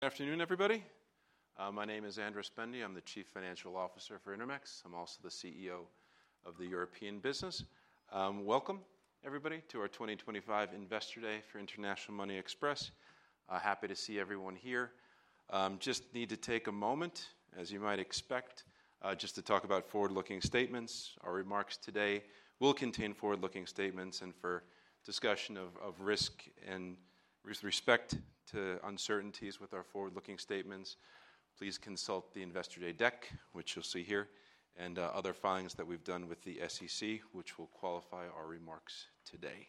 Good afternoon, everybody. My name is Andras Bende. I'm the Chief Financial Officer for Intermex. I'm also the CEO of the European Business. Welcome, everybody, to our 2025 Investor Day for International Money Express. Happy to see everyone here. Just need to take a moment, as you might expect, just to talk about forward-looking statements. Our remarks today will contain forward-looking statements, and for discussion of risk and with respect to uncertainties with our forward-looking statements. Please consult the Investor Day deck, which you'll see here, and other filings that we've done with the SEC, which will qualify our remarks today.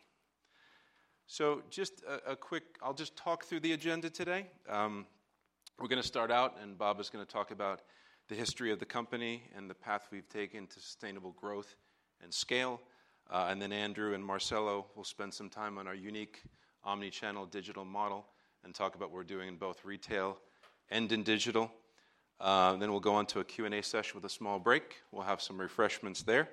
So just a quick, I'll just talk through the agenda today. We're going to start out, and Bob is going to talk about the history of the company and the path we've taken to sustainable growth and scale. Then Andrew and Marcelo will spend some time on our unique omnichannel digital model and talk about what we're doing in both retail and in digital. Then we'll go on to a Q&A session with a small break. We'll have some refreshments there.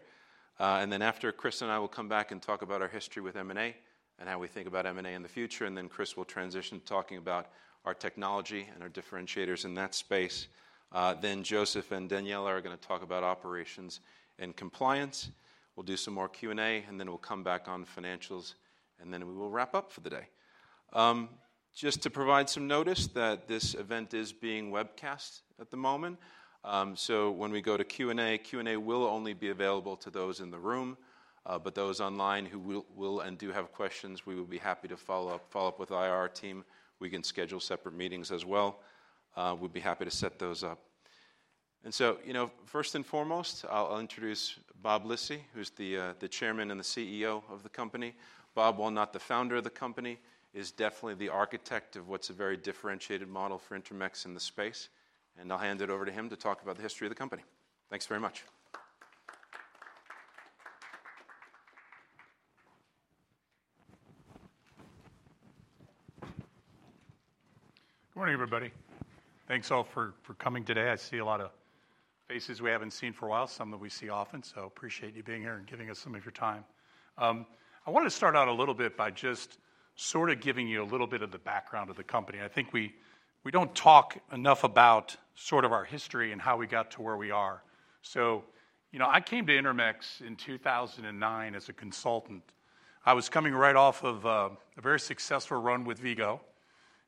Then after, Chris and I will come back and talk about our history with M&A and how we think about M&A in the future. Then Chris will transition to talking about our technology and our differentiators in that space. Then Joseph and Daniela are going to talk about operations and compliance. We'll do some more Q&A, and then we'll come back on financials, and then we will wrap up for the day. Just to provide some notice that this event is being webcast at the moment. So when we go to Q&A, Q&A will only be available to those in the room. Those online who will and do have questions, we will be happy to follow up with our team. We can schedule separate meetings as well. We'd be happy to set those up. You know, first and foremost, I'll introduce Bob Lisy, who's the Chairman and CEO of the company. Bob, while not the founder of the company, is definitely the architect of what's a very differentiated model for Intermex in the space. I'll hand it over to him to talk about the history of the company. Thanks very much. Good morning, everybody. Thanks all for coming today. I see a lot of faces we haven't seen for a while, some that we see often. I appreciate you being here and giving us some of your time. I wanted to start out a little bit by just sort of giving you a little bit of the background of the company. I think we don't talk enough about sort of our history and how we got to where we are. So, you know, I came to Intermex in 2009 as a consultant. I was coming right off of a very successful run with Vigo.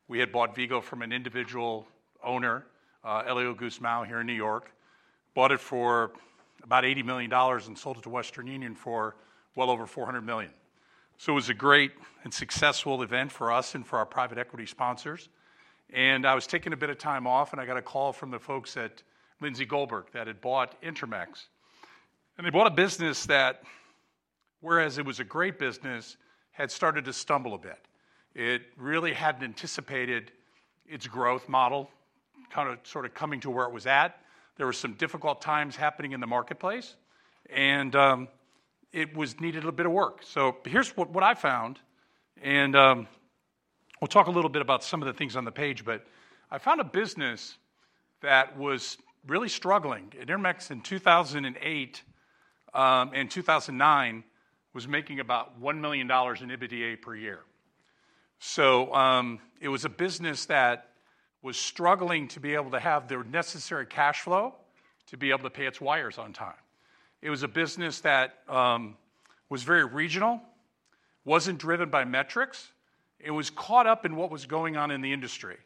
We had bought Vigo from an individual owner, Elio Guzmán, here in New York, bought it for about $80 million and sold it to Western Union for well over $400 million. So it was a great and successful event for us and for our private equity sponsors. And I was taking a bit of time off, and I got a call from the folks at Lindsay Goldberg that had bought Intermex. And they bought a business that, whereas it was a great business, had started to stumble a bit. It really hadn't anticipated its growth model, kind of sort of coming to where it was at. There were some difficult times happening in the marketplace, and it needed a bit of work. So here's what I found. And we'll talk a little bit about some of the things on the page, but I found a business that was really struggling. Intermex in 2008 and 2009 was making about $1 million in EBITDA per year. So it was a business that was struggling to be able to have the necessary cash flow to be able to pay its wires on time. It was a business that was very regional, wasn't driven by metrics. It was caught up in what was going on in the industry,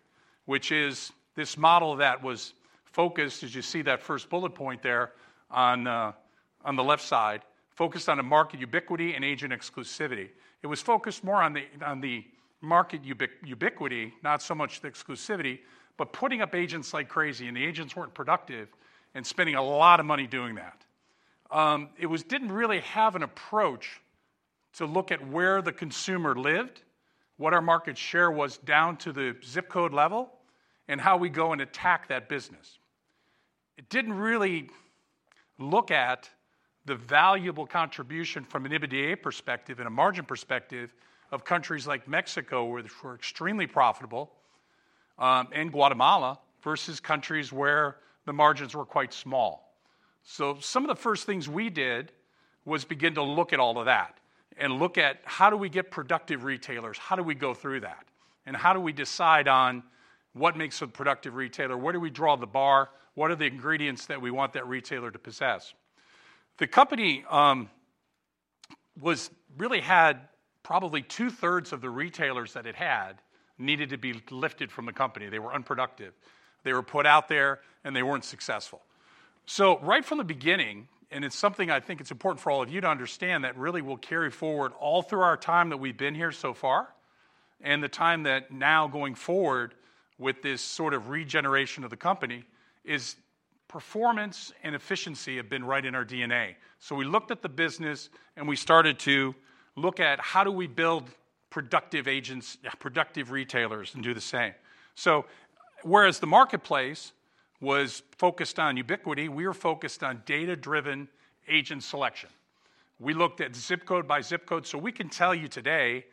which is this model that was focused, as you see that first bullet point there on the left side, focused on a market ubiquity and agent exclusivity. It was focused more on the market ubiquity, not so much the exclusivity, but putting up agents like crazy, and the agents weren't productive and spending a lot of money doing that. It didn't really have an approach to look at where the consumer lived, what our market share was down to the zip code level, and how we go and attack that business. It didn't really look at the valuable contribution from an EBITDA perspective and a margin perspective of countries like Mexico, where they were extremely profitable, and Guatemala versus countries where the margins were quite small. Some of the first things we did was begin to look at all of that and look at how do we get productive retailers? How do we go through that? And how do we decide on what makes a productive retailer, where do we draw the bar, what are the ingredients that we want that retailer to possess? The company really had probably two-thirds of the retailers that it had needed to be lifted from the company. They were unproductive. They were put out there, and they weren't successful. Right from the beginning, and it's something I think it's important for all of you to understand that really will carry forward all through our time that we've been here so far and the time that now going forward with this sort of regeneration of the company is performance and efficiency have been right in our DNA. So we looked at the business, and we started to look at how do we build productive agents, productive retailers, and do the same. So whereas the marketplace was focused on ubiquity, we were focused on data-driven agent selection. We looked at ZIP code by ZIP code. So we can tell you today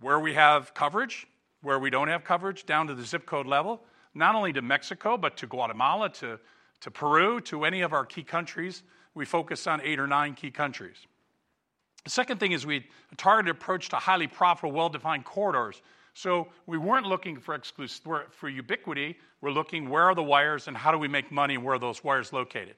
where we have coverage, where we don't have coverage down to the ZIP code level, not only to Mexico, but to Guatemala, to Peru, to any of our key countries. We focused on eight or nine key countries. The second thing is we targeted approach to highly profitable, well-defined corridors. So we weren't looking for ubiquity. We're looking where are the wires and how do we make money and where are those wires located.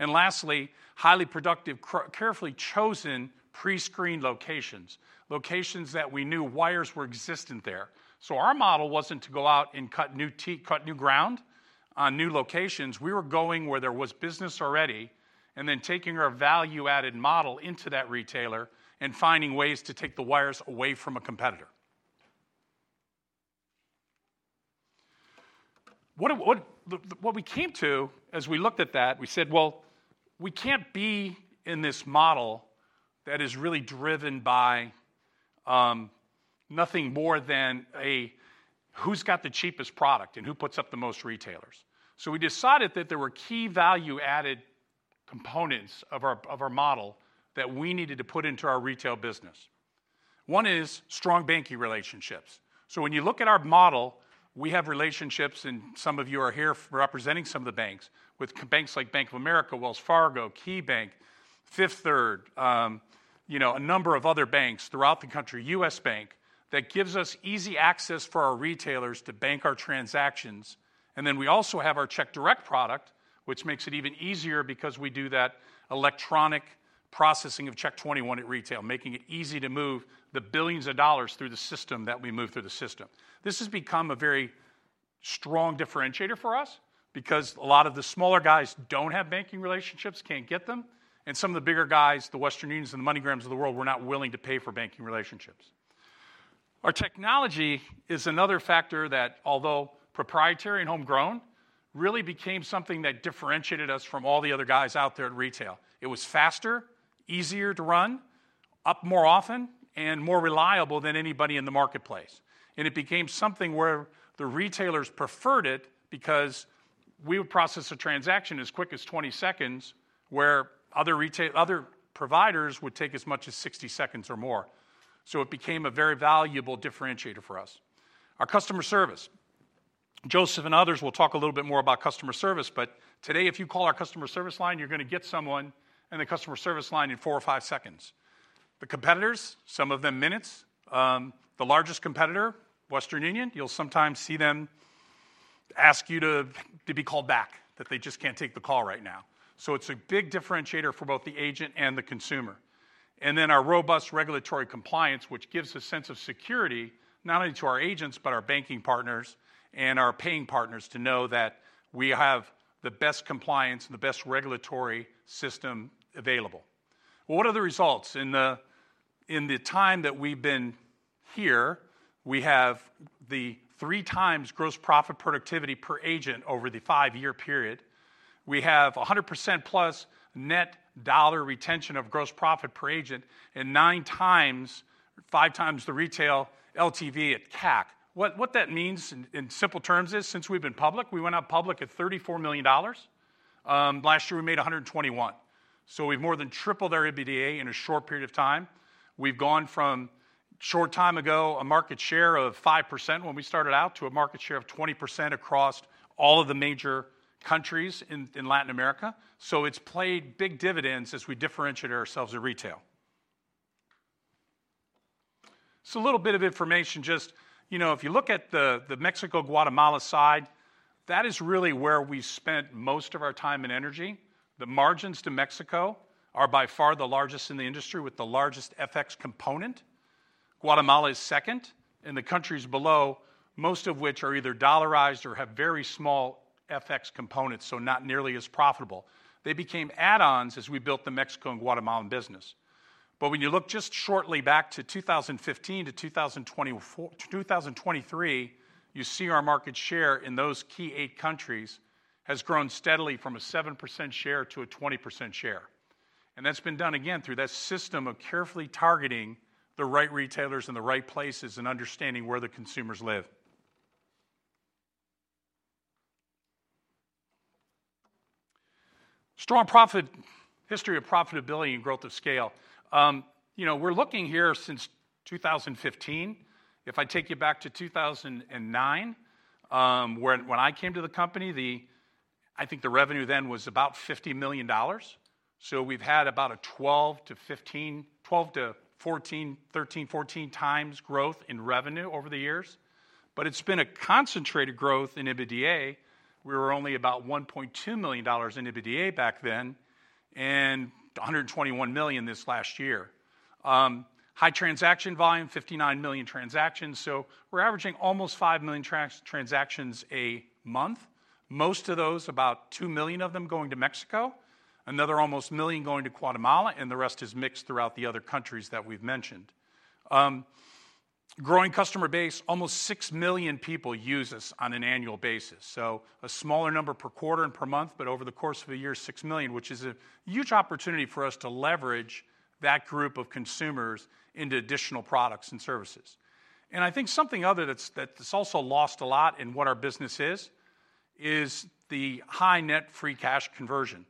And lastly, highly productive, carefully chosen pre-screened locations, locations that we knew wires were existent there. So our model wasn't to go out and cut new ground on new locations. We were going where there was business already and then taking our value-added model into that retailer and finding ways to take the wires away from a competitor. What we came to as we looked at that, we said, well, we can't be in this model that is really driven by nothing more than who's got the cheapest product and who puts up the most retailers. So we decided that there were key value-added components of our model that we needed to put into our retail business. One is strong banking relationships. So when you look at our model, we have relationships, and some of you are here representing some of the banks with banks like Bank of America, Wells Fargo, KeyBank, Fifth Third, you know, a number of other banks throughout the country, U.S. Bank that gives us easy access for our retailers to bank our transactions. Then we also have our CheckDirect product, which makes it even easier because we do that electronic processing of Check 21 at retail, making it easy to move the billions of dollars through the system. This has become a very strong differentiator for us because a lot of the smaller guys don't have banking relationships, can't get them. Some of the bigger guys, the Western Unions and the MoneyGrams of the world, were not willing to pay for banking relationships. Our technology is another factor that, although proprietary and homegrown, really became something that differentiated us from all the other guys out there in retail. It was faster, easier to run, up more often, and more reliable than anybody in the marketplace. It became something where the retailers preferred it because we would process a transaction as quick as 20 seconds, where other providers would take as much as 60 seconds or more. It became a very valuable differentiator for us. Our customer service, Joseph and others will talk a little bit more about customer service, but today, if you call our customer service line, you're going to get someone in the customer service line in four or five seconds. The competitors, some of them minutes. The largest competitor, Western Union, you'll sometimes see them ask you to be called back, that they just can't take the call right now. It's a big differentiator for both the agent and the consumer. Our robust regulatory compliance, which gives a sense of security not only to our agents, but our banking partners and our paying partners to know that we have the best compliance and the best regulatory system available. What are the results? In the time that we've been here, we have three times gross profit productivity per agent over the five-year period. We have 100% plus net dollar retention of gross profit per agent and nine times, five times the retail LTV at CAC. What that means in simple terms is, since we've been public, we went public at $34 million. Last year, we made $121. So we've more than tripled our EBITDA in a short period of time. We've gone from a short time ago, a market share of 5% when we started out, to a market share of 20% across all of the major countries in Latin America, so it's played big dividends as we differentiated ourselves in retail, so a little bit of information, just, you know, if you look at the Mexico-Guatemala side, that is really where we spent most of our time and energy. The margins to Mexico are by far the largest in the industry with the largest FX component. Guatemala is second, and the countries below, most of which are either dollarized or have very small FX components, so not nearly as profitable. They became add-ons as we built the Mexico and Guatemala business. But when you look just shortly back to 2015 to 2023, you see our market share in those key eight countries has grown steadily from a 7% share to a 20% share. And that's been done again through that system of carefully targeting the right retailers in the right places and understanding where the consumers live. Strong profit history of profitability and growth of scale. You know, we're looking here since 2015. If I take you back to 2009, when I came to the company, I think the revenue then was about $50 million. So we've had about a 12 to 14, 13, 14 times growth in revenue over the years. But it's been a concentrated growth in EBITDA. We were only about $1.2 million in EBITDA back then and $121 million this last year. High transaction volume, 59 million transactions. We're averaging almost 5 million transactions a month, most of those, about 2 million of them going to Mexico, another almost million going to Guatemala, and the rest is mixed throughout the other countries that we've mentioned. Growing customer base, almost 6 million people use us on an annual basis. A smaller number per quarter and per month, but over the course of a year, 6 million, which is a huge opportunity for us to leverage that group of consumers into additional products and services. I think something other that's also lost a lot in what our business is is the high net free cash conversion.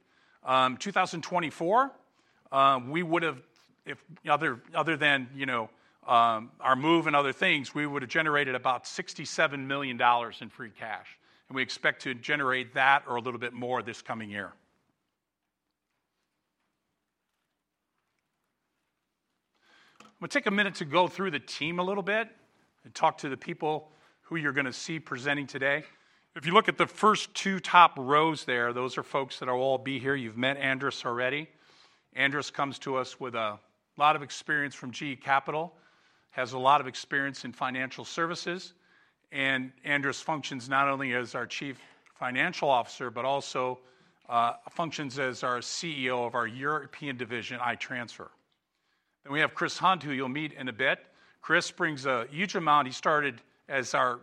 In 2024, we would have, other than our move and other things, we would have generated about $67 million in free cash. We expect to generate that or a little bit more this coming year. I'm going to take a minute to go through the team a little bit and talk to the people who you're going to see presenting today. If you look at the first two top rows there, those are folks that will all be here. You've met Andras already. Andras comes to us with a lot of experience from GE Capital, has a lot of experience in financial services. And Andras functions not only as our Chief Financial Officer, but also functions as our CEO of our European division, iTransfer. Then we have Chris Hunt, who you'll meet in a bit. Chris brings a huge amount. He started as our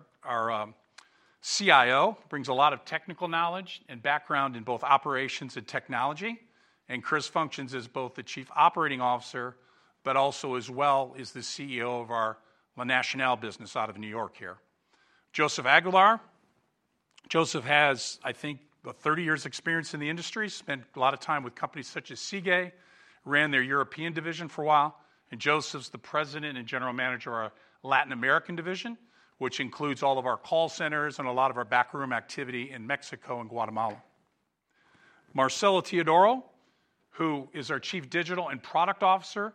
CIO, brings a lot of technical knowledge and background in both operations and technology. And Chris functions as both the Chief Operating Officer, but also as well is the CEO of our La Nacional business out of New York here. Joseph Aguilar. Joseph has, I think, about 30 years' experience in the industry, spent a lot of time with companies such as Seagate, ran their European division for a while. Joseph's the president and general manager of our Latin American division, which includes all of our call centers and a lot of our backroom activity in Mexico and Guatemala. Marcelo Theodoro, who is our Chief Digital and Product Officer.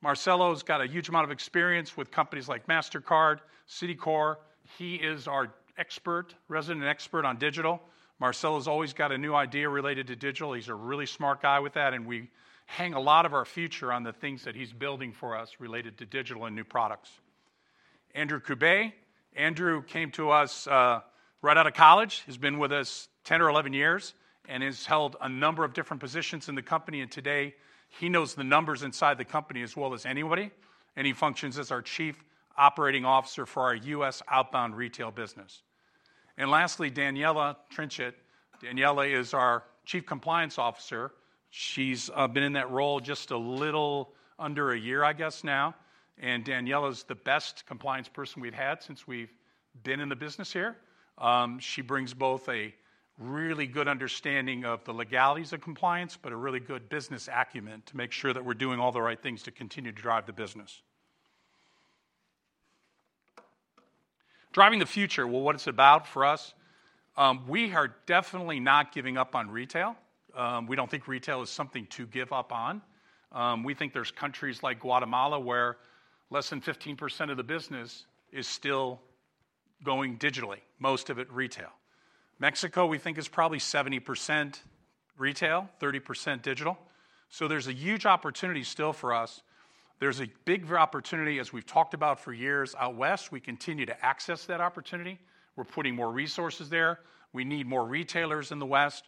Marcelo's got a huge amount of experience with companies like Mastercard, Citi Co.. He is our expert, resident expert on digital. Marcelo's always got a new idea related to digital. He's a really smart guy with that. We hang a lot of our future on the things that he's building for us related to digital and new products. Andrew Kugbei. Andrew came to us right out of college. He's been with us 10 or 11 years and has held a number of different positions in the company, and today, he knows the numbers inside the company as well as anybody, and he functions as our Chief Operating Officer for our U.S. outbound retail business, and lastly, Daniela Trinchet. Daniela is our Chief Compliance Officer. She's been in that role just a little under a year, I guess, now, and Daniela's the best compliance person we've had since we've been in the business here. She brings both a really good understanding of the legalities of compliance, but a really good business acumen to make sure that we're doing all the right things to continue to drive the business. Driving the future, well, what it's about for us, we are definitely not giving up on retail. We don't think retail is something to give up on. We think there are countries like Guatemala where less than 15% of the business is still going digitally, most of it retail. Mexico, we think, is probably 70% retail, 30% digital. So there's a huge opportunity still for us. There's a big opportunity, as we've talked about for years out west. We continue to access that opportunity. We're putting more resources there. We need more retailers in the west.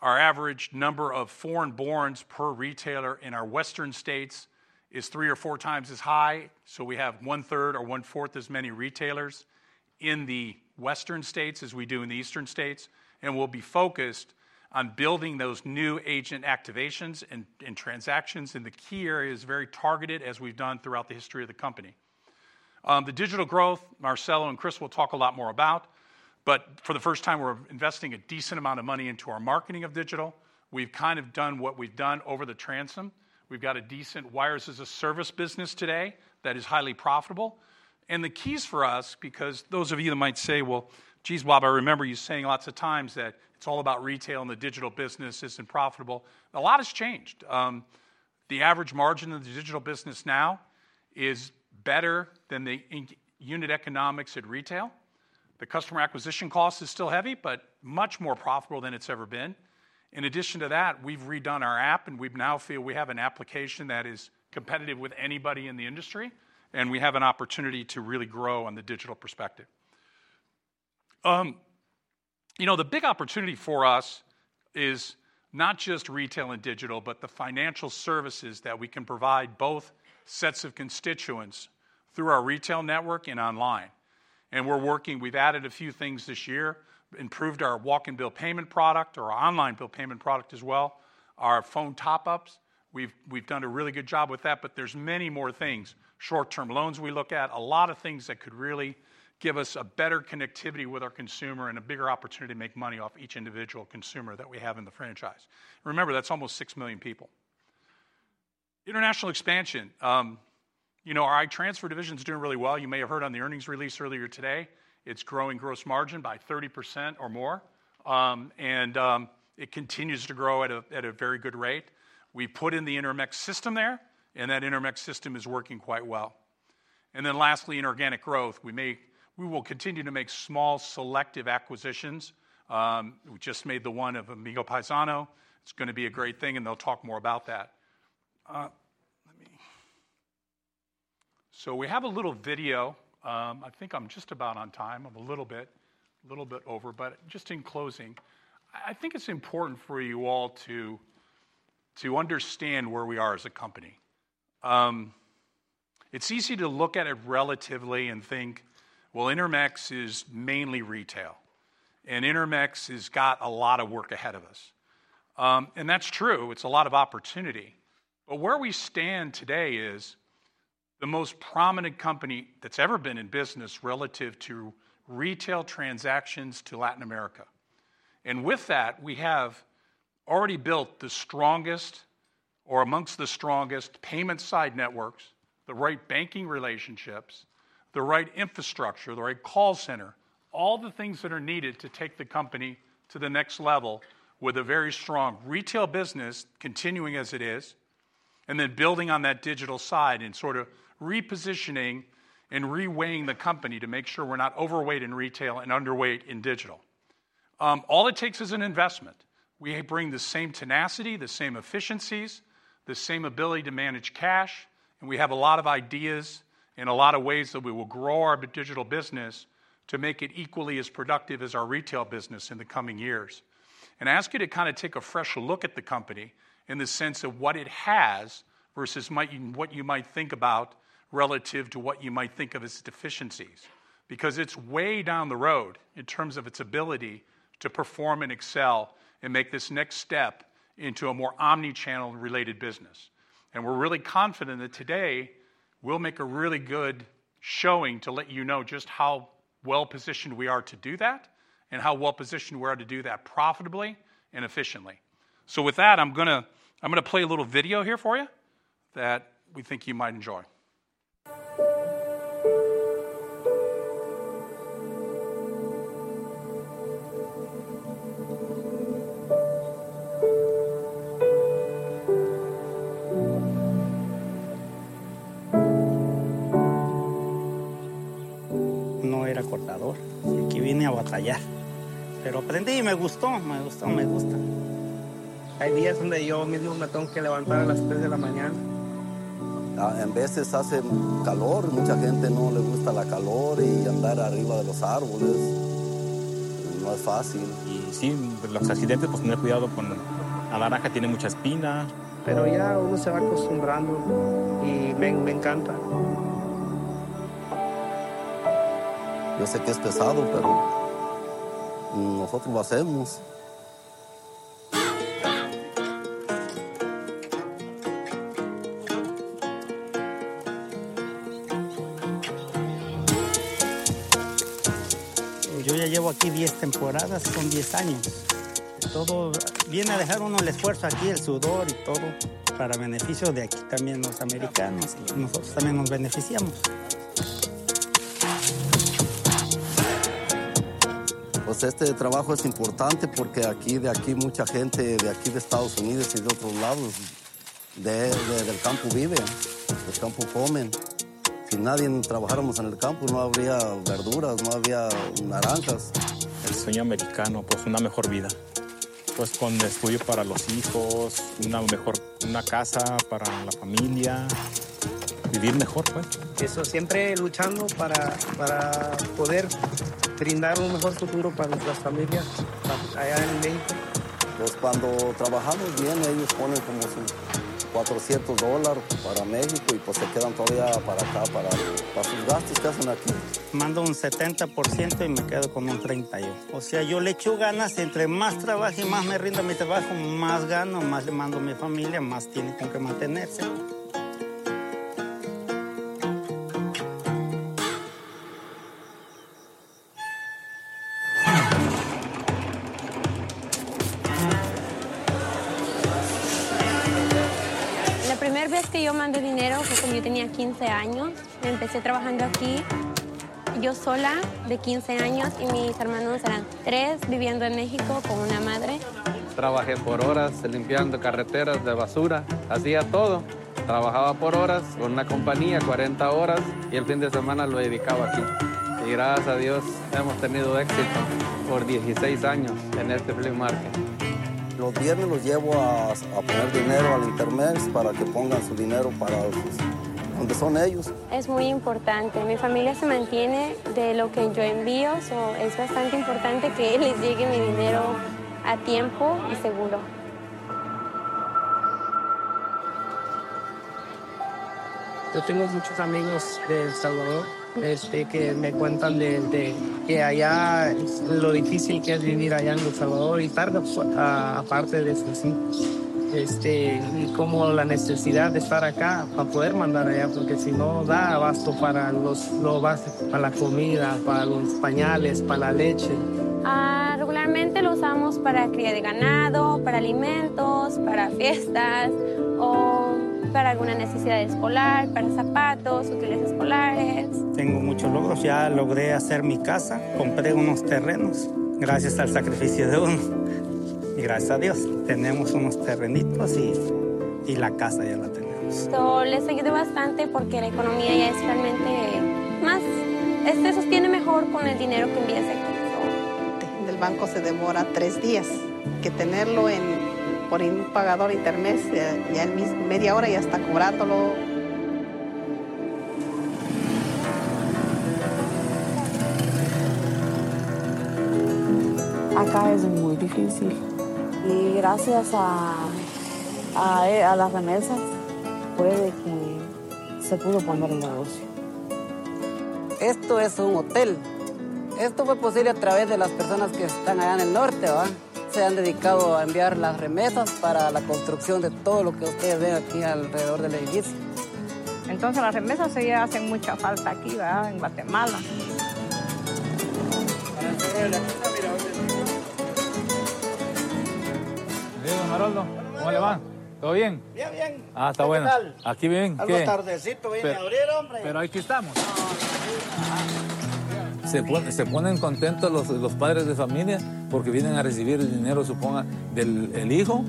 Our average number of foreign borns per retailer in our western states is three or four times as high. So we have one-third or one-fourth as many retailers in the western states as we do in the eastern states. And we'll be focused on building those new agent activations and transactions in the key areas very targeted, as we've done throughout the history of the company. The digital growth, Marcelo and Chris will talk a lot more about. But for the first time, we're investing a decent amount of money into our marketing of digital. We've kind of done what we've done over the transom. We've got a decent Wires-as-a-Service business today that is highly profitable. And the keys for us, because those of you that might say, well, geez, Bob, I remember you saying lots of times that it's all about retail and the digital business isn't profitable. A lot has changed. The average margin of the digital business now is better than the unit economics at retail. The customer acquisition cost is still heavy, but much more profitable than it's ever been. In addition to that, we've redone our app, and we now feel we have an application that is competitive with anybody in the industry. And we have an opportunity to really grow on the digital perspective. You know, the big opportunity for us is not just retail and digital, but the financial services that we can provide both sets of constituents through our retail network and online. And we're working. We've added a few things this year, improved our walk-in bill payment product, our online bill payment product as well, our phone top-ups. We've done a really good job with that, but there's many more things. Short-term loans we look at, a lot of things that could really give us a better connectivity with our consumer and a bigger opportunity to make money off each individual consumer that we have in the franchise. Remember, that's almost 6 million people. International expansion. You know, our iTransfer division is doing really well. You may have heard on the earnings release earlier today. It's growing gross margin by 30% or more. It continues to grow at a very good rate. We put in the Intermex system there, and that Intermex system is working quite well. Then lastly, in organic growth, we will continue to make small selective acquisitions. We just made the one of Amigo Paisano. It's going to be a great thing, and they'll talk more about that. Let me. So we have a little video. I think I'm just about on time. I'm a little bit over, but just in closing, I think it's important for you all to understand where we are as a company. It's easy to look at it relatively and think, well, Intermex is mainly retail. Intermex has got a lot of work ahead of us. That's true. It's a lot of opportunity. But where we stand today is the most prominent company that's ever been in business relative to retail transactions to Latin America. And with that, we have already built the strongest or amongst the strongest payment side networks, the right banking relationships, the right infrastructure, the right call center, all the things that are needed to take the company to the next level with a very strong retail business continuing as it is, and then building on that digital side and sort of repositioning and reweighing the company to make sure we're not overweight in retail and underweight in digital. All it takes is an investment. We bring the same tenacity, the same efficiencies, the same ability to manage cash. We have a lot of ideas and a lot of ways that we will grow our digital business to make it equally as productive as our retail business in the coming years. I ask you to kind of take a fresh look at the company in the sense of what it has versus what you might think about relative to what you might think of as deficiencies, because it's way down the road in terms of its ability to perform and excel and make this next step into a more omnichannel related business. We're really confident that today we'll make a really good showing to let you know just how well positioned we are to do that and how well positioned we are to do that profitably and efficiently. With that, I'm going to play a little video here for you that we think you might enjoy. No era cortador, aquí viene a batallar. Pero aprendí y me gustó, me gustó, me gusta. Hay días donde yo mismo me tengo que levantar a las 3 de la mañana. A veces hace calor, mucha gente no le gusta el calor y andar arriba de los árboles no es fácil.Y sí, los accidentes, pues tener cuidado con la naranja, tiene mucha espina. Pero ya uno se va acostumbrando y me encanta. Yo sé que es pesado, pero nosotros lo hacemos. Yo ya llevo aquí 10 temporadas con 10 años. Todo viene a dejar uno el esfuerzo aquí, el sudor y todo. Para beneficio de aquí también, los americanos. Nosotros también nos beneficiamos. Pues este trabajo es importante porque aquí de aquí mucha gente de aquí de Estados Unidos y de otros lados del campo vive, del campo comen. Si nadie trabajáramos en el campo, no habría verduras, no habría naranjas. El sueño americano, pues una mejor vida. Pues con estudio para los hijos, una mejor casa para la familia, vivir mejor, pues. Eso siempre luchando para poder brindar un mejor futuro para nuestras familias allá en México. Pues cuando trabajamos bien, ellos ponen como sus $400 para México y, pues, se quedan todavía para acá para sus gastos que hacen aquí. Mando un 70% y me quedo con un 30% yo. O sea, yo le echo ganas. Entre más trabajo y más me rinda mi trabajo, más gano, más le mando a mi familia, más tiene con qué mantenerse. La primera vez que yo mandé dinero fue cuando yo tenía 15 años. Me empecé trabajando aquí, yo sola de 15 años y mis hermanos eran tres viviendo en México con una madre. Trabajé por horas limpiando carreteras de basura. Hacía todo. Trabajaba por horas con una compañía, 40 horas, y el fin de semana lo dedicaba aquí. Y gracias a Dios hemos tenido éxito por 16 años en este flea market. Los viernes los llevo a poner dinero al Intermex para que pongan su dinero para donde son ellos. Es muy importante. Mi familia se mantiene de lo que yo envío, so es bastante importante que les llegue mi dinero a tiempo y seguro. Yo tengo muchos amigos de El Salvador que me cuentan de que allá lo difícil que es vivir allá en El Salvador y tarda, aparte de sus hijos. Y como la necesidad de estar acá para poder mandar allá, porque si no da abasto para los básicos, para la comida, para los pañales, para la leche. Regularmente lo usamos para cría de ganado, para alimentos, para fiestas o para alguna necesidad escolar, para zapatos, útiles escolares. Tengo muchos logros. Ya logré hacer mi casa. Compré unos terrenos gracias al sacrificio de uno. Y gracias a Dios tenemos unos terrenitos y la casa ya la tenemos. Yo les ayudé bastante porque la economía ya es realmente más, se sostiene mejor con el dinero que envías aquí. Del banco se demora tres días que tenerlo en, por ejemplo, un pagador Intermex, ya en media hora ya está cobrándolo. Acá es muy difícil. Y gracias a las remesas fue de que se pudo poner el negocio. Esto es un hotel. Esto fue posible a través de las personas que están allá en el norte, ¿verdad? Se han dedicado a enviar las remesas para la construcción de todo lo que ustedes ven aquí alrededor del edificio. Entonces las remesas sí hacen mucha falta aquí, ¿verdad? En Guatemala. ¿Cómo le va? Todo bien? Bien, bien. Está bueno. ¿Qué tal? Aquí viven. Buenas tardes. Pero aquí estamos. Se ponen contentos los padres de familia porque vienen a recibir el dinero, suponga, del hijo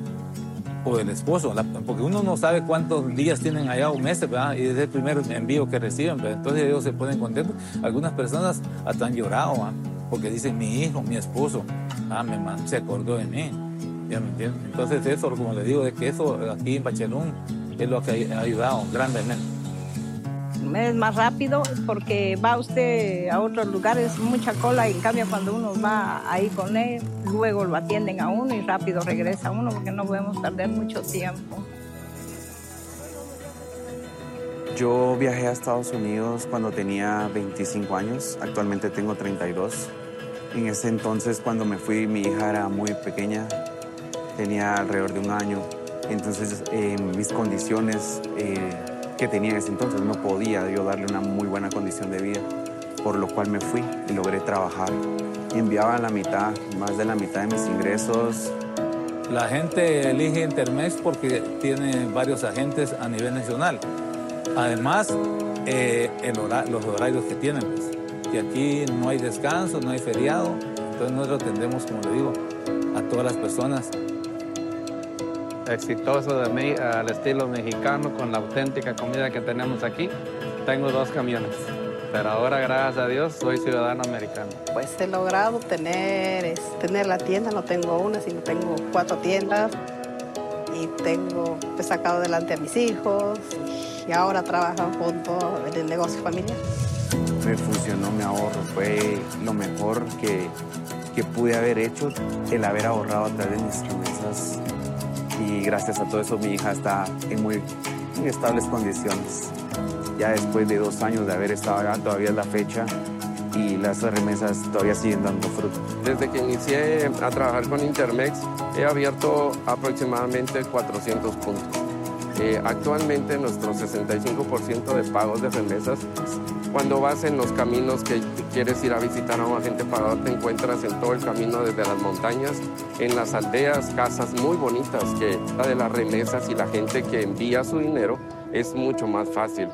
o del esposo. Porque uno no sabe cuántos días tienen allá o meses, ¿verdad? Y es el primer envío que reciben. Entonces ellos se ponen contentos. Algunas personas hasta han llorado porque dicen: "Mi hijo, mi esposo, se acordó de mí." Ya me entiendes? Entonces eso, como le digo, de que eso aquí en [Bachelón] es lo que ha ayudado grandemente. Es más rápido porque va usted a otros lugares, mucha cola. En cambio, cuando uno va ahí con él, luego lo atienden a uno y rápido regresa a uno porque no podemos perder mucho tiempo. Yo viajé a Estados Unidos cuando tenía 25 años. Actualmente tengo 32. En ese entonces, cuando me fui, mi hija era muy pequeña. Tenía alrededor de un año. Entonces, mis condiciones que tenía en ese entonces, no podía yo darle una muy buena condición de vida. Por lo cual me fui y logré trabajar. Enviaba la mitad, más de la mitad de mis ingresos. La gente elige Intermex porque tiene varios agentes a nivel nacional. Además, los horarios que tienen, pues. Que aquí no hay descanso, no hay feriado. Entonces nosotros atendemos, como le digo, a todas las personas. Exitoso de mí al estilo mexicano con la auténtica comida que tenemos aquí. Tengo dos camiones. Pero ahora, gracias a Dios, soy ciudadano americano. Pues he logrado tener la tienda. No tengo una, sino tengo cuatro tiendas. Y tengo sacado adelante a mis hijos. Y ahora trabajo junto en el negocio familiar. Me funcionó mi ahorro. Fue lo mejor que pude haber hecho, el haber ahorrado a través de mis remesas. Y gracias a todo eso, mi hija está en muy estables condiciones. Ya después de dos años de haber estado allá, todavía es la fecha. Y las remesas todavía siguen dando fruto. Desde que inicié a trabajar con Intermex, he abierto aproximadamente 400 puntos. Actualmente, nuestro 65% de pagos de remesas. Cuando vas en los caminos que quieres ir a visitar a un agente pagador, te encuentras en todo el camino desde las montañas, en las aldeas, casas muy bonitas que. De las remesas y la gente que envía su dinero es mucho más fácil.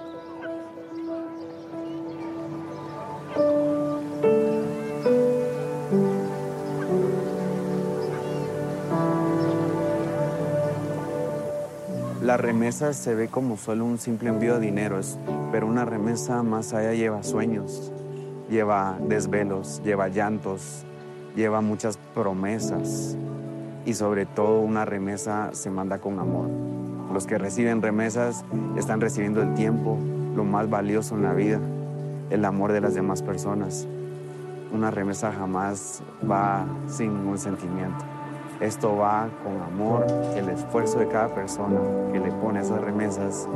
La remesa se ve como solo un simple envío de dinero, pero una remesa más allá lleva sueños, lleva desvelos, lleva llantos, lleva muchas promesas. Y sobre todo, una remesa se manda con amor. Los que reciben remesas están recibiendo el tiempo, lo más valioso en la vida, el amor de las demás personas. Una remesa jamás va sin un sentimiento. Esto va con amor y el esfuerzo de cada persona que le pone esas remesas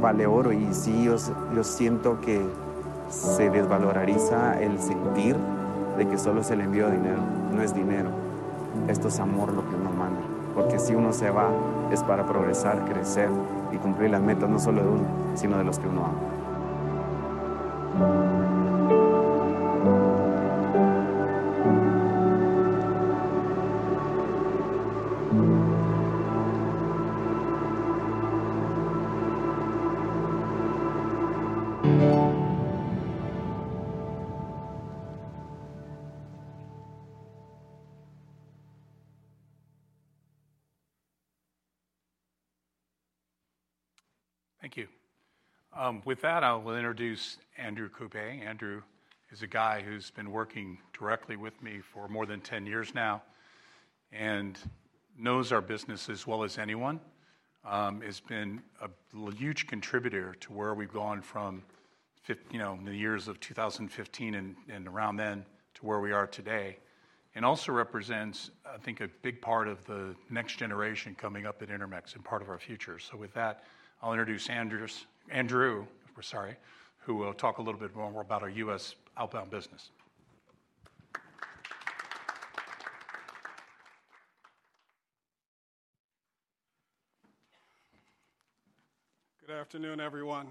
vale oro. Y sí, yo siento que se desvaloriza el sentir de que solo es el envío de dinero. No es dinero. Esto es amor lo que uno manda. Porque si uno se va, es para progresar, crecer y cumplir las metas, no solo de uno, sino de los que uno ama. Thank you. With that, I will introduce Andrew Kugbei. Andrew is a guy who's been working directly with me for more than 10 years now and knows our business as well as anyone. He's been a huge contributor to where we've gone from the years of 2015 and around then to where we are today. And also represents, I think, a big part of the next generation coming up at Intermex and part of our future. So with that, I'll introduce Andrew, sorry, who will talk a little bit more about our U.S. outbound business. Good afternoon, everyone.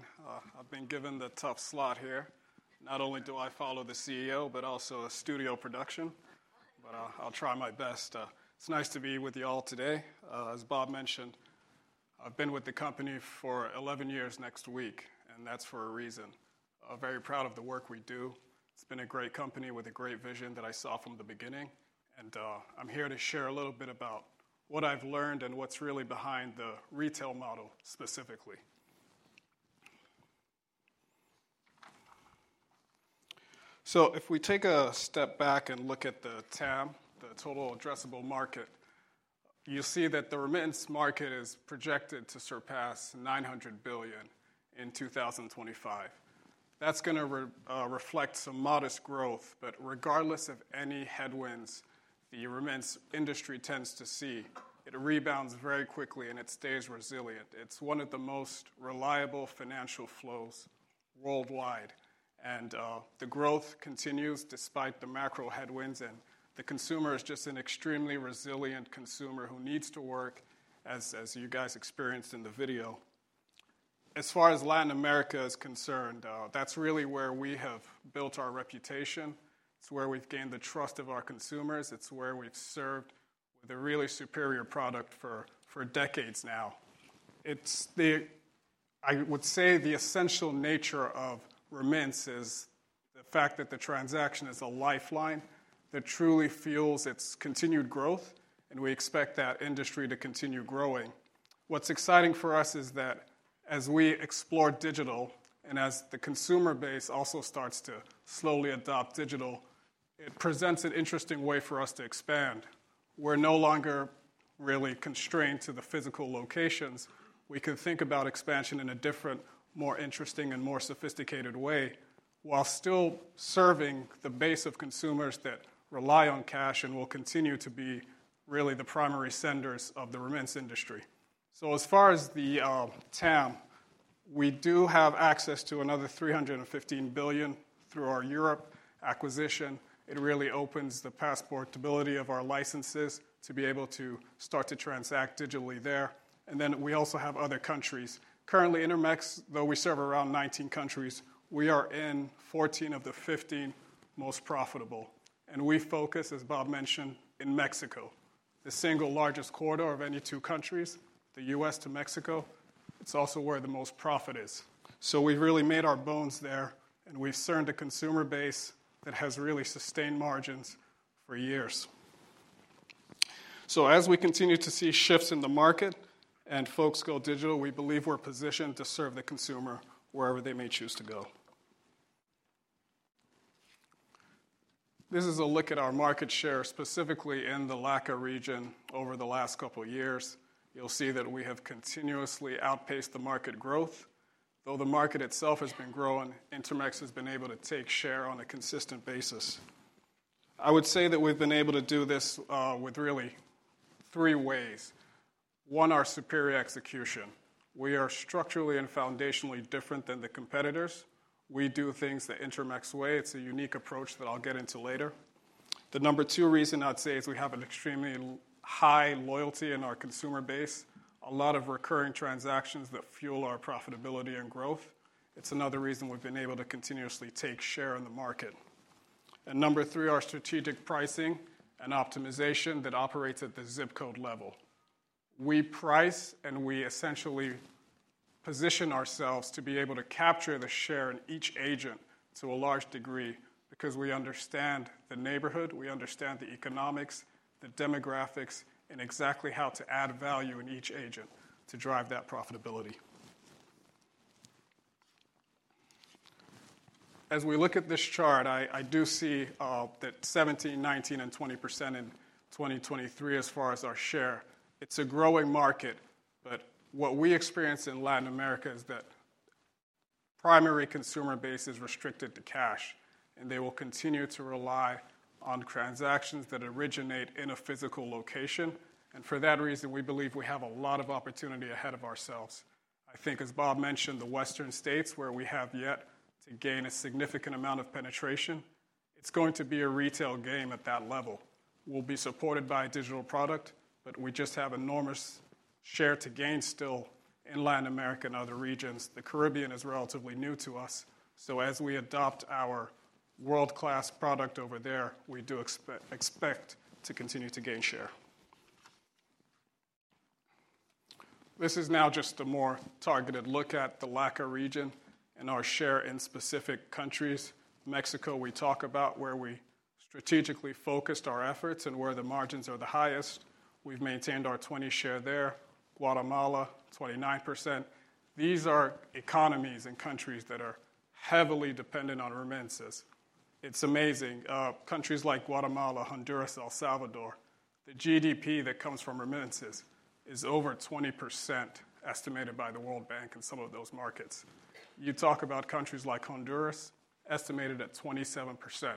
I've been given the tough slot here. Not only do I follow the CEO, but also a studio production. But I'll try my best. It's nice to be with you all today. As Bob mentioned, I've been with the company for 11 years next week. And that's for a reason. I'm very proud of the work we do. It's been a great company with a great vision that I saw from the beginning, and I'm here to share a little bit about what I've learned and what's really behind the retail model specifically, so if we take a step back and look at the TAM, the Total Addressable Market, you'll see that the remittance market is projected to surpass $900 billion in 2025. That's going to reflect some modest growth, but regardless of any headwinds the remittance industry tends to see, it rebounds very quickly and it stays resilient. It's one of the most reliable financial flows worldwide, and the growth continues despite the macro headwinds, and the consumer is just an extremely resilient consumer who needs to work, as you guys experienced in the video. As far as Latin America is concerned, that's really where we have built our reputation. It's where we've gained the trust of our consumers. It's where we've served with a really superior product for decades now. I would say the essential nature of remittance is the fact that the transaction is a lifeline that truly fuels its continued growth. And we expect that industry to continue growing. What's exciting for us is that as we explore digital and as the consumer base also starts to slowly adopt digital, it presents an interesting way for us to expand. We're no longer really constrained to the physical locations. We can think about expansion in a different, more interesting and more sophisticated way while still serving the base of consumers that rely on cash and will continue to be really the primary senders of the remittance industry. So as far as the TAM, we do have access to another $315 billion through our Europe acquisition. It really opens the passportability of our licenses to be able to start to transact digitally there. Then we also have other countries. Currently, Intermex, though we serve around 19 countries, we are in 14 of the 15 most profitable. We focus, as Bob mentioned, in Mexico, the single largest corridor of any two countries, the U.S. to Mexico. It's also where the most profit is. We've really made our bones there and we've served a consumer base that has really sustained margins for years. As we continue to see shifts in the market and folks go digital, we believe we're positioned to serve the consumer wherever they may choose to go. This is a look at our market share, specifically in the LACA region over the last couple of years. You'll see that we have continuously outpaced the market growth. Though the market itself has been growing, Intermex has been able to take share on a consistent basis. I would say that we've been able to do this with really three ways. One, our superior execution. We are structurally and foundationally different than the competitors. We do things the Intermex way. It's a unique approach that I'll get into later. The number two reason I'd say is we have an extremely high loyalty in our consumer base. A lot of recurring transactions that fuel our profitability and growth. It's another reason we've been able to continuously take share in the market, and number three, our strategic pricing and optimization that operates at the zip code level. We price and we essentially position ourselves to be able to capture the share in each agent to a large degree because we understand the neighborhood, we understand the economics, the demographics, and exactly how to add value in each agent to drive that profitability. As we look at this chart, I do see that 17%, 19%, and 20% in 2023 as far as our share. It's a growing market. But what we experience in Latin America is that primary consumer base is restricted to cash. And they will continue to rely on transactions that originate in a physical location. And for that reason, we believe we have a lot of opportunity ahead of ourselves. I think, as Bob mentioned, the Western states where we have yet to gain a significant amount of penetration. It's going to be a retail game at that level. We'll be supported by a digital product, but we just have enormous share to gain still in Latin America and other regions. The Caribbean is relatively new to us. So as we adopt our world-class product over there, we do expect to continue to gain share. This is now just a more targeted look at the LACA region and our share in specific countries. Mexico, we talk about where we strategically focused our efforts and where the margins are the highest. We've maintained our 20% share there. Guatemala, 29%. These are economies and countries that are heavily dependent on remittances. It's amazing. Countries like Guatemala, Honduras, El Salvador, the GDP that comes from remittances is over 20% estimated by the World Bank in some of those markets. You talk about countries like Honduras, estimated at 27%.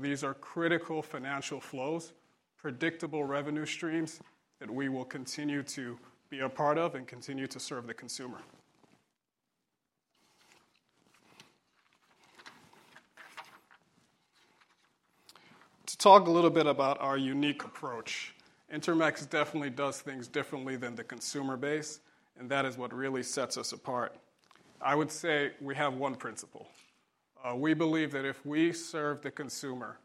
These are critical financial flows, predictable revenue streams that we will continue to be a part of and continue to serve the consumer. To talk a little bit about our unique approach, Intermex definitely does things differently than the consumer base. That is what really sets us apart. I would say we have one principle. We believe that if we serve the consumer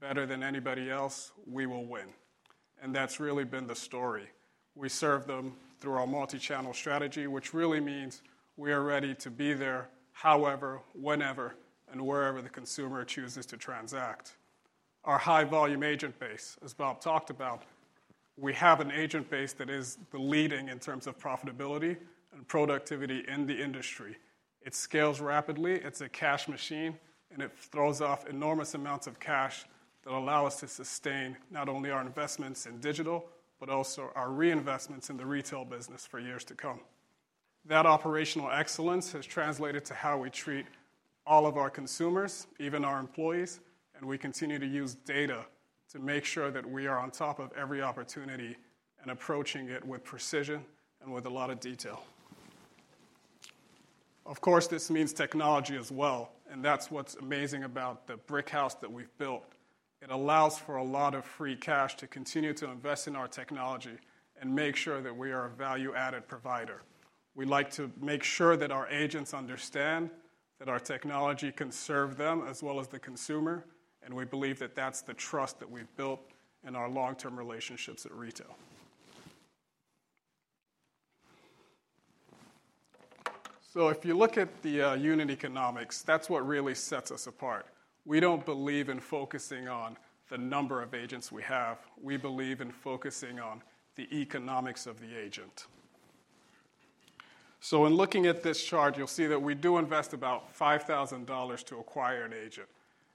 better than anybody else, we will win. That's really been the story. We serve them through our multi-channel strategy, which really means we are ready to be there, however, whenever, and wherever the consumer chooses to transact. Our high-volume agent base, as Bob talked about, we have an agent base that is the leading in terms of profitability and productivity in the industry. It scales rapidly. It's a cash machine. And it throws off enormous amounts of cash that allow us to sustain not only our investments in digital, but also our reinvestments in the retail business for years to come. That operational excellence has translated to how we treat all of our consumers, even our employees. And we continue to use data to make sure that we are on top of every opportunity and approaching it with precision and with a lot of detail. Of course, this means technology as well. And that's what's amazing about the brick house that we've built. It allows for a lot of free cash to continue to invest in our technology and make sure that we are a value-added provider. We like to make sure that our agents understand that our technology can serve them as well as the consumer. And we believe that that's the trust that we've built in our long-term relationships at retail. So if you look at the unit economics, that's what really sets us apart. We don't believe in focusing on the number of agents we have. We believe in focusing on the economics of the agent. So in looking at this chart, you'll see that we do invest about $5,000 to acquire an agent.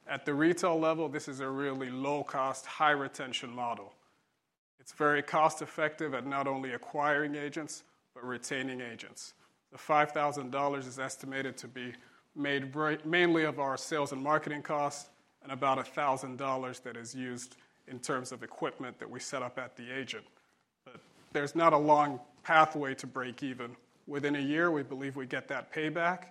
At the retail level, this is a really low-cost, high-retention model. It's very cost-effective at not only acquiring agents, but retaining agents. The $5,000 is estimated to be made mainly of our sales and marketing costs and about $1,000 that is used in terms of equipment that we set up at the agent. But there's not a long pathway to break even. Within a year, we believe we get that payback.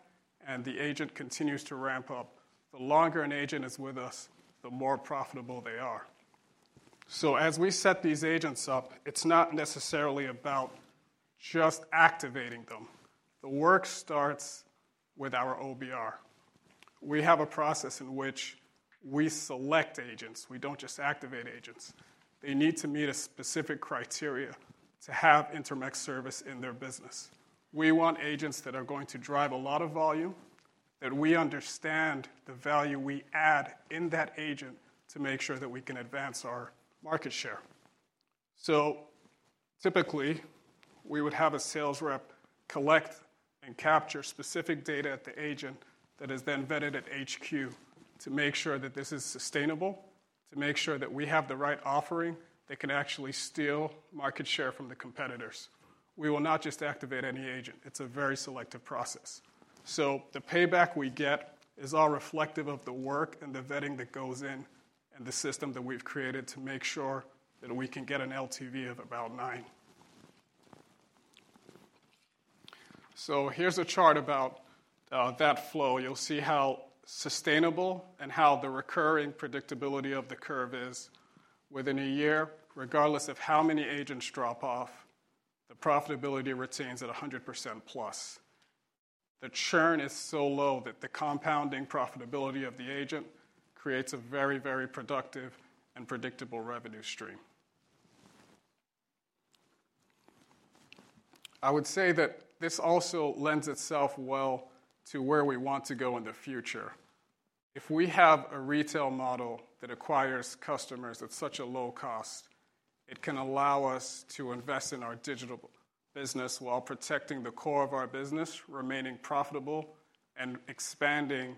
And the agent continues to ramp up. The longer an agent is with us, the more profitable they are. So as we set these agents up, it's not necessarily about just activating them. The work starts with our OBR. We have a process in which we select agents. We don't just activate agents. They need to meet a specific criteria to have Intermex service in their business. We want agents that are going to drive a lot of volume, that we understand the value we add in that agent to make sure that we can advance our market share. So typically, we would have a sales rep collect and capture specific data at the agent that is then vetted at HQ to make sure that this is sustainable, to make sure that we have the right offering that can actually steal market share from the competitors. We will not just activate any agent. It's a very selective process, so the payback we get is all reflective of the work and the vetting that goes in and the system that we've created to make sure that we can get an LTV of about nine, so here's a chart about that flow. You'll see how sustainable and how the recurring predictability of the curve is. Within a year, regardless of how many agents drop off, the profitability retains at 100% plus. The churn is so low that the compounding profitability of the agent creates a very, very productive and predictable revenue stream. I would say that this also lends itself well to where we want to go in the future. If we have a retail model that acquires customers at such a low cost, it can allow us to invest in our digital business while protecting the core of our business, remaining profitable and expanding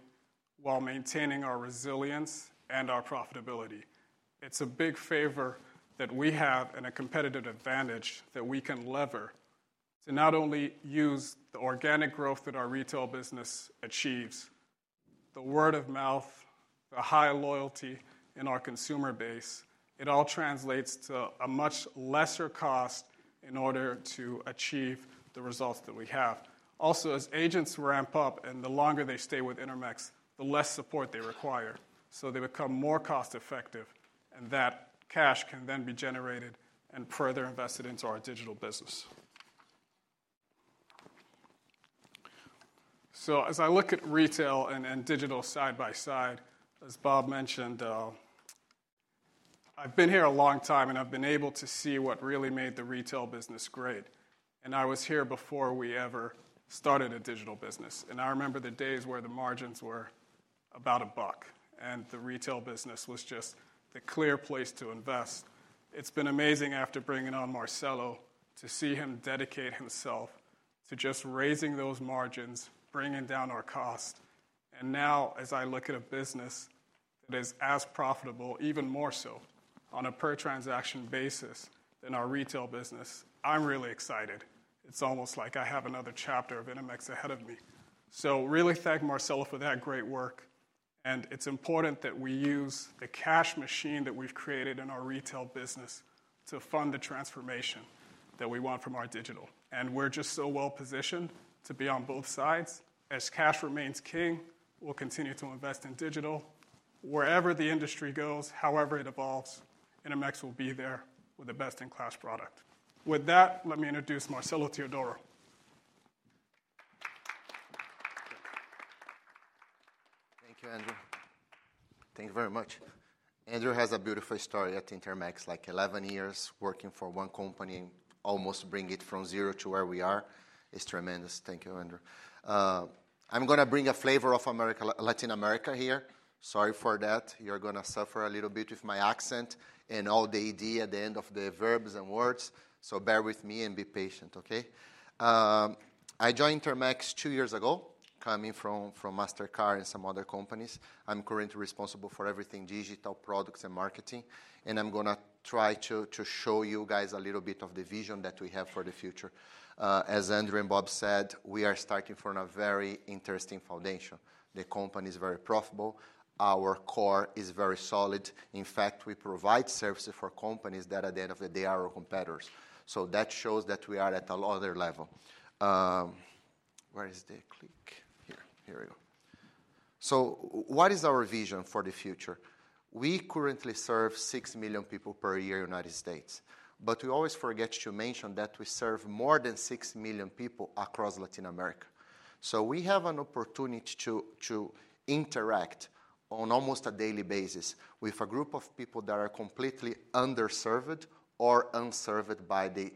while maintaining our resilience and our profitability. It's a big favor that we have and a competitive advantage that we can lever to not only use the organic growth that our retail business achieves, the word of mouth, the high loyalty in our consumer base. It all translates to a much lesser cost in order to achieve the results that we have. Also, as agents ramp up and the longer they stay with Intermex, the less support they require, so they become more cost-effective, and that cash can then be generated and further invested into our digital business. So as I look at retail and digital side by side, as Bob mentioned, I've been here a long time and I've been able to see what really made the retail business great. And I was here before we ever started a digital business. And I remember the days where the margins were about a buck and the retail business was just the clear place to invest. It's been amazing after bringing on Marcelo to see him dedicate himself to just raising those margins, bringing down our cost. And now, as I look at a business that is as profitable, even more so on a per-transaction basis than our retail business, I'm really excited. It's almost like I have another chapter of Intermex ahead of me. So really thank Marcelo for that great work. It's important that we use the cash machine that we've created in our retail business to fund the transformation that we want from our digital. We're just so well positioned to be on both sides. As cash remains king, we'll continue to invest in digital. Wherever the industry goes, however it evolves, Intermex will be there with the best-in-class product. With that, let me introduce Marcelo Theodoro. Thank you, Andrew. Thank you very much. Andrew has a beautiful story at Intermex, like 11 years working for one company and almost bringing it from zero to where we are. It's tremendous. Thank you, Andrew. I'm going to bring a flavor of Latin America here. Sorry for that. You're going to suffer a little bit with my accent and all the "ed" at the end of the verbs and words. Bear with me and be patient, okay? I joined Intermex two years ago, coming from Mastercard and some other companies. I'm currently responsible for everything digital, products, and marketing, and I'm going to try to show you guys a little bit of the vision that we have for the future. As Andrew and Bob said, we are starting from a very interesting foundation. The company is very profitable. Our core is very solid. In fact, we provide services for companies that, at the end of the day, are our competitors. So that shows that we are at a lot of their level. Where is the click? Here. Here we go, so what is our vision for the future? We currently serve six million people per year in the United States, but we always forget to mention that we serve more than six million people across Latin America. So we have an opportunity to interact on almost a daily basis with a group of people that are completely underserved or unserved by the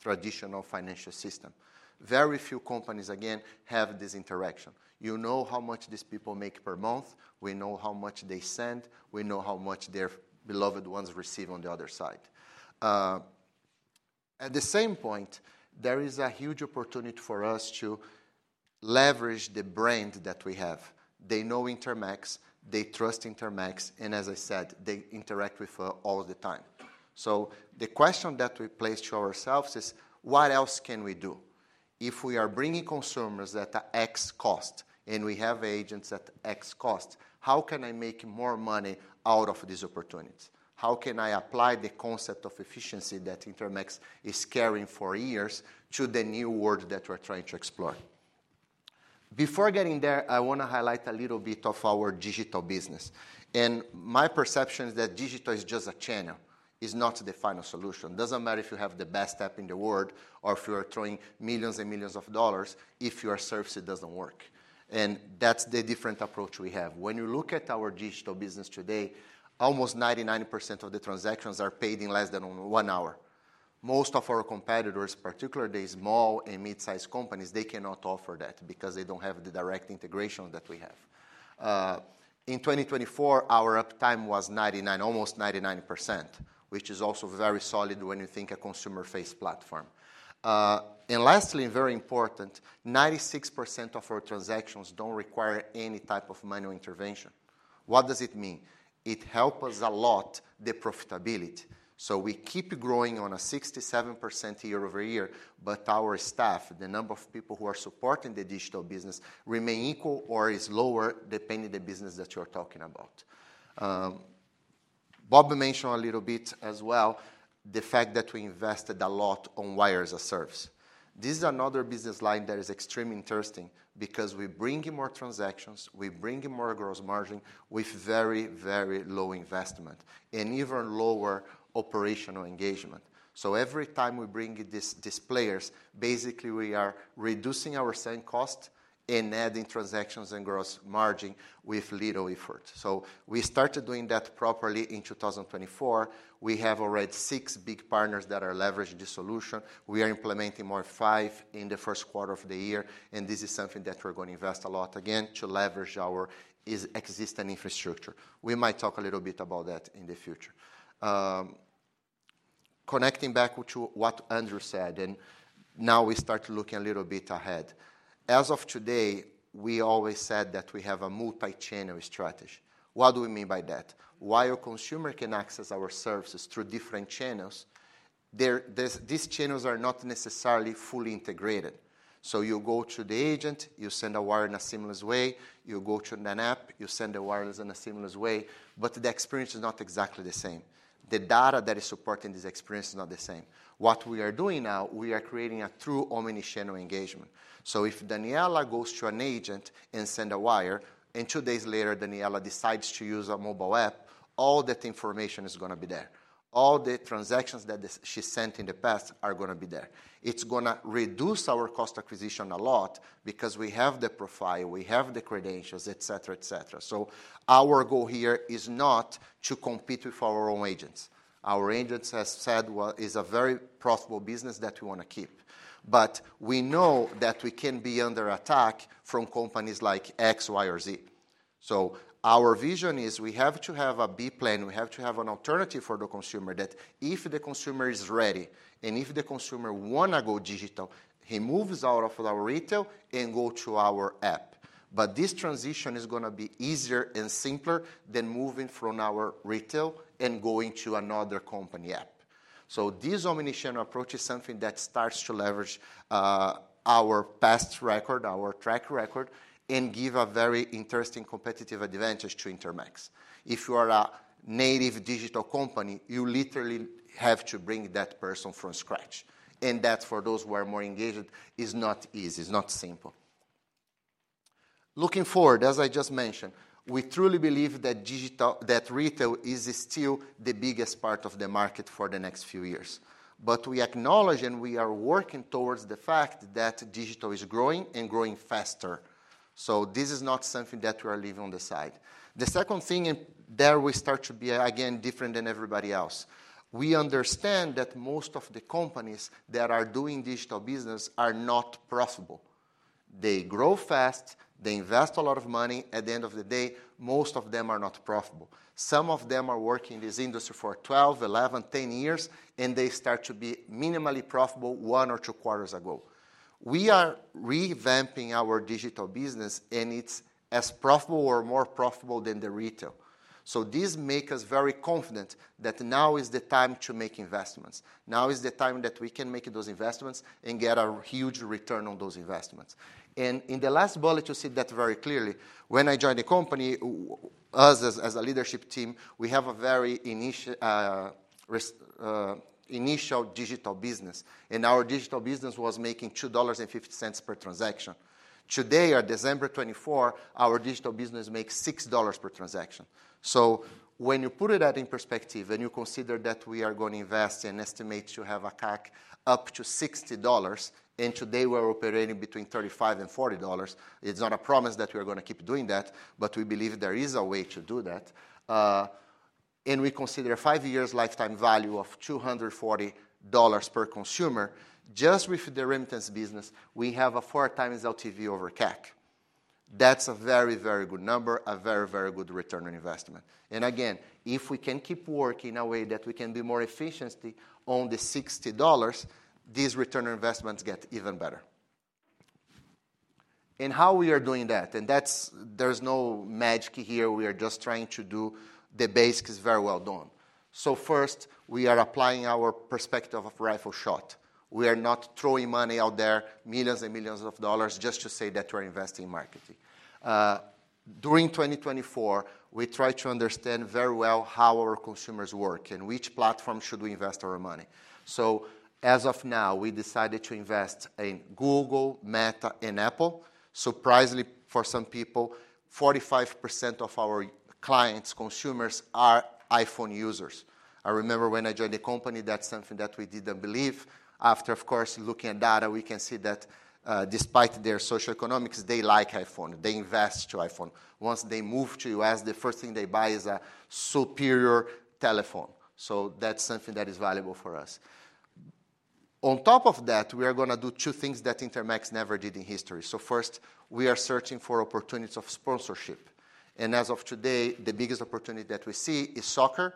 traditional financial system. Very few companies, again, have this interaction. You know how much these people make per month. We know how much they send. We know how much their beloved ones receive on the other side. At the same point, there is a huge opportunity for us to leverage the brand that we have. They know Intermex. They trust Intermex. And as I said, they interact with us all the time. So the question that we place to ourselves is, what else can we do? If we are bringing consumers at X cost and we have agents at X cost, how can I make more money out of this opportunity? How can I apply the concept of efficiency that Intermex is carrying for years to the new world that we're trying to explore? Before getting there, I want to highlight a little bit of our digital business. My perception is that digital is just a channel. It's not the final solution. It doesn't matter if you have the best app in the world or if you are throwing millions and millions of dollars. If your service, it doesn't work. That's the different approach we have. When you look at our digital business today, almost 99% of the transactions are paid in less than one hour. Most of our competitors, particularly the small and mid-sized companies, they cannot offer that because they don't have the direct integration that we have. In 2024, our uptime was 99, almost 99%, which is also very solid when you think a consumer-facing platform. And lastly, very important, 96% of our transactions don't require any type of manual intervention. What does it mean? It helps us a lot, the profitability. So we keep growing on a 67% year over year. But our staff, the number of people who are supporting the digital business, remain equal or is lower depending on the business that you're talking about. Bob mentioned a little bit as well the fact that we invested a lot on Wires-as-a-Service. This is another business line that is extremely interesting because we bring in more transactions. We bring in more gross margin with very, very low investment and even lower operational engagement. So every time we bring these players, basically, we are reducing our selling cost and adding transactions and gross margin with little effort. So we started doing that properly in 2024. We have already six big partners that are leveraging the solution. We are implementing more five in the first quarter of the year, and this is something that we're going to invest a lot again to leverage our existing infrastructure. We might talk a little bit about that in the future. Connecting back to what Andrew said, now we start looking a little bit ahead. As of today, we always said that we have a multi-channel strategy. What do we mean by that? While a consumer can access our services through different channels, these channels are not necessarily fully integrated. So you go to the agent, you send a wire in a seamless way. You go to an app, you send a wire in a seamless way. But the experience is not exactly the same. The data that is supporting this experience is not the same. What we are doing now, we are creating a true omnichannel engagement. So if Daniela goes to an agent and sends a wire, and two days later, Daniela decides to use a mobile app, all that information is going to be there. All the transactions that she sent in the past are going to be there. It's going to reduce our cost acquisition a lot because we have the profile, we have the credentials, et cetera, et cetera. So our goal here is not to compete with our own agents. Our agents have said it's a very profitable business that we want to keep. But we know that we can be under attack from companies like X, Y, or Z. So our vision is we have to have a B plan. We have to have an alternative for the consumer that if the consumer is ready and if the consumer wants to go digital, he moves out of our retail and goes to our app. But this transition is going to be easier and simpler than moving from our retail and going to another company app. So this omnichannel approach is something that starts to leverage our past record, our track record, and gives a very interesting competitive advantage to Intermex. If you are a native digital company, you literally have to bring that person from scratch. And that's for those who are more engaged, it's not easy. It's not simple. Looking forward, as I just mentioned, we truly believe that retail is still the biggest part of the market for the next few years. But we acknowledge and we are working towards the fact that digital is growing and growing faster. So this is not something that we are leaving on the side. The second thing, and there we start to be, again, different than everybody else. We understand that most of the companies that are doing digital business are not profitable. They grow fast. They invest a lot of money. At the end of the day, most of them are not profitable. Some of them are working in this industry for 12, 11, 10 years, and they start to be minimally profitable one or two quarters ago. We are revamping our digital business, and it's as profitable or more profitable than the retail. So this makes us very confident that now is the time to make investments. Now is the time that we can make those investments and get a huge return on those investments, and in the last bullet, you see that very clearly. When I joined the company, us as a leadership team, we have a very initial digital business, and our digital business was making $2.50 per transaction. Today, on December 24, our digital business makes $6 per transaction. So when you put that in perspective and you consider that we are going to invest and estimate to have a CAC up to $60, and today we're operating between $35 and $40, it's not a promise that we're going to keep doing that, but we believe there is a way to do that, and we consider a five-year lifetime value of $240 per consumer. Just with the remittance business, we have a four times LTV over CAC. That's a very, very good number, a very, very good return on investment. And again, if we can keep working in a way that we can be more efficient on the $60, these return on investments get even better. And how we are doing that, and there's no magic here. We are just trying to do the basics very well done. So first, we are applying our perspective of rifle shot. We are not throwing money out there, millions and millions of dollars, just to say that we're investing in marketing. During 2024, we tried to understand very well how our consumers work and which platform should we invest our money. So as of now, we decided to invest in Google, Meta, and Apple. Surprisingly, for some people, 45% of our clients, consumers, are iPhone users. I remember when I joined the company, that's something that we didn't believe. After, of course, looking at data, we can see that despite their socioeconomics, they like iPhone. They invest in iPhone. Once they move to the U.S., the first thing they buy is a superior telephone. So that's something that is valuable for us. On top of that, we are going to do two things that Intermex never did in history. So first, we are searching for opportunities of sponsorship. And as of today, the biggest opportunity that we see is soccer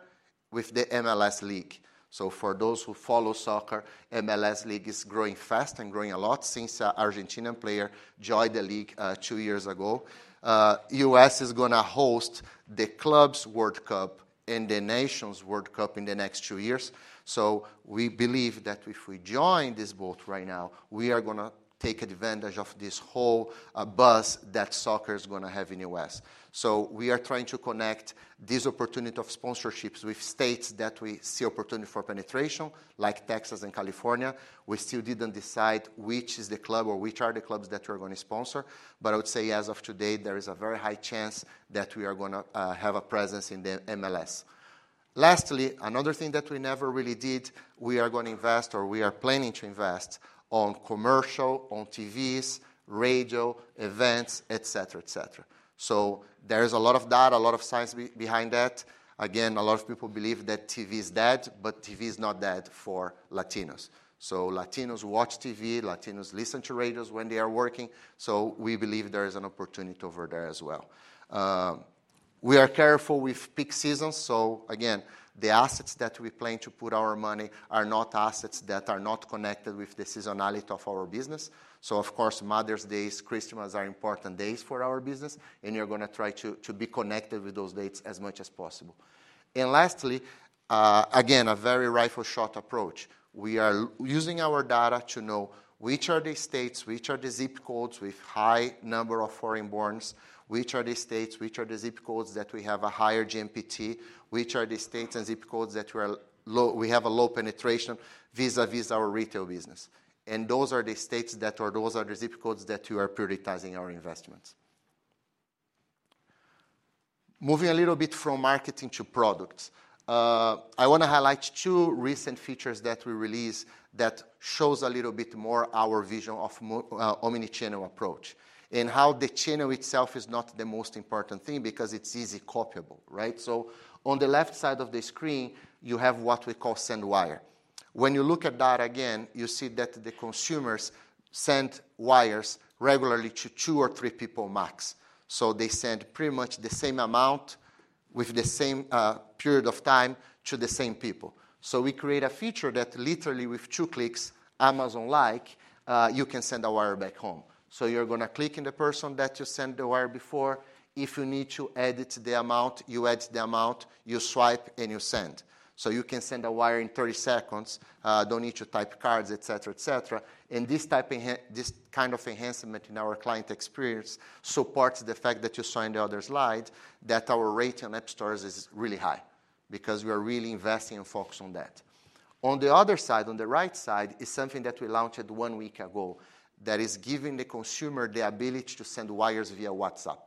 with the MLS League. So for those who follow soccer, MLS League is growing fast and growing a lot since an Argentinian player joined the league two years ago. The U.S. is going to host the Clubs World Cup and the Nations World Cup in the next two years. So we believe that if we join this boat right now, we are going to take advantage of this whole buzz that soccer is going to have in the U.S. So we are trying to connect this opportunity of sponsorships with states that we see opportunity for penetration, like Texas and California. We still didn't decide which is the club or which are the clubs that we're going to sponsor. But I would say as of today, there is a very high chance that we are going to have a presence in the MLS. Lastly, another thing that we never really did, we are going to invest or we are planning to invest in commercial, on TVs, radio, events, et cetera, et cetera. So there is a lot of data, a lot of science behind that. Again, a lot of people believe that TV is dead, but TV is not dead for Latinos. So Latinos watch TV. Latinos listen to radios when they are working. So we believe there is an opportunity over there as well. We are careful with peak seasons. So again, the assets that we plan to put our money are not assets that are not connected with the seasonality of our business. So of course, Mother's Day, Christmas are important days for our business. And you're going to try to be connected with those dates as much as possible. And lastly, again, a very rifle-shot approach. We are using our data to know which are the states, which are the zip codes with a high number of foreign borns, which are the states, which are the zip codes that we have a higher GMPT, which are the states and zip codes that we have a low penetration vis-à-vis our retail business, and those are the states and zip codes that we are prioritizing our investments. Moving a little bit from marketing to products, I want to highlight two recent features that we released that show a little bit more our vision of an omnichannel approach and how the channel itself is not the most important thing because it's easily copyable, right, so on the left side of the screen, you have what we call Send Wire. When you look at that again, you see that the consumers Send Wires regularly to two or three people max, so they send pretty much the same amount with the same period of time to the same people, so we create a feature that literally with two clicks, Amazon-like, you can send a wire back home, so you're going to click on the person that you sent the wire before. If you need to edit the amount, you edit the amount, you swipe, and you send, so you can send a wire in 30 seconds. No need to type cards, et cetera, et cetera, and this kind of enhancement in our client experience supports the fact that you saw in the other slide that our rate on App Stores is really high because we are really investing and focusing on that. On the other side, on the right side, is something that we launched one week ago that is giving the consumer the ability to Send Wires via WhatsApp.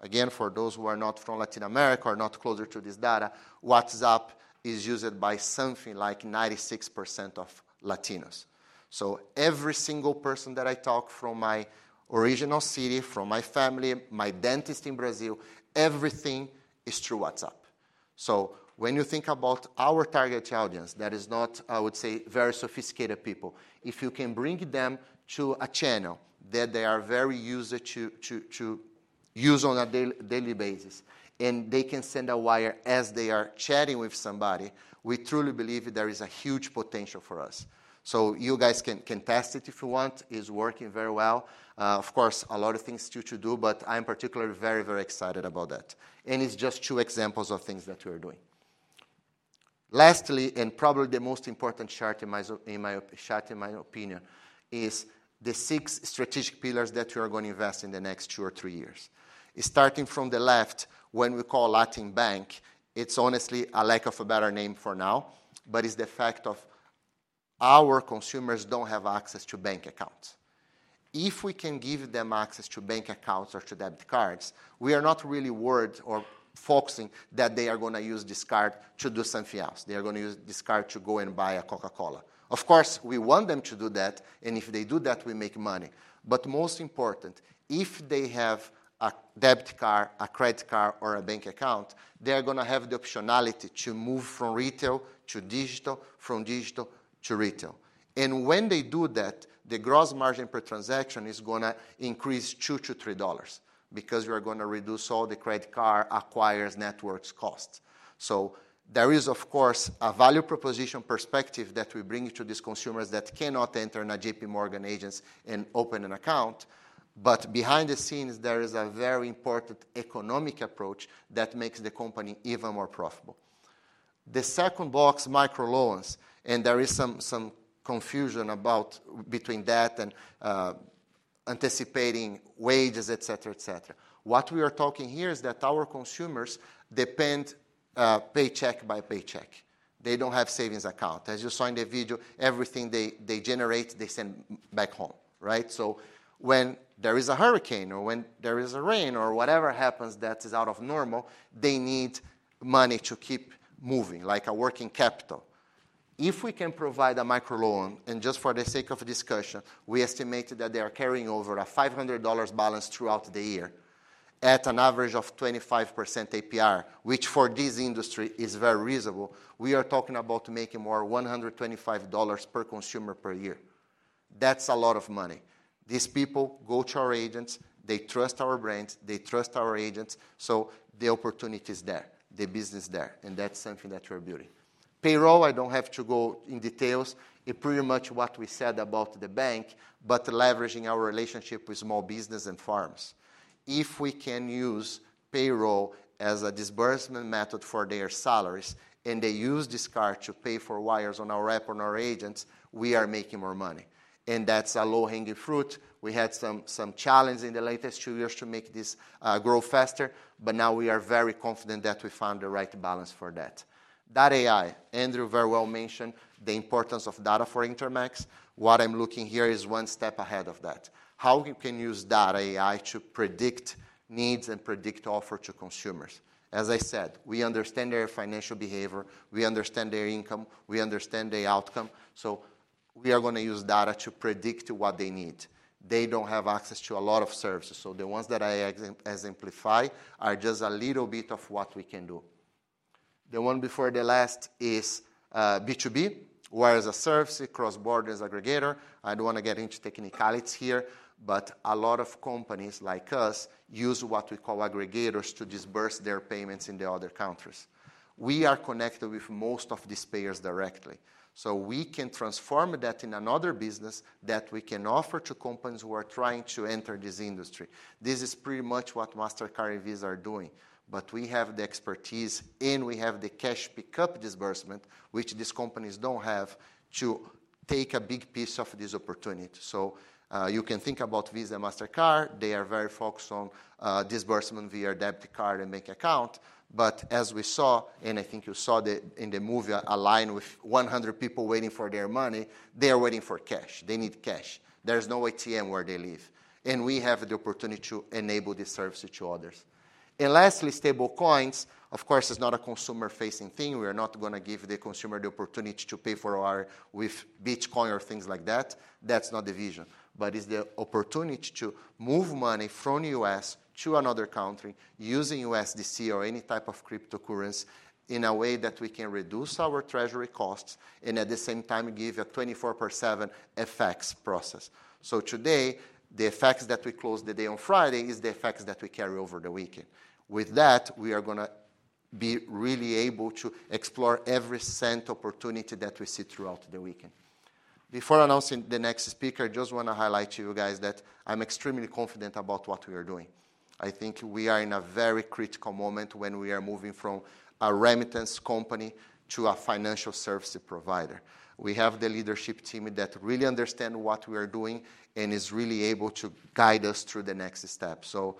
Again, for those who are not from Latin America or not closer to this data, WhatsApp is used by something like 96% of Latinos. So every single person that I talk to from my original city, from my family, my dentist in Brazil, everything is through WhatsApp. So when you think about our target audience that is not, I would say, very sophisticated people, if you can bring them to a channel that they are very used to use on a daily basis and they can send a wire as they are chatting with somebody, we truly believe there is a huge potential for us. So you guys can test it if you want. It's working very well. Of course, a lot of things still to do, but I'm particularly very, very excited about that, and it's just two examples of things that we are doing. Lastly, and probably the most important chart in my opinion is the six strategic pillars that we are going to invest in the next two or three years. Starting from the left, when we call Latin Bank, it's honestly a lack of a better name for now, but it's the fact that our consumers don't have access to bank accounts. If we can give them access to bank accounts or to debit cards, we are not really worried or focusing that they are going to use this card to do something else. They are going to use this card to go and buy a Coca-Cola. Of course, we want them to do that, and if they do that, we make money. Most important, if they have a debit card, a credit card, or a bank account, they are going to have the optionality to move from retail to digital, from digital to retail. And when they do that, the gross margin per transaction is going to increase to $2-$3 because we are going to reduce all the credit card acquirer's networks costs. So there is, of course, a value proposition perspective that we bring to these consumers that cannot enter a J.P. Morgan agency and open an account. But behind the scenes, there is a very important economic approach that makes the company even more profitable. The second box, micro loans, and there is some confusion between that and anticipating wages, et cetera, et cetera. What we are talking here is that our consumers depend paycheck by paycheck. They don't have savings accounts. As you saw in the video, everything they generate, they send back home, right? So when there is a hurricane or when there is a rain or whatever happens that is out of normal, they need money to keep moving, like a working capital. If we can provide a micro loan, and just for the sake of discussion, we estimated that they are carrying over a $500 balance throughout the year at an average of 25% APR, which for this industry is very reasonable. We are talking about making more $125 per consumer per year. That's a lot of money. These people go to our agents. They trust our brands. They trust our agents. So the opportunity is there. The business is there. And that's something that we are building. Payroll, I don't have to go into details. It's pretty much what we said about the bank, but leveraging our relationship with small businesses and farms. If we can use payroll as a disbursement method for their salaries and they use this card to pay for wires on our app on our agents, we are making more money. And that's a low-hanging fruit. We had some challenges in the latest two years to make this grow faster, but now we are very confident that we found the right balance for that. Data AI, Andrew very well mentioned the importance of data for Intermex. What I'm looking here is one step ahead of that. How you can use data AI to predict needs and predict offer to consumers. As I said, we understand their financial behavior. We understand their income. We understand the outcome. So we are going to use data to predict what they need. They don't have access to a lot of services. So the ones that I exemplify are just a little bit of what we can do. The one before the last is B2B, Wires as Services, Cross-Border Aggregator. I don't want to get into technicalities here, but a lot of companies like us use what we call aggregators to disburse their payments in the other countries. We are connected with most of these payers directly. So we can transform that in another business that we can offer to companies who are trying to enter this industry. This is pretty much what Mastercard and Visa are doing. But we have the expertise, and we have the cash pickup disbursement, which these companies don't have to take a big piece of this opportunity. So you can think about Visa and Mastercard. They are very focused on disbursement via debit card and bank account. But as we saw, and I think you saw in the movie a line with 100 people waiting for their money, they are waiting for cash. They need cash. There's no ATM where they live. And we have the opportunity to enable this service to others. And lastly, stablecoins, of course, is not a consumer-facing thing. We are not going to give the consumer the opportunity to pay for wire with Bitcoin or things like that. That's not the vision. But it's the opportunity to move money from the U.S. to another country using USDC or any type of cryptocurrency in a way that we can reduce our treasury costs and at the same time give a 24/7 FX process. So today, the FX that we closed the day on Friday is the FX that we carry over the weekend. With that, we are going to be really able to explore every cent opportunity that we see throughout the weekend. Before announcing the next speaker, I just want to highlight to you guys that I'm extremely confident about what we are doing. I think we are in a very critical moment when we are moving from a remittance company to a financial service provider. We have the leadership team that really understands what we are doing and is really able to guide us through the next step. So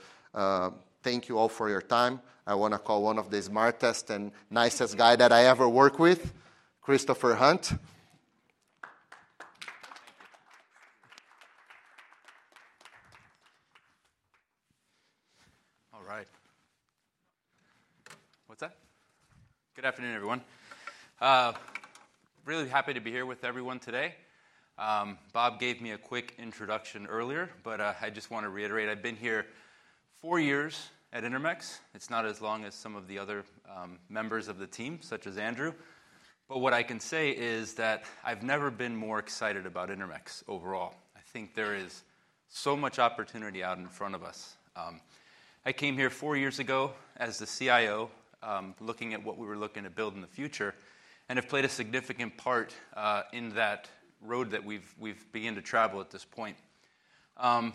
thank you all for your time. I want to call one of the smartest and nicest guys that I ever worked with, Christopher Hunt. All right. What's that? Good afternoon, everyone. Really happy to be here with everyone today. Bob gave me a quick introduction earlier, but I just want to reiterate. I've been here four years at Intermex. It's not as long as some of the other members of the team, such as Andrew. But what I can say is that I've never been more excited about Intermex overall. I think there is so much opportunity out in front of us. I came here four years ago as the CIO, looking at what we were looking to build in the future, and have played a significant part in that road that we've begun to travel at this point.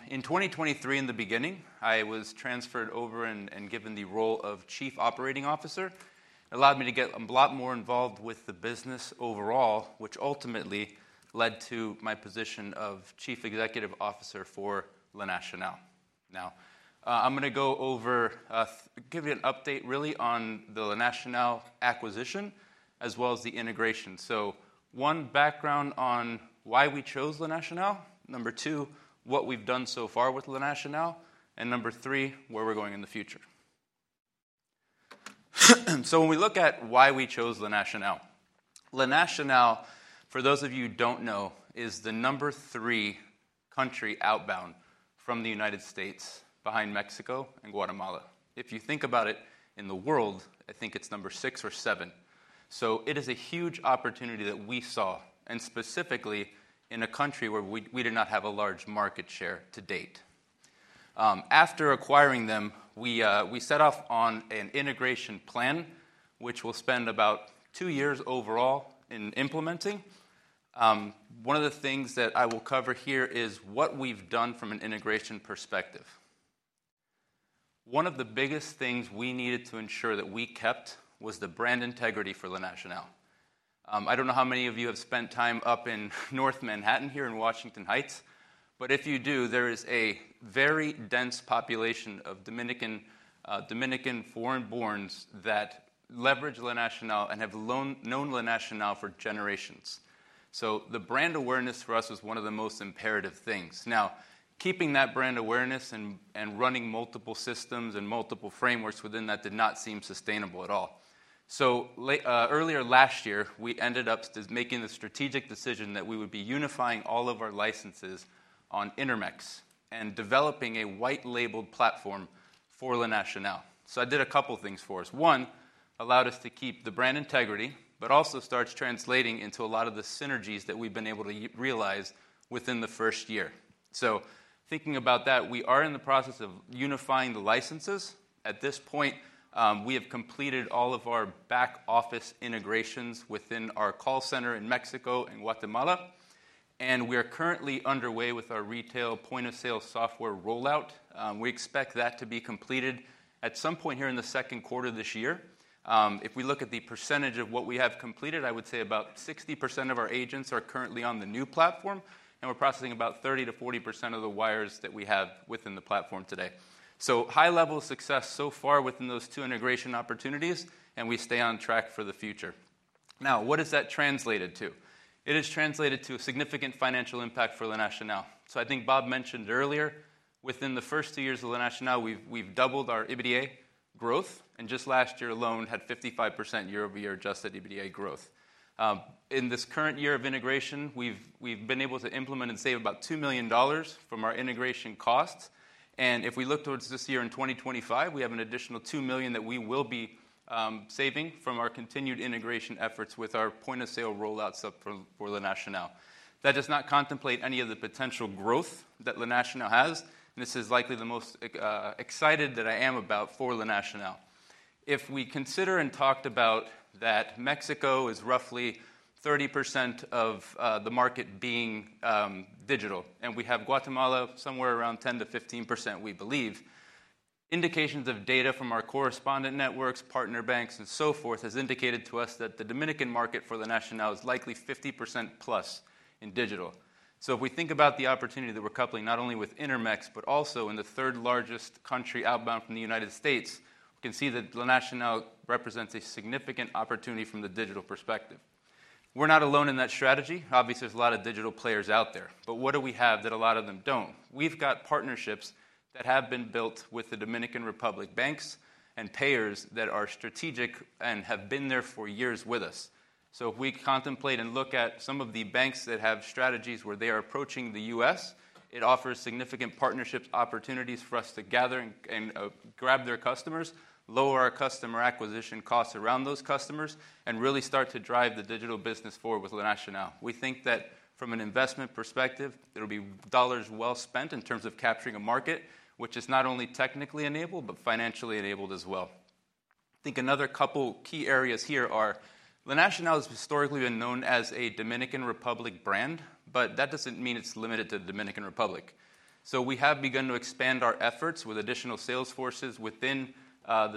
In 2023, in the beginning, I was transferred over and given the role of Chief Operating Officer. It allowed me to get a lot more involved with the business overall, which ultimately led to my position of Chief Executive Officer for La Nacional. Now, I'm going to give you an update really on the La Nacional acquisition as well as the integration. One, background on why we chose La Nacional. Number two, what we've done so far with La Nacional. And number three, where we're going in the future. When we look at why we chose La Nacional, La Nacional, for those of you who don't know, is the number three country outbound from the United States behind Mexico and Guatemala. If you think about it in the world, I think it's number six or seven. So it is a huge opportunity that we saw, and specifically in a country where we did not have a large market share to date. After acquiring them, we set off on an integration plan, which we'll spend about two years overall in implementing. One of the things that I will cover here is what we've done from an integration perspective. One of the biggest things we needed to ensure that we kept was the brand integrity for La Nacional. I don't know how many of you have spent time up in North Manhattan here in Washington Heights, but if you do, there is a very dense population of Dominican foreign borns that leverage La Nacional and have known La Nacional for generations. So the brand awareness for us was one of the most imperative things. Now, keeping that brand awareness and running multiple systems and multiple frameworks within that did not seem sustainable at all. So earlier last year, we ended up making the strategic decision that we would be unifying all of our licenses on Intermex and developing a white-labeled platform for La Nacional. So I did a couple of things for us. One, allowed us to keep the brand integrity, but also starts translating into a lot of the synergies that we've been able to realize within the first year. So thinking about that, we are in the process of unifying the licenses. At this point, we have completed all of our back office integrations within our call center in Mexico and Guatemala. And we are currently underway with our retail point of sale software rollout. We expect that to be completed at some point here in the second quarter of this year. If we look at the percentage of what we have completed, I would say about 60% of our agents are currently on the new platform, and we're processing about 30%-40% of the wires that we have within the platform today. High-level success so far within those two integration opportunities, and we stay on track for the future. Now, what has that translated to? It has translated to a significant financial impact for La Nacional. I think Bob mentioned earlier, within the first two years of La Nacional, we've doubled our EBITDA growth. Just last year alone, had 55% year-over-year adjusted EBITDA growth. In this current year of integration, we've been able to implement and save about $2 million from our integration costs. If we look towards this year in 2025, we have an additional $2 million that we will be saving from our continued integration efforts with our point of sale rollouts for La Nacional. That does not contemplate any of the potential growth that La Nacional has. This is likely the most excited that I am about for La Nacional. If we consider and talked about that Mexico is roughly 30% of the market being digital, and we have Guatemala somewhere around 10%-15%, we believe. Indications of data from our correspondent networks, partner banks, and so forth has indicated to us that the Dominican market for La Nacional is likely 50% plus in digital. So if we think about the opportunity that we're coupling not only with Intermex, but also in the third largest country outbound from the United States, we can see that La Nacional represents a significant opportunity from the digital perspective. We're not alone in that strategy. Obviously, there's a lot of digital players out there. But what do we have that a lot of them don't? We've got partnerships that have been built with the Dominican Republic banks and payers that are strategic and have been there for years with us. So if we contemplate and look at some of the banks that have strategies where they are approaching the US, it offers significant partnership opportunities for us to gather and grab their customers, lower our customer acquisition costs around those customers, and really start to drive the digital business forward with La Nacional. We think that from an investment perspective, there will be dollars well spent in terms of capturing a market, which is not only technically enabled, but financially enabled as well. I think another couple of key areas here are La Nacional has historically been known as a Dominican Republic brand, but that doesn't mean it's limited to the Dominican Republic. So we have begun to expand our efforts with additional sales forces within the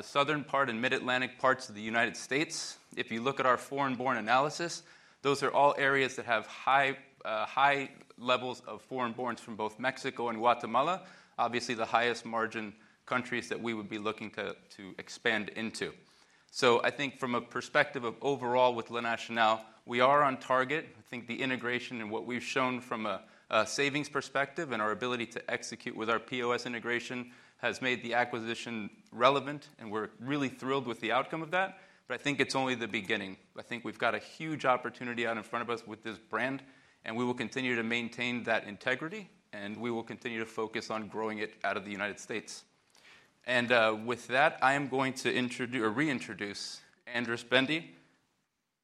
southern part and mid-Atlantic parts of the United States. If you look at our foreign born analysis, those are all areas that have high levels of foreign borns from both Mexico and Guatemala, obviously the highest margin countries that we would be looking to expand into. So I think from a perspective of overall with La Nacional, we are on target. I think the integration and what we've shown from a savings perspective and our ability to execute with our POS integration has made the acquisition relevant, and we're really thrilled with the outcome of that. But I think it's only the beginning. I think we've got a huge opportunity out in front of us with this brand, and we will continue to maintain that integrity, and we will continue to focus on growing it out of the United States. With that, I am going to reintroduce Andras Bende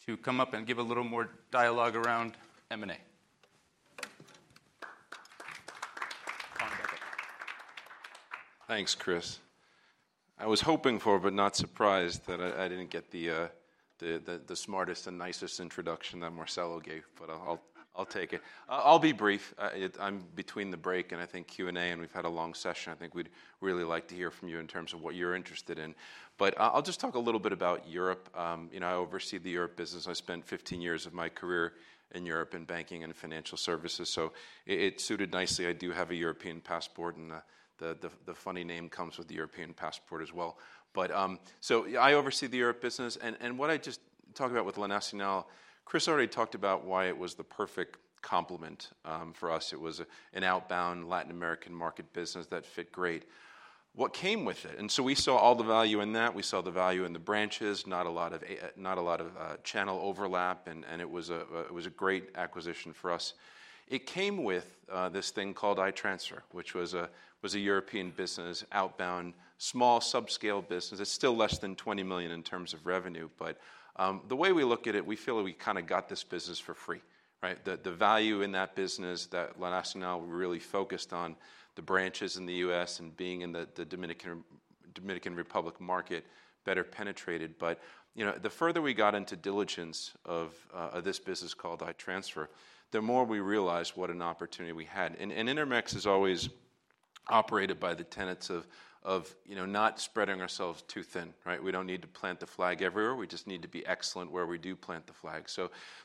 to come up and give a little more dialogue around M&A. Thanks, Chris. I was hoping for, but not surprised that I didn't get the smartest and nicest introduction that Marcelo gave, but I'll take it. I'll be brief. I'm between the break and I think Q&A, and we've had a long session. I think we'd really like to hear from you in terms of what you're interested in. But I'll just talk a little bit about Europe. I oversee the Europe business. I spent 15 years of my career in Europe in banking and financial services. So it suited nicely. I do have a European passport, and the funny name comes with the European passport as well. So I oversee the Europe business. What I just talked about with La Nacional, Chris already talked about why it was the perfect complement for us. It was an outbound Latin American market business that fit great. What came with it? And so we saw all the value in that. We saw the value in the branches, not a lot of channel overlap, and it was a great acquisition for us. It came with this thing called iTransfer, which was a European business, outbound, small subscale business. It's still less than $20 million in terms of revenue. But the way we look at it, we feel that we kind of got this business for free. The value in that business that La Nacional really focused on, the branches in the U.S. and being in the Dominican Republic market, better penetrated. But the further we got into diligence of this business called iTransfer, the more we realized what an opportunity we had. And Intermex is always operated by the tenets of not spreading ourselves too thin. We don't need to plant the flag everywhere. We just need to be excellent where we do plant the flag.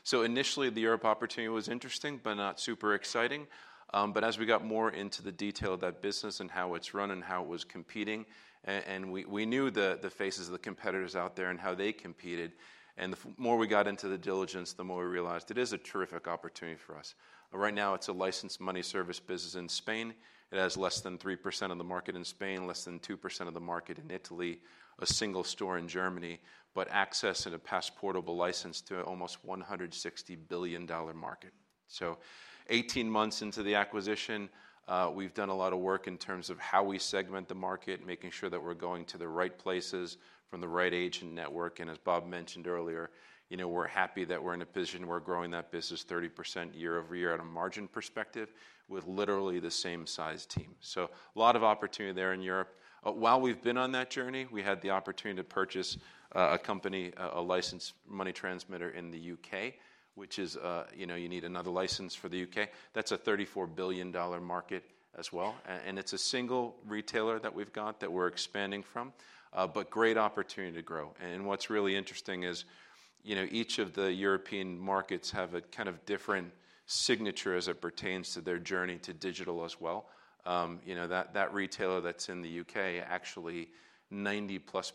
So initially, the Europe opportunity was interesting, but not super exciting. But as we got more into the detail of that business and how it's run and how it was competing, and we knew the faces of the competitors out there and how they competed, and the more we got into the diligence, the more we realized it is a terrific opportunity for us. Right now, it's a licensed money service business in Spain. It has less than 3% of the market in Spain, less than 2% of the market in Italy, a single store in Germany, but access and a passportable license to almost $160 billion market. So 18 months into the acquisition, we've done a lot of work in terms of how we segment the market, making sure that we're going to the right places from the right age and network. And as Bob mentioned earlier, we're happy that we're in a position where we're growing that business 30% year over year on a margin perspective with literally the same size team. So a lot of opportunity there in Europe. While we've been on that journey, we had the opportunity to purchase a company, a licensed money transmitter in the U.K., which is, you need another license for the U.K. That's a $34 billion market as well. It's a single retailer that we've got that we're expanding from, but great opportunity to grow. What's really interesting is each of the European markets have a kind of different signature as it pertains to their journey to digital as well. That retailer that's in the UK, actually 90% plus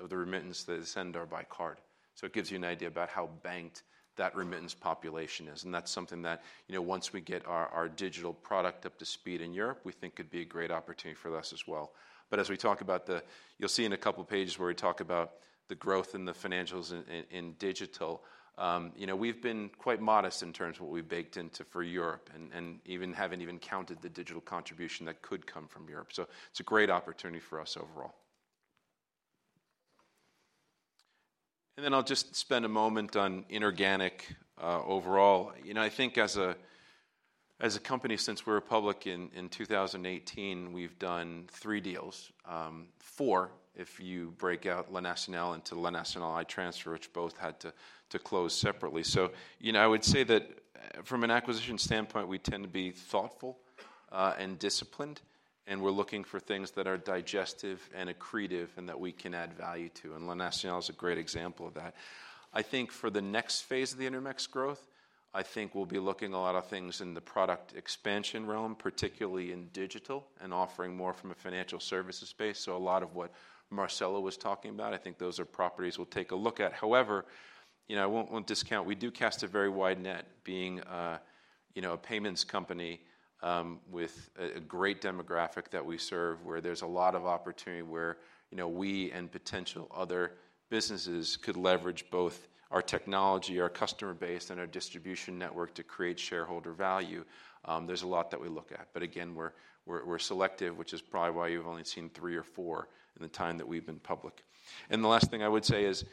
of the remittance that they send are by card. So it gives you an idea about how banked that remittance population is. That's something that once we get our digital product up to speed in Europe, we think could be a great opportunity for us as well. As we talk about the, you'll see in a couple of pages where we talk about the growth in the financials in digital, we've been quite modest in terms of what we've baked into for Europe and haven't even counted the digital contribution that could come from Europe. It's a great opportunity for us overall. Then I'll just spend a moment on inorganic overall. I think as a company, since we were a public in 2018, we've done three deals. Four, if you break out La Nacional into La Nacional iTransfer, which both had to close separately. I would say that from an acquisition standpoint, we tend to be thoughtful and disciplined, and we're looking for things that are digestible and accretive and that we can add value to. La Nacional is a great example of that. I think for the next phase of the Intermex growth, I think we'll be looking at a lot of things in the product expansion realm, particularly in digital and offering more from a financial services space. A lot of what Marcelo was talking about, I think those are properties we'll take a look at. However, I won't discount we do cast a very wide net being a payments company with a great demographic that we serve where there's a lot of opportunity where we and potential other businesses could leverage both our technology, our customer base, and our distribution network to create shareholder value. There's a lot that we look at, but again, we're selective, which is probably why you've only seen three or four in the time that we've been public, and the last thing I would say is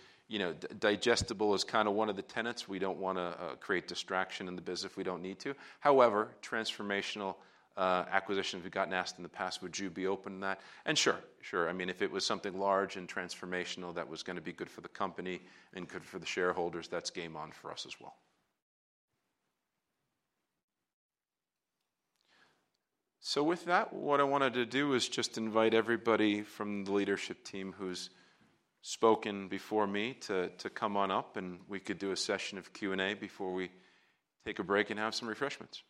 digestible is kind of one of the tenets. We don't want to create distraction in the business if we don't need to. However, transformational acquisitions we've gotten asked in the past, would you be open to that? and sure, sure. I mean, if it was something large and transformational that was going to be good for the company and good for the shareholders, that's game on for us as well. So with that, what I wanted to do is just invite everybody from the leadership team who's spoken before me to come on up, and we could do a session of Q&A before we take a break and have some refreshments.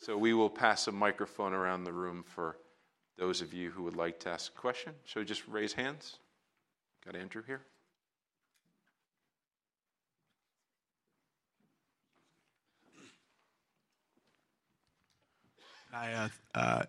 So we will pass a microphone around the room for those of you who would like to ask a question. So just raise hands. Got Andrew here. Hi,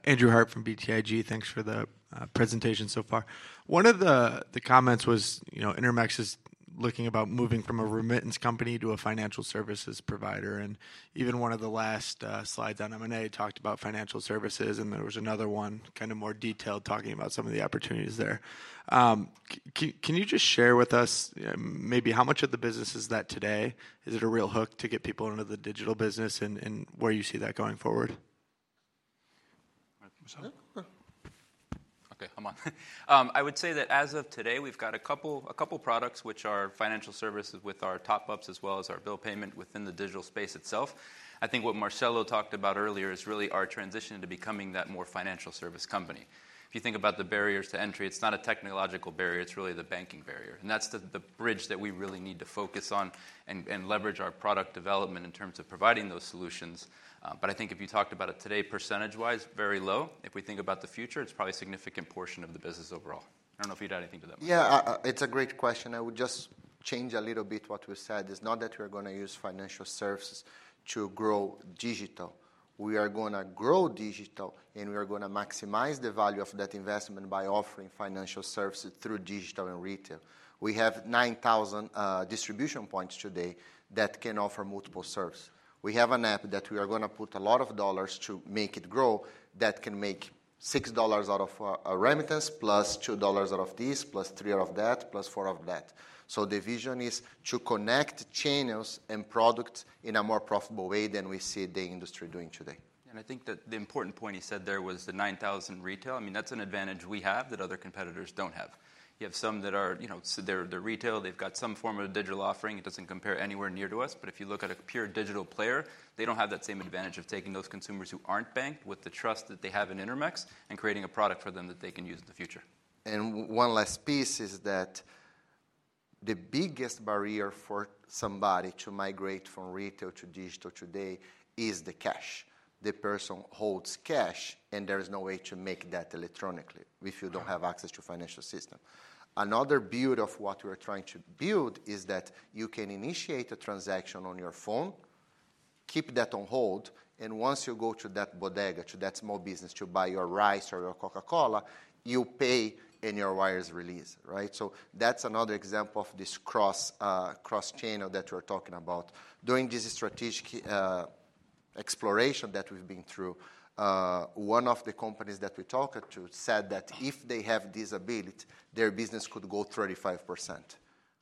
Andrew Harte from BTIG. Thanks for the presentation so far. One of the comments was Intermex is looking about moving from a remittance company to a financial services provider. And even one of the last slides on M&A talked about financial services, and there was another one kind of more detailed talking about some of the opportunities there. Can you just share with us maybe how much of the business is that today? Is it a real hook to get people into the digital business, and where you see that going forward? Okay, I'm on. I would say that as of today, we've got a couple of products, which are financial services with our top-ups as well as our bill payment within the digital space itself. I think what Marcelo talked about earlier is really our transition into becoming that more financial service company. If you think about the barriers to entry, it's not a technological barrier. It's really the banking barrier. That's the bridge that we really need to focus on and leverage our product development in terms of providing those solutions. But I think if you talked about it today, percentage-wise, very low. If we think about the future, it's probably a significant portion of the business overall. I don't know if you had anything to that. Yeah, it's a great question. I would just change a little bit what we said. It's not that we're going to use financial services to grow digital. We are going to grow digital, and we are going to maximize the value of that investment by offering financial services through digital and retail. We have 9,000 distribution points today that can offer multiple services. We have an app that we are going to put a lot of dollars to make it grow that can make $6 out of a remittance, plus $2 out of this, plus $3 out of that, plus $4 out of that. So the vision is to connect channels and products in a more profitable way than we see the industry doing today. And I think that the important point he said there was the 9,000 retail. I mean, that's an advantage we have that other competitors don't have. You have some that are. They're retail. They've got some form of digital offering. It doesn't compare anywhere near to us. But if you look at a pure digital player, they don't have that same advantage of taking those consumers who aren't banked with the trust that they have in Intermex and creating a product for them that they can use in the future. And one last piece is that the biggest barrier for somebody to migrate from retail to digital today is the cash. The person holds cash, and there is no way to make that electronically if you don't have access to a financial system. Another beauty of what we're trying to build is that you can initiate a transaction on your phone, keep that on hold, and once you go to that bodega, to that small business to buy your rice or your Coca-Cola, you pay and your wires release. So that's another example of this cross-channel that we're talking about. During this strategic exploration that we've been through, one of the companies that we talked to said that if they have this ability, their business could go 35%.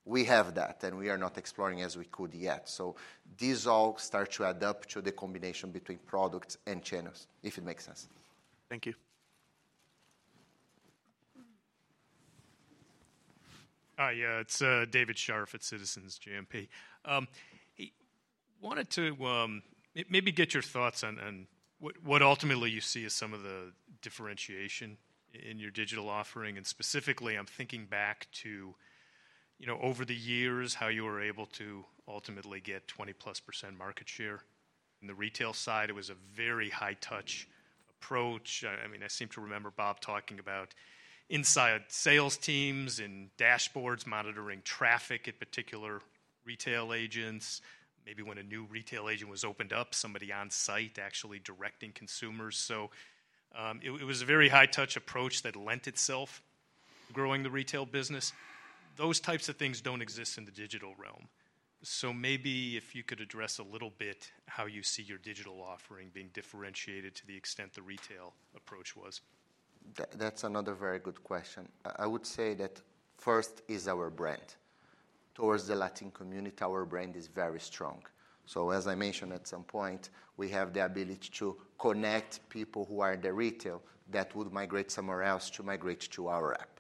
We have that, and we are not exploring as we could yet. So these all start to add up to the combination between products and channels, if it makes sense. Thank you. Hi, it's David Scharf at Citizens JMP. I wanted to maybe get your thoughts on what ultimately you see as some of the differentiation in your digital offering, and specifically, I'm thinking back to over the years how you were able to ultimately get 20%+ market share. In the retail side, it was a very high-touch approach. I mean, I seem to remember Bob talking about inside sales teams and dashboards monitoring traffic, in particular retail agents. Maybe when a new retail agent was opened up, somebody on site actually directing consumers. So it was a very high-touch approach that lent itself to growing the retail business. Those types of things don't exist in the digital realm. So maybe if you could address a little bit how you see your digital offering being differentiated to the extent the retail approach was. That's another very good question. I would say that first is our brand. Toward the Latin community, our brand is very strong. So as I mentioned at some point, we have the ability to connect people who are in the retail that would migrate somewhere else to migrate to our app.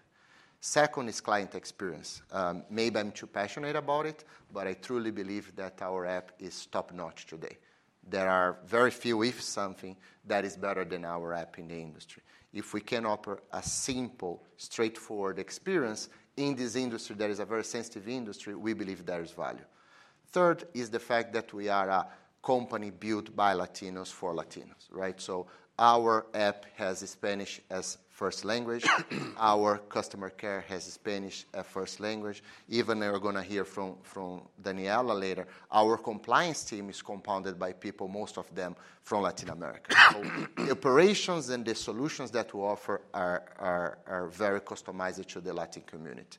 Second is client experience. Maybe I'm too passionate about it, but I truly believe that our app is top-notch today. There are very few, if any, that is better than our app in the industry. If we can offer a simple, straightforward experience in this industry that is a very sensitive industry, we believe there is value. Third is the fact that we are a company built by Latinos for Latinos. So our app has Spanish as first language. Our customer care has Spanish as first language. Even we're going to hear from Daniela later. Our compliance team is comprised of people, most of them from Latin America. So the operations and the solutions that we offer are very customized to the Latin community.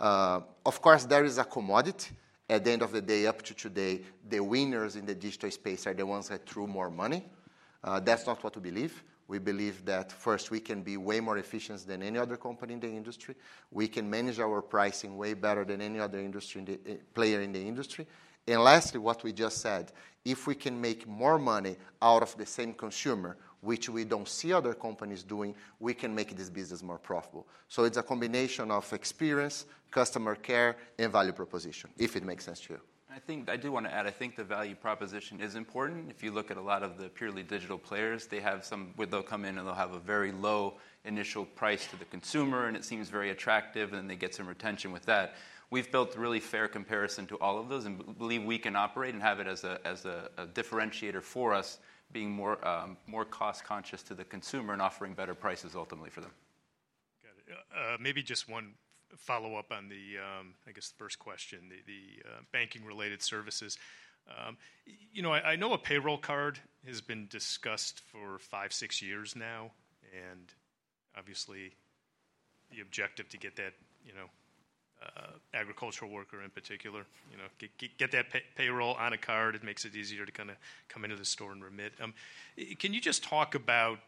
Of course, there is a commodity. At the end of the day, up to today, the winners in the digital space are the ones that threw more money. That's not what we believe. We believe that first, we can be way more efficient than any other company in the industry. We can manage our pricing way better than any other industry player in the industry. And lastly, what we just said, if we can make more money out of the same consumer, which we don't see other companies doing, we can make this business more profitable. So it's a combination of experience, customer care, and value proposition, if it makes sense to you. I do want to add, I think the value proposition is important. If you look at a lot of the purely digital players, they have somewhere they'll come in and they'll have a very low initial price to the consumer, and it seems very attractive, and then they get some retention with that. We've built a really fair comparison to all of those and believe we can operate and have it as a differentiator for us, being more cost-conscious to the consumer and offering better prices ultimately for them. Got it. Maybe just one follow-up on the, I guess, the first question, the banking-related services. I know a payroll card has been discussed for five, six years now, and obviously, the objective to get that agricultural worker in particular, get that payroll on a card, it makes it easier to kind of come into the store and remit. Can you just talk about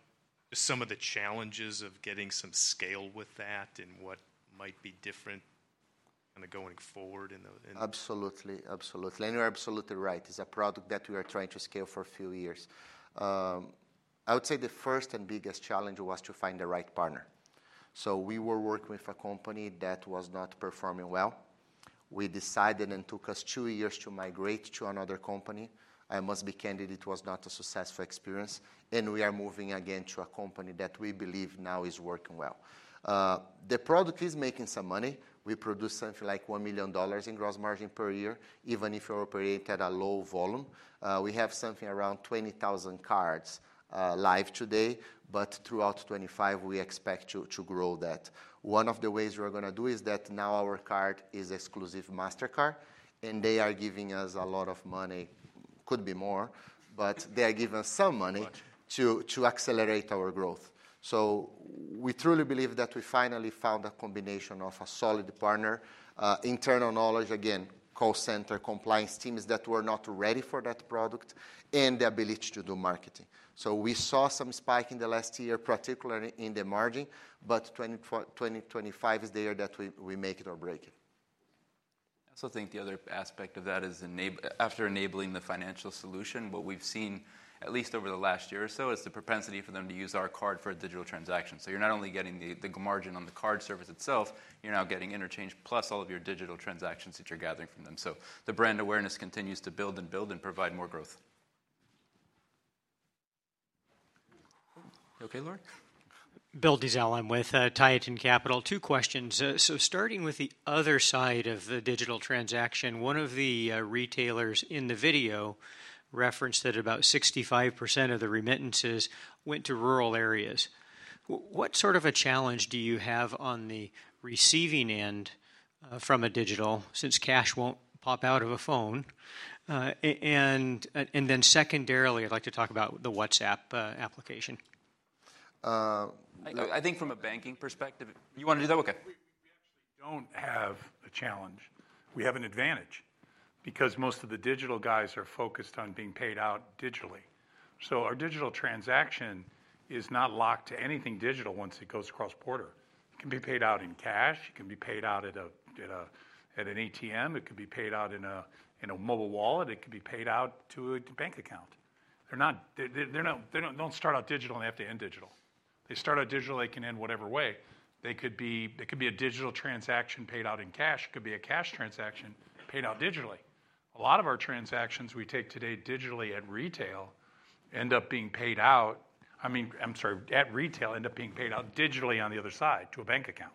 some of the challenges of getting some scale with that and what might be different kind of going forward in the? Absolutely. Absolutely. And you're absolutely right. It's a product that we are trying to scale for a few years. I would say the first and biggest challenge was to find the right partner. So we were working with a company that was not performing well. We decided and it took us two years to migrate to another company. I must be candid, it was not a successful experience. And we are moving again to a company that we believe now is working well. The product is making some money. We produce something like $1 million in gross margin per year, even if we operate at a low volume. We have something around 20,000 cards live today, but throughout 2025, we expect to grow that. One of the ways we're going to do is that now our card is exclusive Mastercard, and they are giving us a lot of money. It could be more, but they are giving us some money to accelerate our growth. So we truly believe that we finally found a combination of a solid partner, internal knowledge, again, call center, compliance teams that were not ready for that product, and the ability to do marketing. So we saw some spike in the last year, particularly in the margin, but 2025 is the year that we make it or break it. I also think the other aspect of that is after enabling the financial solution, what we've seen at least over the last year or so is the propensity for them to use our card for a digital transaction. So you're not only getting the margin on the card service itself, you're now getting interchange plus all of your digital transactions that you're gathering from them. So the brand awareness continues to build and build and provide more growth. Okay, Laura. Bill Dezellem, I'm with Tieton Capital. Two questions. So starting with the other side of the digital transaction, one of the retailers in the video referenced that about 65% of the remittances went to rural areas. What sort of a challenge do you have on the receiving end from a digital since cash won't pop out of a phone? And then secondarily, I'd like to talk about the WhatsApp application. I think from a banking perspective, you want to do that? Okay. We actually don't have a challenge. We have an advantage because most of the digital guys are focused on being paid out digitally. So our digital transaction is not locked to anything digital once it goes across border. It can be paid out in cash. It can be paid out at an ATM. It could be paid out in a mobile wallet. It could be paid out to a bank account. They don't start out digital and they have to end digital. They start out digital, they can end whatever way. They could be a digital transaction paid out in cash. It could be a cash transaction paid out digitally. A lot of our transactions we take today digitally at retail end up being paid out, I mean, I'm sorry, at retail end up being paid out digitally on the other side to a bank account.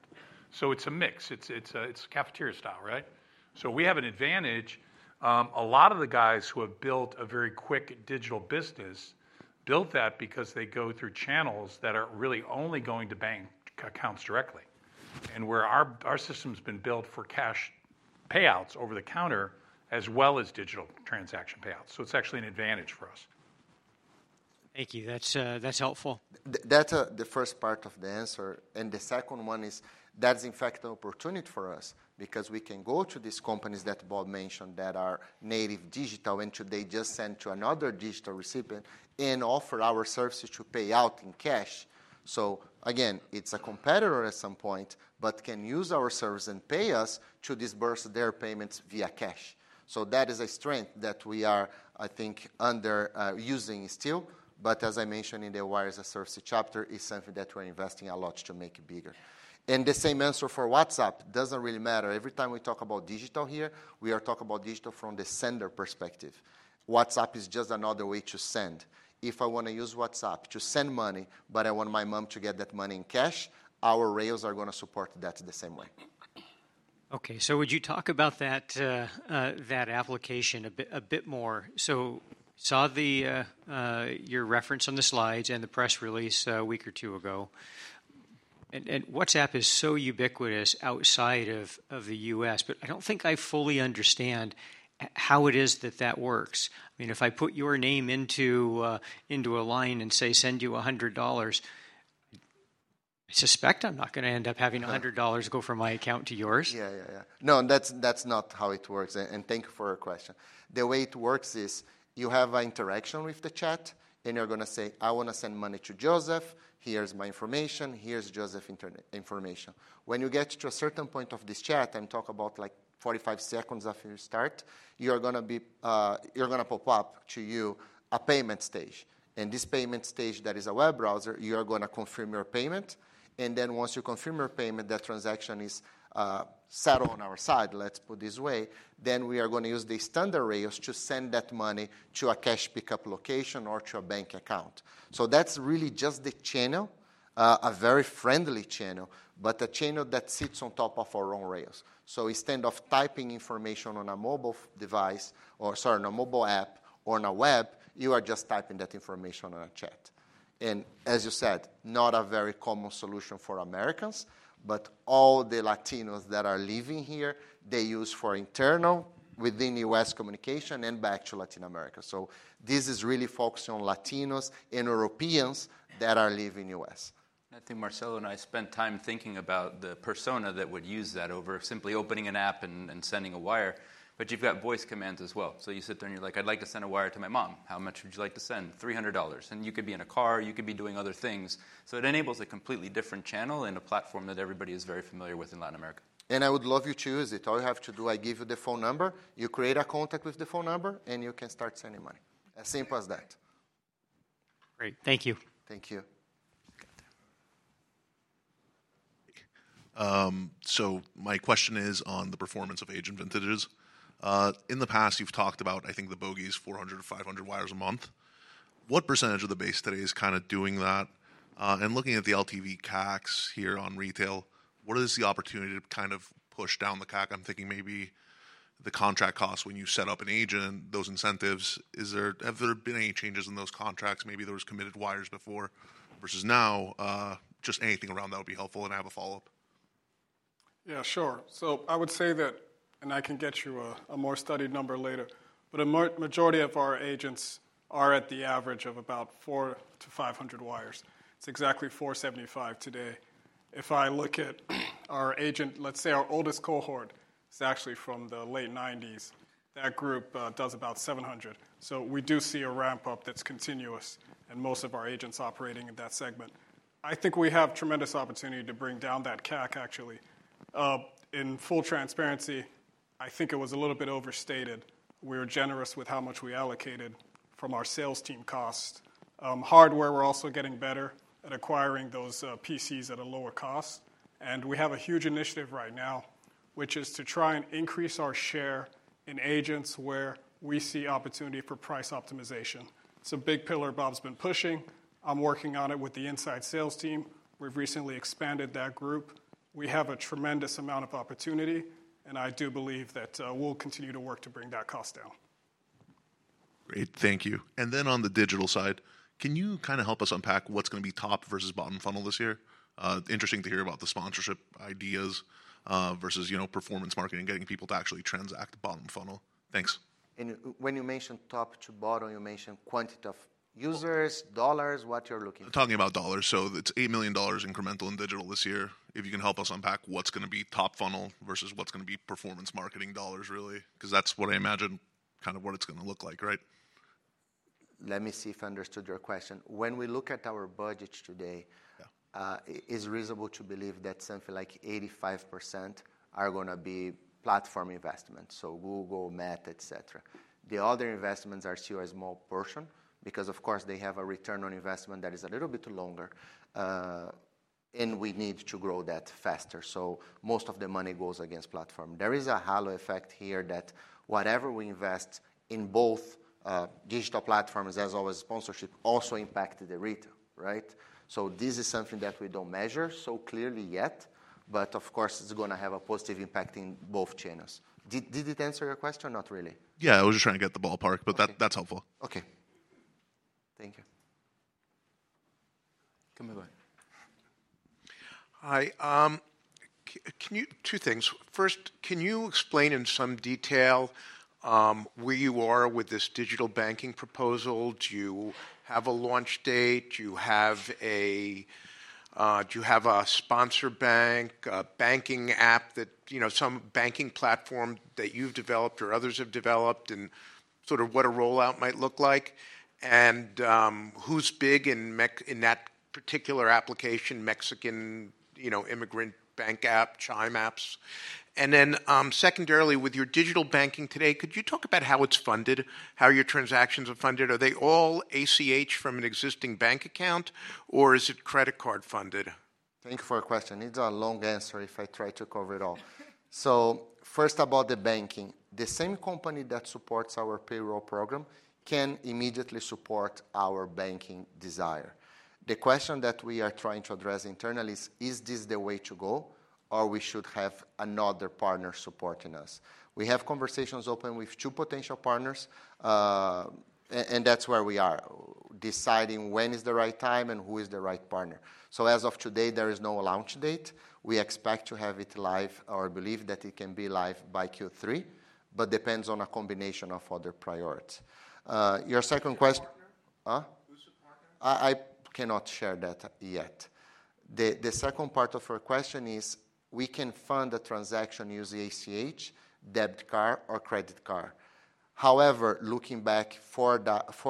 So it's a mix. It's a cafeteria style, right? So we have an advantage. A lot of the guys who have built a very quick digital business built that because they go through channels that are really only going to bank accounts directly, and where our system has been built for cash payouts over the counter as well as digital transaction payouts. So it's actually an advantage for us. Thank you. That's helpful. That's the first part of the answer. And the second one is that's, in fact, an opportunity for us because we can go to these companies that Bob mentioned that are native digital and today just sent to another digital recipient and offer our services to pay out in cash. So again, it's a competitor at some point, but can use our service and pay us to disburse their payments via cash. So that is a strength that we are, I think, under using still. But as I mentioned in the Wires-as-a-Service chapter, it's something that we're investing a lot to make it bigger. And the same answer for WhatsApp doesn't really matter. Every time we talk about digital here, we are talking about digital from the sender perspective. WhatsApp is just another way to send. If I want to use WhatsApp to send money, but I want my mom to get that money in cash, our rails are going to support that the same way. Okay. So would you talk about that application a bit more? So I saw your reference on the slides and the press release a week or two ago. And WhatsApp is so ubiquitous outside of the U.S., but I don't think I fully understand how it is that that works. I mean, if I put your name into a line and say, "Send you $100," I suspect I'm not going to end up having $100 go from my account to yours. Yeah, yeah, yeah. No, that's not how it works. And thank you for your question. The way it works is you have an interaction with the chat, and you're going to say, "I want to send money to Joseph. Here's my information. Here's Joseph's information." When you get to a certain point of this chat and talk about like 45 seconds after you start, you're going to pop up to you a payment stage. And this payment stage that is a web browser, you are going to confirm your payment. And then once you confirm your payment, that transaction is settled on our side, let's put it this way. Then we are going to use the standard rails to send that money to a cash pickup location or to a bank account. So that's really just the channel, a very friendly channel, but a channel that sits on top of our own rails. So instead of typing information on a mobile device or, sorry, on a mobile app or on a web, you are just typing that information on a chat. And as you said, not a very common solution for Americans, but all the Latinos that are living here, they use for internal within US communication and back to Latin America. So this is really focused on Latinos and Europeans that are living in the US. I think Marcelo and I spent time thinking about the persona that would use that over simply opening an app and sending a wire. But you've got voice commands as well. So you sit there and you're like, "I'd like to send a wire to my mom. How much would you like to send? $300." And you could be in a car. You could be doing other things. So it enables a completely different channel and a platform that everybody is very familiar with in Latin America. And I would love you to use it. All you have to do, I give you the phone number, you create a contact with the phone number, and you can start sending money. As simple as that. Great. Thank you. Thank you. So my question is on the performance of agent vintages. In the past, you've talked about, I think, the bogeys 400-500 wires a month. What percentage of the base today is kind of doing that? And looking at the LTV CACs here on retail, what is the opportunity to kind of push down the CAC? I'm thinking maybe the contract costs when you set up an agent, those incentives. Have there been any changes in those contracts? Maybe there were committed wires before versus now. Just anything around that would be helpful and have a follow-up. Yeah, sure. I would say that, and I can get you a more studied number later, but a majority of our agents are at the average of about 400 to 500 wires. It's exactly 475 today. If I look at our agent, let's say our oldest cohort is actually from the late 1990s, that group does about 700. We do see a ramp-up that's continuous and most of our agents operating in that segment. I think we have tremendous opportunity to bring down that CAC, actually. In full transparency, I think it was a little bit overstated. We were generous with how much we allocated from our sales team cost. Hardware, we're also getting better at acquiring those PCs at a lower cost. We have a huge initiative right now, which is to try and increase our share in agents where we see opportunity for price optimization. It's a big pillar Bob's been pushing. I'm working on it with the inside sales team. We've recently expanded that group. We have a tremendous amount of opportunity, and I do believe that we'll continue to work to bring that cost down. Great. Thank you. And then on the digital side, can you kind of help us unpack what's going to be top versus bottom funnel this year? Interesting to hear about the sponsorship ideas versus performance marketing, getting people to actually transact bottom funnel. Thanks. And when you mentioned top to bottom, you mentioned quantity of users, dollars, what you're looking for. Talking about dollars. So it's $8 million incremental in digital this year. If you can help us unpack what's going to be top funnel versus what's going to be performance marketing dollars, really, because that's what I imagine kind of what it's going to look like, right? Let me see if I understood your question. When we look at our budgets today, it's reasonable to believe that something like 85% are going to be platform investments. So Google, Meta, etc. The other investments are still a small portion because, of course, they have a return on investment that is a little bit longer, and we need to grow that faster. So most of the money goes against platform. There is a halo effect here that whatever we invest in both digital platforms, as always, sponsorship also impacted the retail, right? So this is something that we don't measure so clearly yet, but of course, it's going to have a positive impact in both channels. Did it answer your question? Not really. Yeah, I was just trying to get the ballpark, but that's helpful. Okay. Thank you. [Come on]. Hi. Two things. First, can you explain in some detail where you are with this digital banking proposal? Do you have a launch date? Do you have a sponsor bank, a banking app, some banking platform that you've developed or others have developed, and sort of what a rollout might look like? And who's big in that particular application, Mexican immigrant bank app, Chime apps? And then secondarily, with your digital banking today, could you talk about how it's funded, how your transactions are funded? Are they all ACH from an existing bank account, or is it credit card funded? Thank you for your question. It's a long answer if I try to cover it all. So first about the banking, the same company that supports our payroll program can immediately support our banking desire. The question that we are trying to address internally is, is this the way to go, or we should have another partner supporting us? We have conversations open with two potential partners, and that's where we are deciding when is the right time and who is the right partner. So as of today, there is no launch date. We expect to have it live or believe that it can be live by Q3, but depends on a combination of other priorities. Your second question. Who's the partner? I cannot share that yet. The second part of your question is, we can fund a transaction using ACH, debit card, or credit card. However, looking back four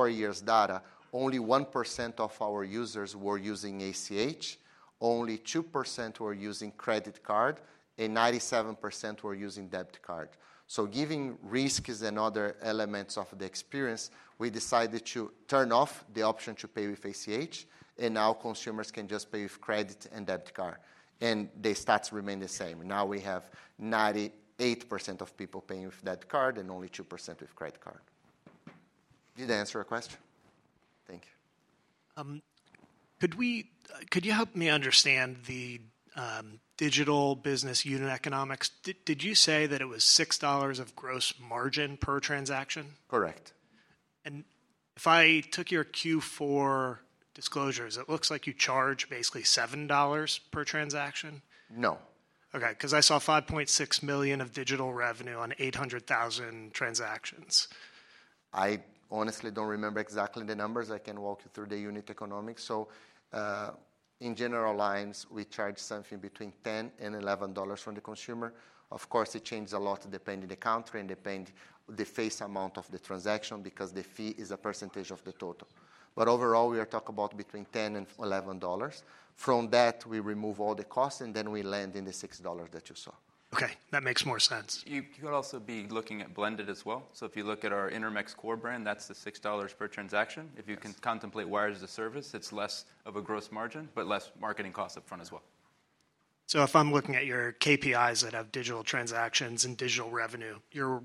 years' data, only 1% of our users were using ACH, only 2% were using credit card, and 97% were using debit card. So giving risk is another element of the experience. We decided to turn off the option to pay with ACH, and now consumers can just pay with credit and debit card. And the stats remain the same. Now we have 98% of people paying with debit card and only 2% with credit card. Did I answer your question? Thank you. Could you help me understand the digital business unit economics? Did you say that it was $6 of gross margin per transaction? Correct. And if I took your Q4 disclosures, it looks like you charge basically $7 per transaction? No. Okay. Because I saw $5.6 million of digital revenue on 800,000 transactions. I honestly don't remember exactly the numbers. I can walk you through the unit economics. So in general lines, we charge something between $10 and $11 from the consumer. Of course, it changes a lot depending on the country and depending on the face amount of the transaction because the fee is a percentage of the total. But overall, we are talking about between $10 and $11. From that, we remove all the costs, and then we land in the $6 that you saw. Okay. That makes more sense. You could also be looking at blended as well. So if you look at our Intermex core brand, that's the $6 per transaction. If you can contemplate Wires-as-a-Service, it's less of a gross margin, but less marketing costs upfront as well. So if I'm looking at your KPIs that have digital transactions and digital revenue, your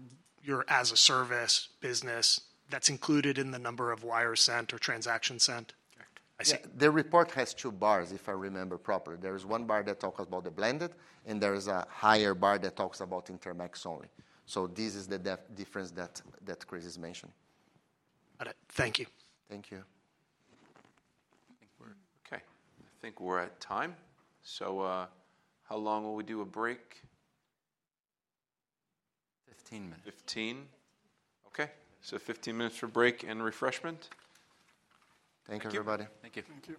as-a-service business, that's included in the number of wires sent or transactions sent? Correct. The report has two bars, if I remember properly. There is one bar that talks about the blended, and there is a higher bar that talks about Intermex only. So this is the difference that Chris is mentioning. Got it. Thank you. Thank you. Okay. I think we're at time. So how long will we do a break? 15 minutes. 15. Okay. So 15 minutes for break and refreshment. Thank you, everybody. Thank you. Thank you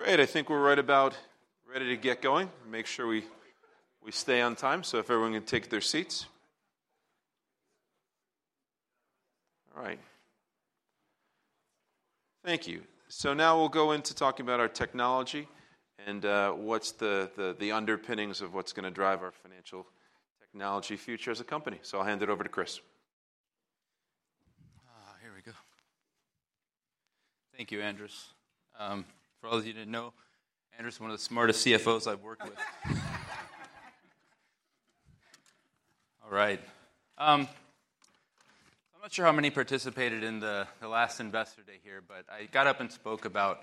I think we're right about ready to get going. Make sure we stay on time. So if everyone can take their seats. All right. Thank you. So now we'll go into talking about our technology and what's the underpinnings of what's going to drive our financial technology future as a company. So I'll hand it over to Chris. Here we go. Thank you, Andras. For those of you who didn't know, Andras is one of the smartest CFOs I've worked with. All right. I'm not sure how many participated in the last Investor Day here, but I got up and spoke about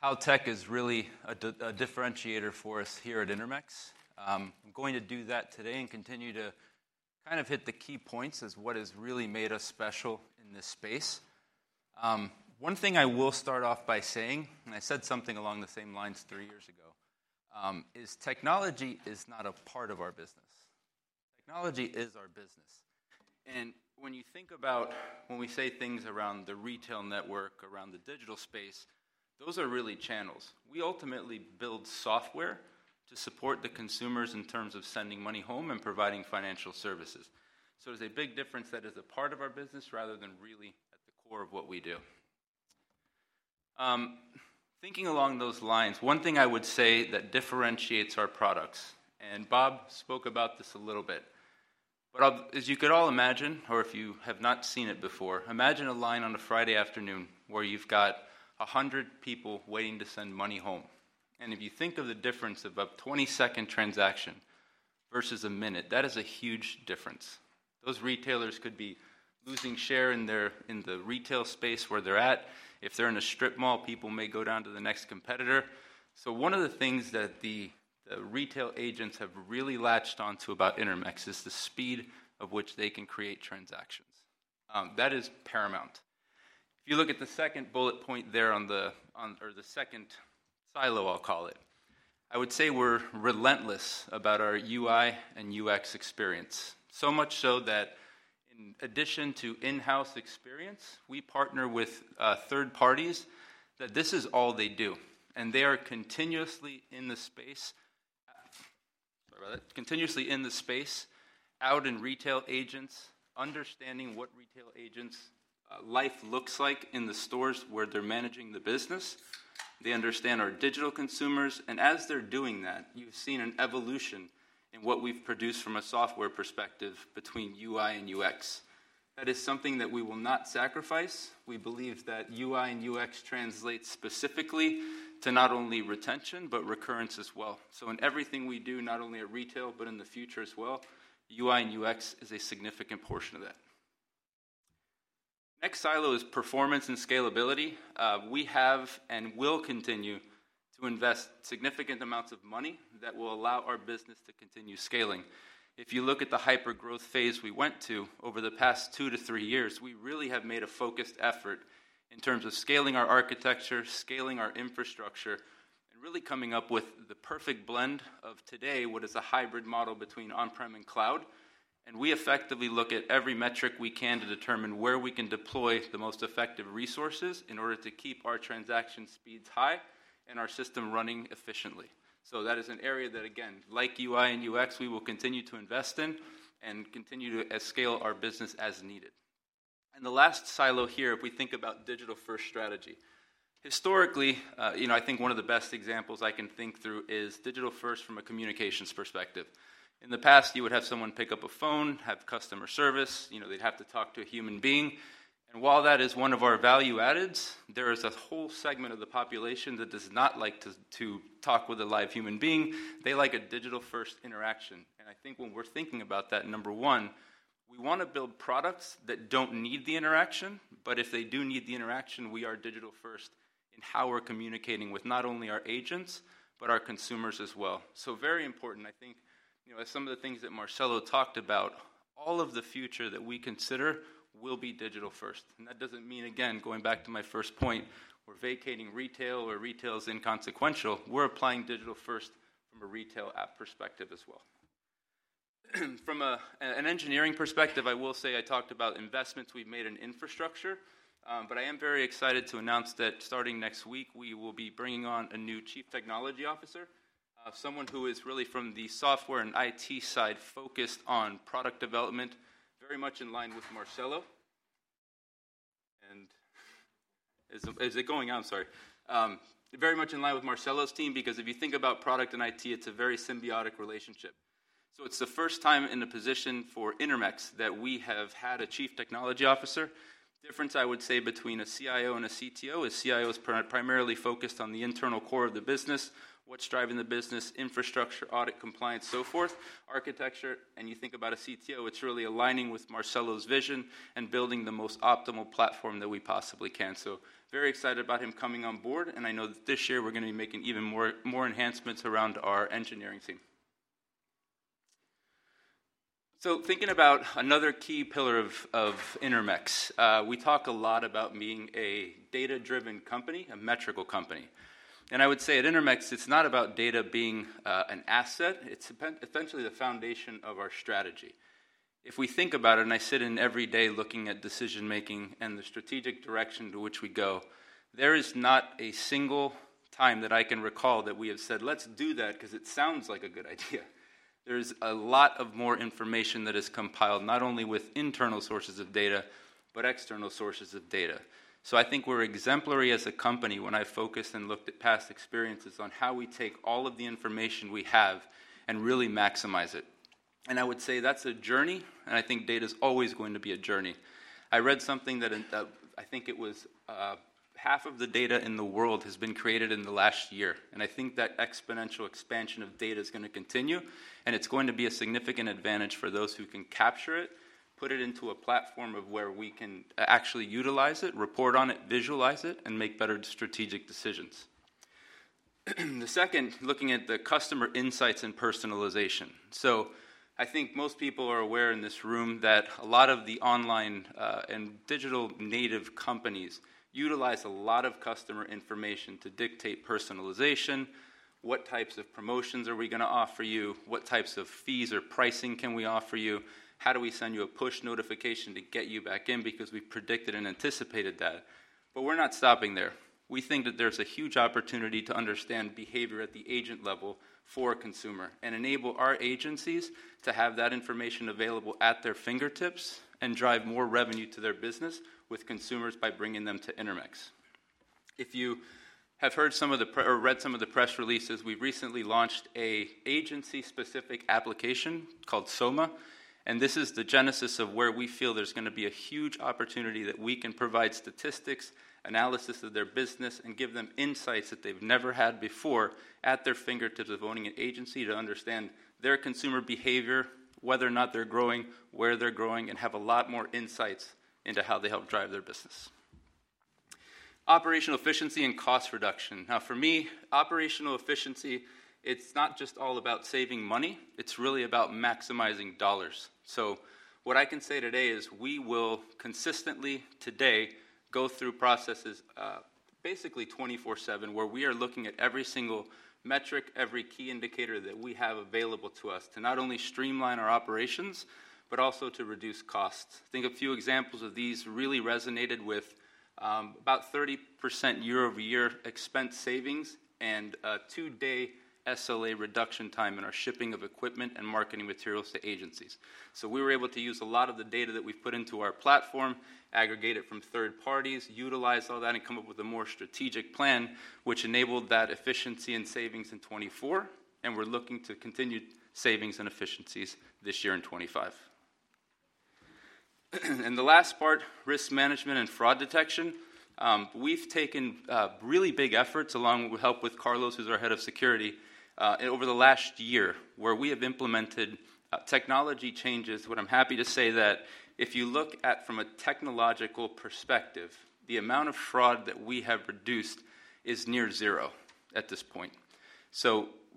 how tech is really a differentiator for us here at Intermex. I'm going to do that today and continue to kind of hit the key points as to what has really made us special in this space. One thing I will start off by saying, and I said something along the same lines three years ago, is technology is not a part of our business. Technology is our business. And when you think about when we say things around the retail network, around the digital space, those are really channels. We ultimately build software to support the consumers in terms of sending money home and providing financial services. There's a big difference that is a part of our business rather than really at the core of what we do. Thinking along those lines, one thing I would say that differentiates our products, and Bob spoke about this a little bit, but as you could all imagine, or if you have not seen it before, imagine a line on a Friday afternoon where you've got 100 people waiting to send money home. And if you think of the difference of a 20-second transaction versus a minute, that is a huge difference. Those retailers could be losing share in the retail space where they're at. If they're in a strip mall, people may go down to the next competitor. So one of the things that the retail agents have really latched onto about Intermex is the speed of which they can create transactions. That is paramount. If you look at the second bullet point there on the second silo, I'll call it, I would say we're relentless about our UI and UX experience. So much so that in addition to in-house experience, we partner with third parties that this is all they do. And they are continuously in the space, out in retail agents, understanding what retail agents' life looks like in the stores where they're managing the business. They understand our digital consumers. And as they're doing that, you've seen an evolution in what we've produced from a software perspective between UI and UX. That is something that we will not sacrifice. We believe that UI and UX translates specifically to not only retention but recurrence as well. In everything we do, not only at retail, but in the future as well, UI and UX is a significant portion of that. Next silo is performance and scalability. We have and will continue to invest significant amounts of money that will allow our business to continue scaling. If you look at the hyper-growth phase we went to over the past two to three years, we really have made a focused effort in terms of scaling our architecture, scaling our infrastructure, and really coming up with the perfect blend of today, what is a hybrid model between on-prem and cloud. We effectively look at every metric we can to determine where we can deploy the most effective resources in order to keep our transaction speeds high and our system running efficiently. So that is an area that, again, like UI and UX, we will continue to invest in and continue to scale our business as needed. And the last silo here, if we think about digital-first strategy. Historically, I think one of the best examples I can think through is digital-first from a communications perspective. In the past, you would have someone pick up a phone, have customer service, they'd have to talk to a human being. And while that is one of our value addeds, there is a whole segment of the population that does not like to talk with a live human being. They like a digital-first interaction. And I think when we're thinking about that, number one, we want to build products that don't need the interaction. But if they do need the interaction, we are digital-first in how we're communicating with not only our agents, but our consumers as well. So very important. I think some of the things that Marcelo talked about, all of the future that we consider will be digital-first. And that doesn't mean, again, going back to my first point, we're vacating retail or retail is inconsequential. We're applying digital-first from a retail app perspective as well. From an engineering perspective, I will say I talked about investments we've made in infrastructure. But I am very excited to announce that starting next week, we will be bringing on a new Chief Technology Officer, someone who is really from the software and IT side focused on product development, very much in line with Marcelo. And is it going? I'm sorry. Very much in line with Marcelo's team because if you think about product and IT, it's a very symbiotic relationship. So it's the first time in a position for Intermex that we have had a Chief Technology Officer. The difference, I would say, between a CIO and a CTO is the CIO is primarily focused on the internal core of the business, what's driving the business, infrastructure, audit, compliance, so forth, architecture. You think about a CTO; it's really aligning with Marcelo's vision and building the most optimal platform that we possibly can. Very excited about him coming on board. I know that this year we're going to be making even more enhancements around our engineering team. Thinking about another key pillar of Intermex, we talk a lot about being a data-driven company, a metrical company. I would say at Intermex, it's not about data being an asset. It's essentially the foundation of our strategy. If we think about it, and I sit in every day looking at decision-making and the strategic direction to which we go, there is not a single time that I can recall that we have said, "Let's do that because it sounds like a good idea." There is a lot more information that is compiled not only with internal sources of data but external sources of data. So I think we're exemplary as a company when I focused and looked at past experiences on how we take all of the information we have and really maximize it. I would say that's a journey. I think data is always going to be a journey. I read something that I think it was half of the data in the world has been created in the last year, and I think that exponential expansion of data is going to continue. And it's going to be a significant advantage for those who can capture it, put it into a platform of where we can actually utilize it, report on it, visualize it, and make better strategic decisions. The second, looking at the customer insights and personalization, so I think most people are aware in this room that a lot of the online and digital native companies utilize a lot of customer information to dictate personalization, what types of promotions are we going to offer you, what types of fees or pricing can we offer you, how do we send you a push notification to get you back in because we predicted and anticipated that. But we're not stopping there. We think that there's a huge opportunity to understand behavior at the agent level for a consumer and enable our agencies to have that information available at their fingertips and drive more revenue to their business with consumers by bringing them to Intermex. If you have heard some of the or read some of the press releases, we've recently launched an agency-specific application called SOMA. And this is the genesis of where we feel there's going to be a huge opportunity that we can provide statistics, analysis of their business, and give them insights that they've never had before at their fingertips of owning an agency to understand their consumer behavior, whether or not they're growing, where they're growing, and have a lot more insights into how they help drive their business. Operational efficiency and cost reduction. Now, for me, operational efficiency, it's not just all about saving money. It's really about maximizing dollars, so what I can say today is we will consistently today go through processes basically 24/7 where we are looking at every single metric, every key indicator that we have available to us to not only streamline our operations but also to reduce costs. I think a few examples of these really resonated with about 30% year-over-year expense savings and two-day SLA reduction time in our shipping of equipment and marketing materials to agencies, so we were able to use a lot of the data that we've put into our platform, aggregate it from third parties, utilize all that, and come up with a more strategic plan, which enabled that efficiency and savings in 2024, and we're looking to continue savings and efficiencies this year in 2025. The last part, risk management and fraud detection. We've taken really big efforts along with help with Carlos, who's our Head of Security, over the last year where we have implemented technology changes. What I'm happy to say that if you look at from a technological perspective, the amount of fraud that we have reduced is near zero at this point.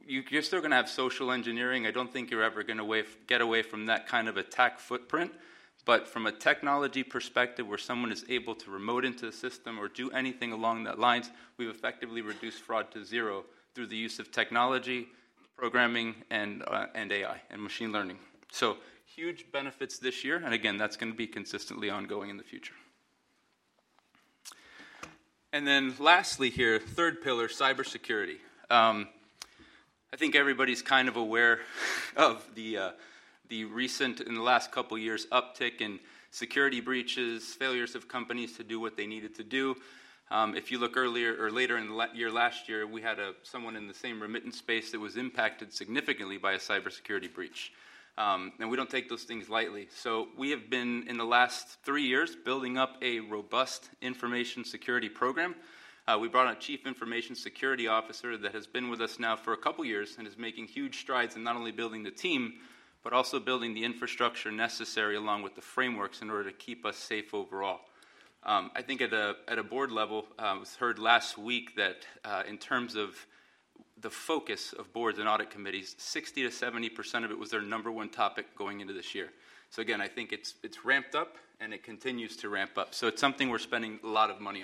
You're still going to have social engineering. I don't think you're ever going to get away from that kind of attack footprint. From a technology perspective where someone is able to remote into the system or do anything along that lines, we've effectively reduced fraud to zero through the use of technology, programming, and AI and machine learning. Huge benefits this year. Again, that's going to be consistently ongoing in the future. Lastly here, third pillar, cybersecurity. I think everybody's kind of aware of the recent uptick, in the last couple of years, in security breaches, failures of companies to do what they needed to do. If you look earlier or later in the year last year, we had someone in the same remittance space that was impacted significantly by a cybersecurity breach. We don't take those things lightly. We have been, in the last three years, building up a robust information security program. We brought on a Chief Information Security Officer that has been with us now for a couple of years and is making huge strides in not only building the team but also building the infrastructure necessary along with the frameworks in order to keep us safe overall. I think at a board level, we've heard last week that in terms of the focus of boards and audit committees, 60%-70% of it was their number one topic going into this year. So again, I think it's ramped up and it continues to ramp up. So it's something we're spending a lot of money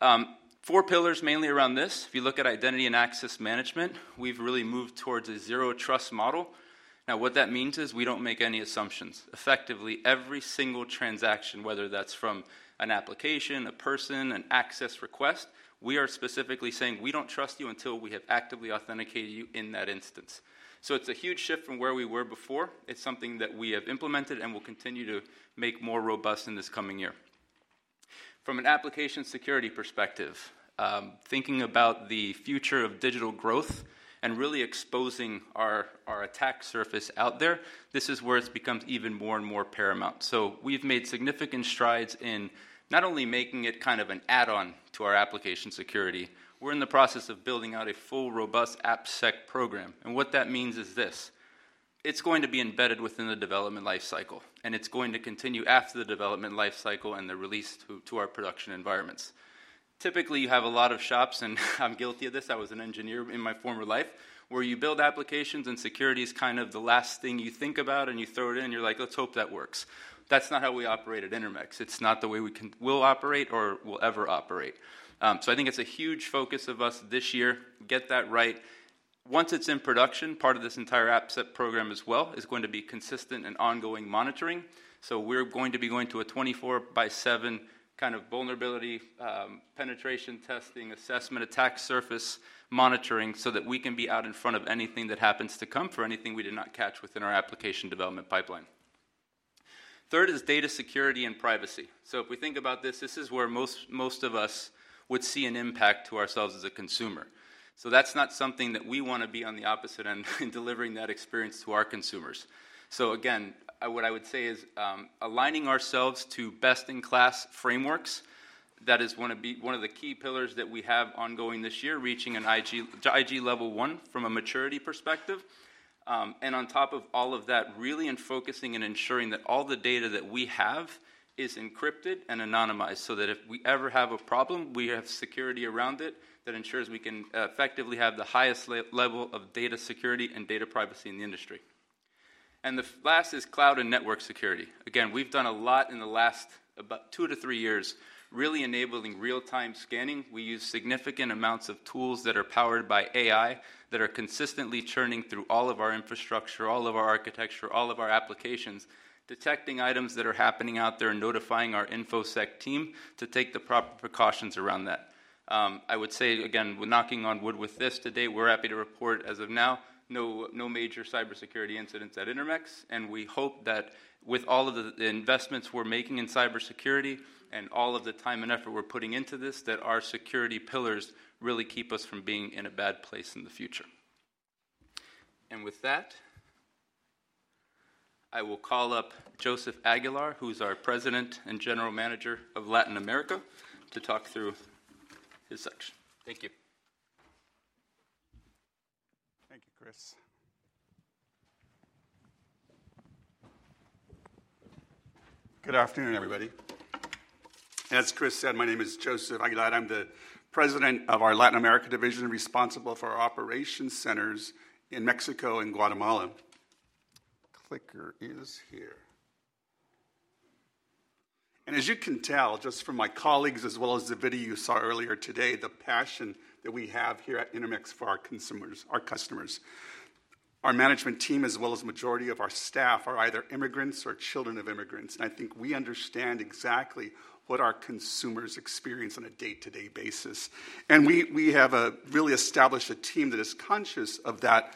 on. Four pillars mainly around this. If you look at identity and access management, we've really moved towards a Zero Trust Model. Now, what that means is we don't make any assumptions. Effectively, every single transaction, whether that's from an application, a person, an access request, we are specifically saying we don't trust you until we have actively authenticated you in that instance. So it's a huge shift from where we were before. It's something that we have implemented and will continue to make more robust in this coming year. From an application security perspective, thinking about the future of digital growth and really exposing our attack surface out there, this is where it becomes even more and more paramount. So we've made significant strides in not only making it kind of an add-on to our application security. We're in the process of building out a full, robust AppSec program. And what that means is this: it's going to be embedded within the development life cycle, and it's going to continue after the development life cycle and the release to our production environments. Typically, you have a lot of shops, and I'm guilty of this. I was an engineer in my former life, where you build applications and security is kind of the last thing you think about, and you throw it in, and you're like, "Let's hope that works." That's not how we operate at Intermex. It's not the way we will operate or will ever operate. So I think it's a huge focus of us this year, get that right. Once it's in production, part of this entire AppSec program as well is going to be consistent and ongoing monitoring. So we're going to be going to a 24/7 kind of vulnerability penetration testing, assessment, attack surface monitoring so that we can be out in front of anything that happens to come for anything we did not catch within our application development pipeline. Third is data security and privacy. So if we think about this, this is where most of us would see an impact to ourselves as a consumer. So that's not something that we want to be on the opposite end in delivering that experience to our consumers. So again, what I would say is aligning ourselves to best-in-class frameworks. That is one of the key pillars that we have ongoing this year, reaching an IG Level 1 from a maturity perspective. And on top of all of that, really focusing and ensuring that all the data that we have is encrypted and anonymized so that if we ever have a problem, we have security around it that ensures we can effectively have the highest level of data security and data privacy in the industry. And the last is cloud and network security. Again, we've done a lot in the last about two to three years, really enabling real-time scanning. We use significant amounts of tools that are powered by AI that are consistently churning through all of our infrastructure, all of our architecture, all of our applications, detecting items that are happening out there and notifying our InfoSec team to take the proper precautions around that. I would say, again, we're knocking on wood with this today. We're happy to report as of now, no major cybersecurity incidents at Intermex. And we hope that with all of the investments we're making in cybersecurity and all of the time and effort we're putting into this, that our security pillars really keep us from being in a bad place in the future. And with that, I will call up Joseph Aguilar, who's our President and General Manager of Latin America, to talk through his section. Thank you. Thank you, Chris. Good afternoon, everybody. As Chris said, my name is Joseph Aguilar. I'm the President of our Latin America Division, responsible for our operations centers in Mexico and Guatemala. Clicker is here. And as you can tell just from my colleagues as well as the video you saw earlier today, the passion that we have here at Intermex for our consumers, our customers, our management team, as well as the majority of our staff, are either immigrants or children of immigrants. And I think we understand exactly what our consumers experience on a day-to-day basis. And we have really established a team that is conscious of that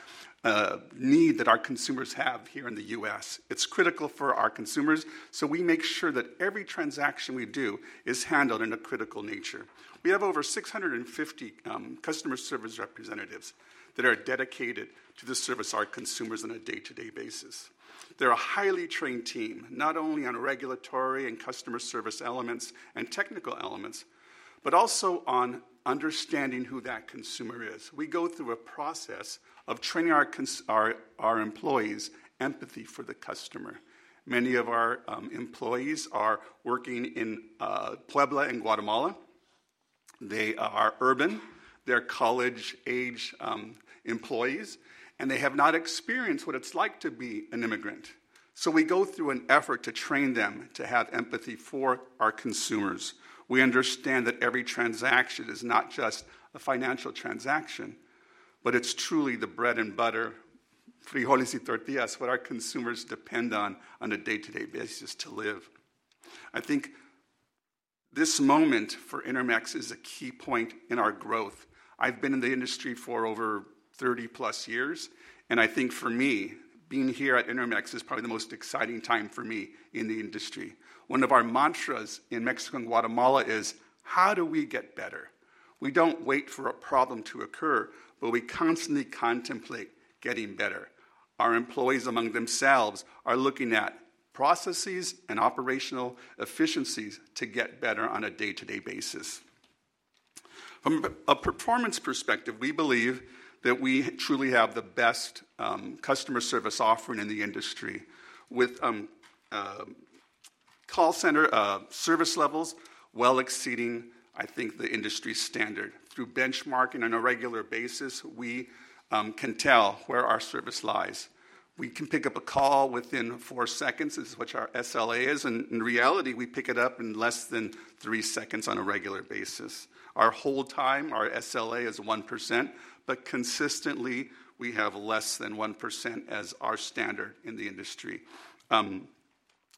need that our consumers have here in the U.S. It's critical for our consumers. So we make sure that every transaction we do is handled in a critical nature. We have over 650 customer service representatives that are dedicated to the service of our consumers on a day-to-day basis. They're a highly trained team, not only on regulatory and customer service elements and technical elements, but also on understanding who that consumer is. We go through a process of training our employees, empathy for the customer. Many of our employees are working in Puebla and Guatemala. They are urban. They're college-age employees and they have not experienced what it's like to be an immigrant. So we go through an effort to train them to have empathy for our consumers. We understand that every transaction is not just a financial transaction, but it's truly the bread and butter, frijoles y tortillas, what our consumers depend on a day-to-day basis to live. I think this moment for Intermex is a key point in our growth. I've been in the industry for over 30+ years and I think for me, being here at Intermex is probably the most exciting time for me in the industry. One of our mantras in Mexico and Guatemala is, "How do we get better?" We don't wait for a problem to occur, but we constantly contemplate getting better. Our employees among themselves are looking at processes and operational efficiencies to get better on a day-to-day basis. From a performance perspective, we believe that we truly have the best customer service offering in the industry with call center service levels well exceeding, I think, the industry standard. Through benchmarking on a regular basis, we can tell where our service lies. We can pick up a call within four seconds, which our SLA is, and in reality, we pick it up in less than three seconds on a regular basis. Our hold time, our SLA is 1%, but consistently, we have less than 1% as our standard in the industry.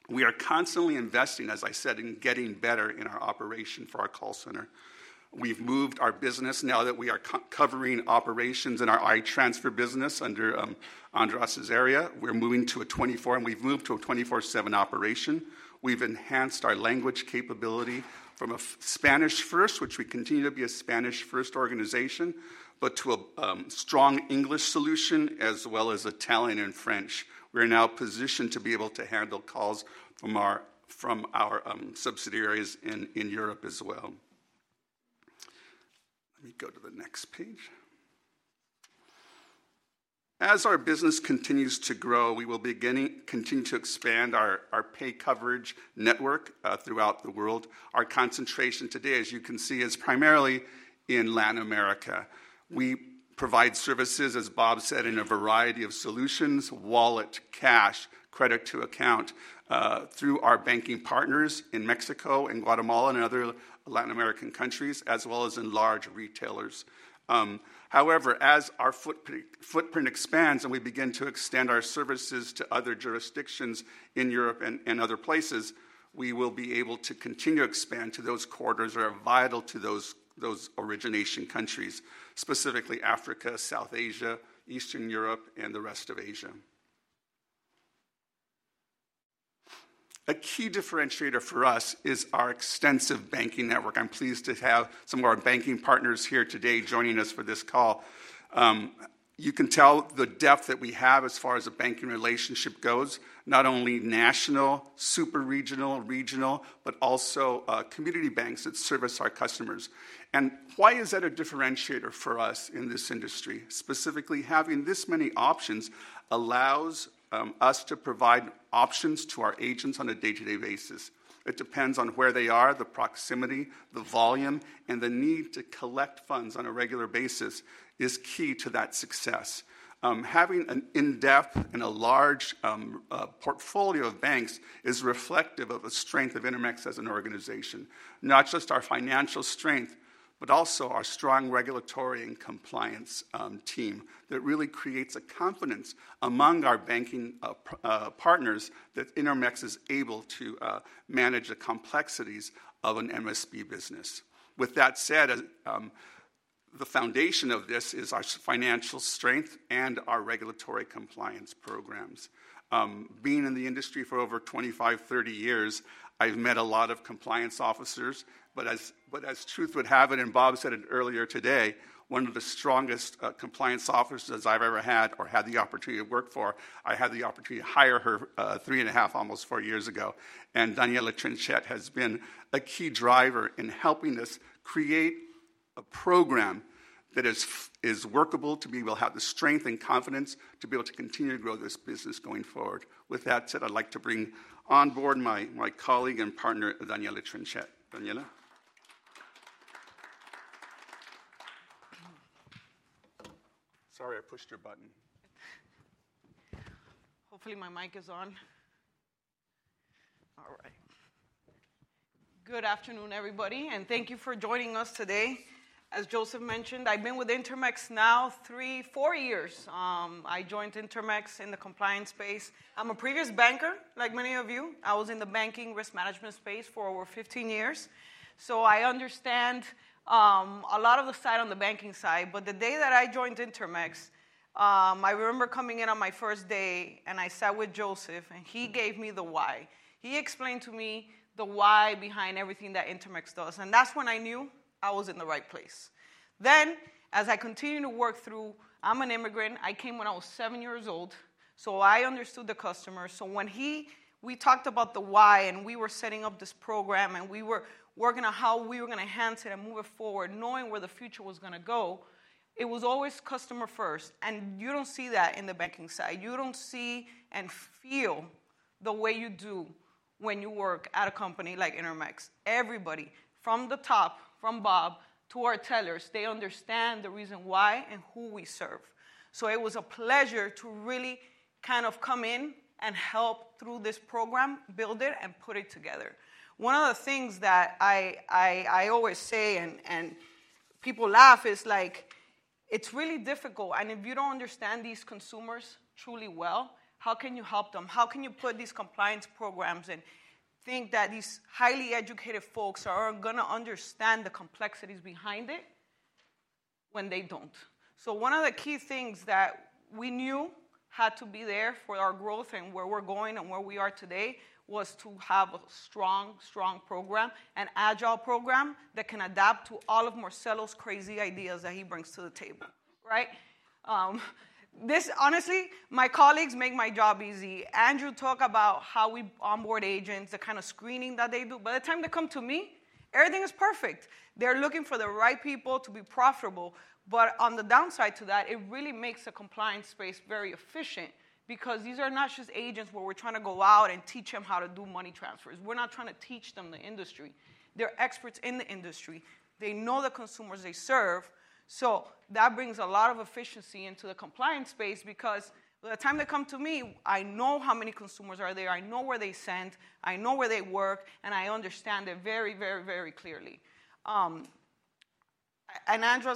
We are constantly investing, as I said, in getting better in our operation for our call center. We've moved our business now that we are covering operations in our iTransfer business under Andras's area. We're moving to a 24, and we've moved to a 24/7 operation. We've enhanced our language capability from a Spanish-first, which we continue to be a Spanish-first organization, but to a strong English solution as well as Italian and French. We're now positioned to be able to handle calls from our subsidiaries in Europe as well. Let me go to the next page. As our business continues to grow, we will continue to expand our pay coverage network throughout the world. Our concentration today, as you can see, is primarily in Latin America. We provide services, as Bob said, in a variety of solutions: wallet, cash, credit to account, through our banking partners in Mexico and Guatemala and other Latin American countries, as well as in large retailers. However, as our footprint expands and we begin to extend our services to other jurisdictions in Europe and other places, we will be able to continue to expand to those corridors that are vital to those origination countries, specifically Africa, South Asia, Eastern Europe, and the rest of Asia. A key differentiator for us is our extensive banking network. I'm pleased to have some of our banking partners here today joining us for this call. You can tell the depth that we have as far as a banking relationship goes, not only national, super regional, regional, but also community banks that service our customers. And why is that a differentiator for us in this industry? Specifically, having this many options allows us to provide options to our agents on a day-to-day basis. It depends on where they are, the proximity, the volume, and the need to collect funds on a regular basis is key to that success. Having an in-depth and a large portfolio of banks is reflective of the strength of Intermex as an organization, not just our financial strength, but also our strong regulatory and compliance team that really creates a confidence among our banking partners that Intermex is able to manage the complexities of an MSB business. With that said, the foundation of this is our financial strength and our regulatory compliance programs. Being in the industry for over 25, 30 years, I've met a lot of compliance officers. But as truth would have it, and Bob said it earlier today, one of the strongest compliance officers I've ever had or had the opportunity to work for. I had the opportunity to hire her three and a half, almost four years ago. And Daniela Trinchet has been a key driver in helping us create a program that is workable, to be able to have the strength and confidence to be able to continue to grow this business going forward. With that said, I'd like to bring on board my colleague and partner, Daniella Trinchet. Daniela? Sorry, I pushed your button. Hopefully, my mic is on. All right. Good afternoon, everybody, and thank you for joining us today. As Joseph mentioned, I've been with Intermex now three, four years. I joined Intermex in the compliance space. I'm a previous banker, like many of you. I was in the banking risk management space for over 15 years. So I understand a lot of the side on the banking side. But the day that I joined Intermex, I remember coming in on my first day, and I sat with Joseph, and he gave me the why. He explained to me the why behind everything that Intermex does. And that's when I knew I was in the right place. Then, as I continued to work through, I'm an immigrant. I came when I was seven years old. So I understood the customer. So when we talked about the why and we were setting up this program and we were working on how we were going to enhance it and move it forward, knowing where the future was going to go, it was always customer first. And you don't see that in the banking side. You don't see and feel the way you do when you work at a company like Intermex. Everybody, from the top, from Bob to our tellers, they understand the reason why and who we serve. So it was a pleasure to really kind of come in and help through this program, build it, and put it together. One of the things that I always say, and people laugh, is like, it's really difficult. And if you don't understand these consumers truly well, how can you help them? How can you put these compliance programs and think that these highly educated folks are going to understand the complexities behind it when they don't? So one of the key things that we knew had to be there for our growth and where we're going and where we are today was to have a strong, strong program, an agile program that can adapt to all of Marcelo's crazy ideas that he brings to the table, right? This, honestly, my colleagues make my job easy. Andrew talked about how we onboard agents, the kind of screening that they do. By the time they come to me, everything is perfect. They're looking for the right people to be profitable. But on the downside to that, it really makes the compliance space very efficient because these are not just agents where we're trying to go out and teach them how to do money transfers. We're not trying to teach them the industry. They're experts in the industry. They know the consumers they serve. So that brings a lot of efficiency into the compliance space because by the time they come to me, I know how many consumers are there. I know where they send. I know where they work. And I understand it very, very, very clearly. And Andrew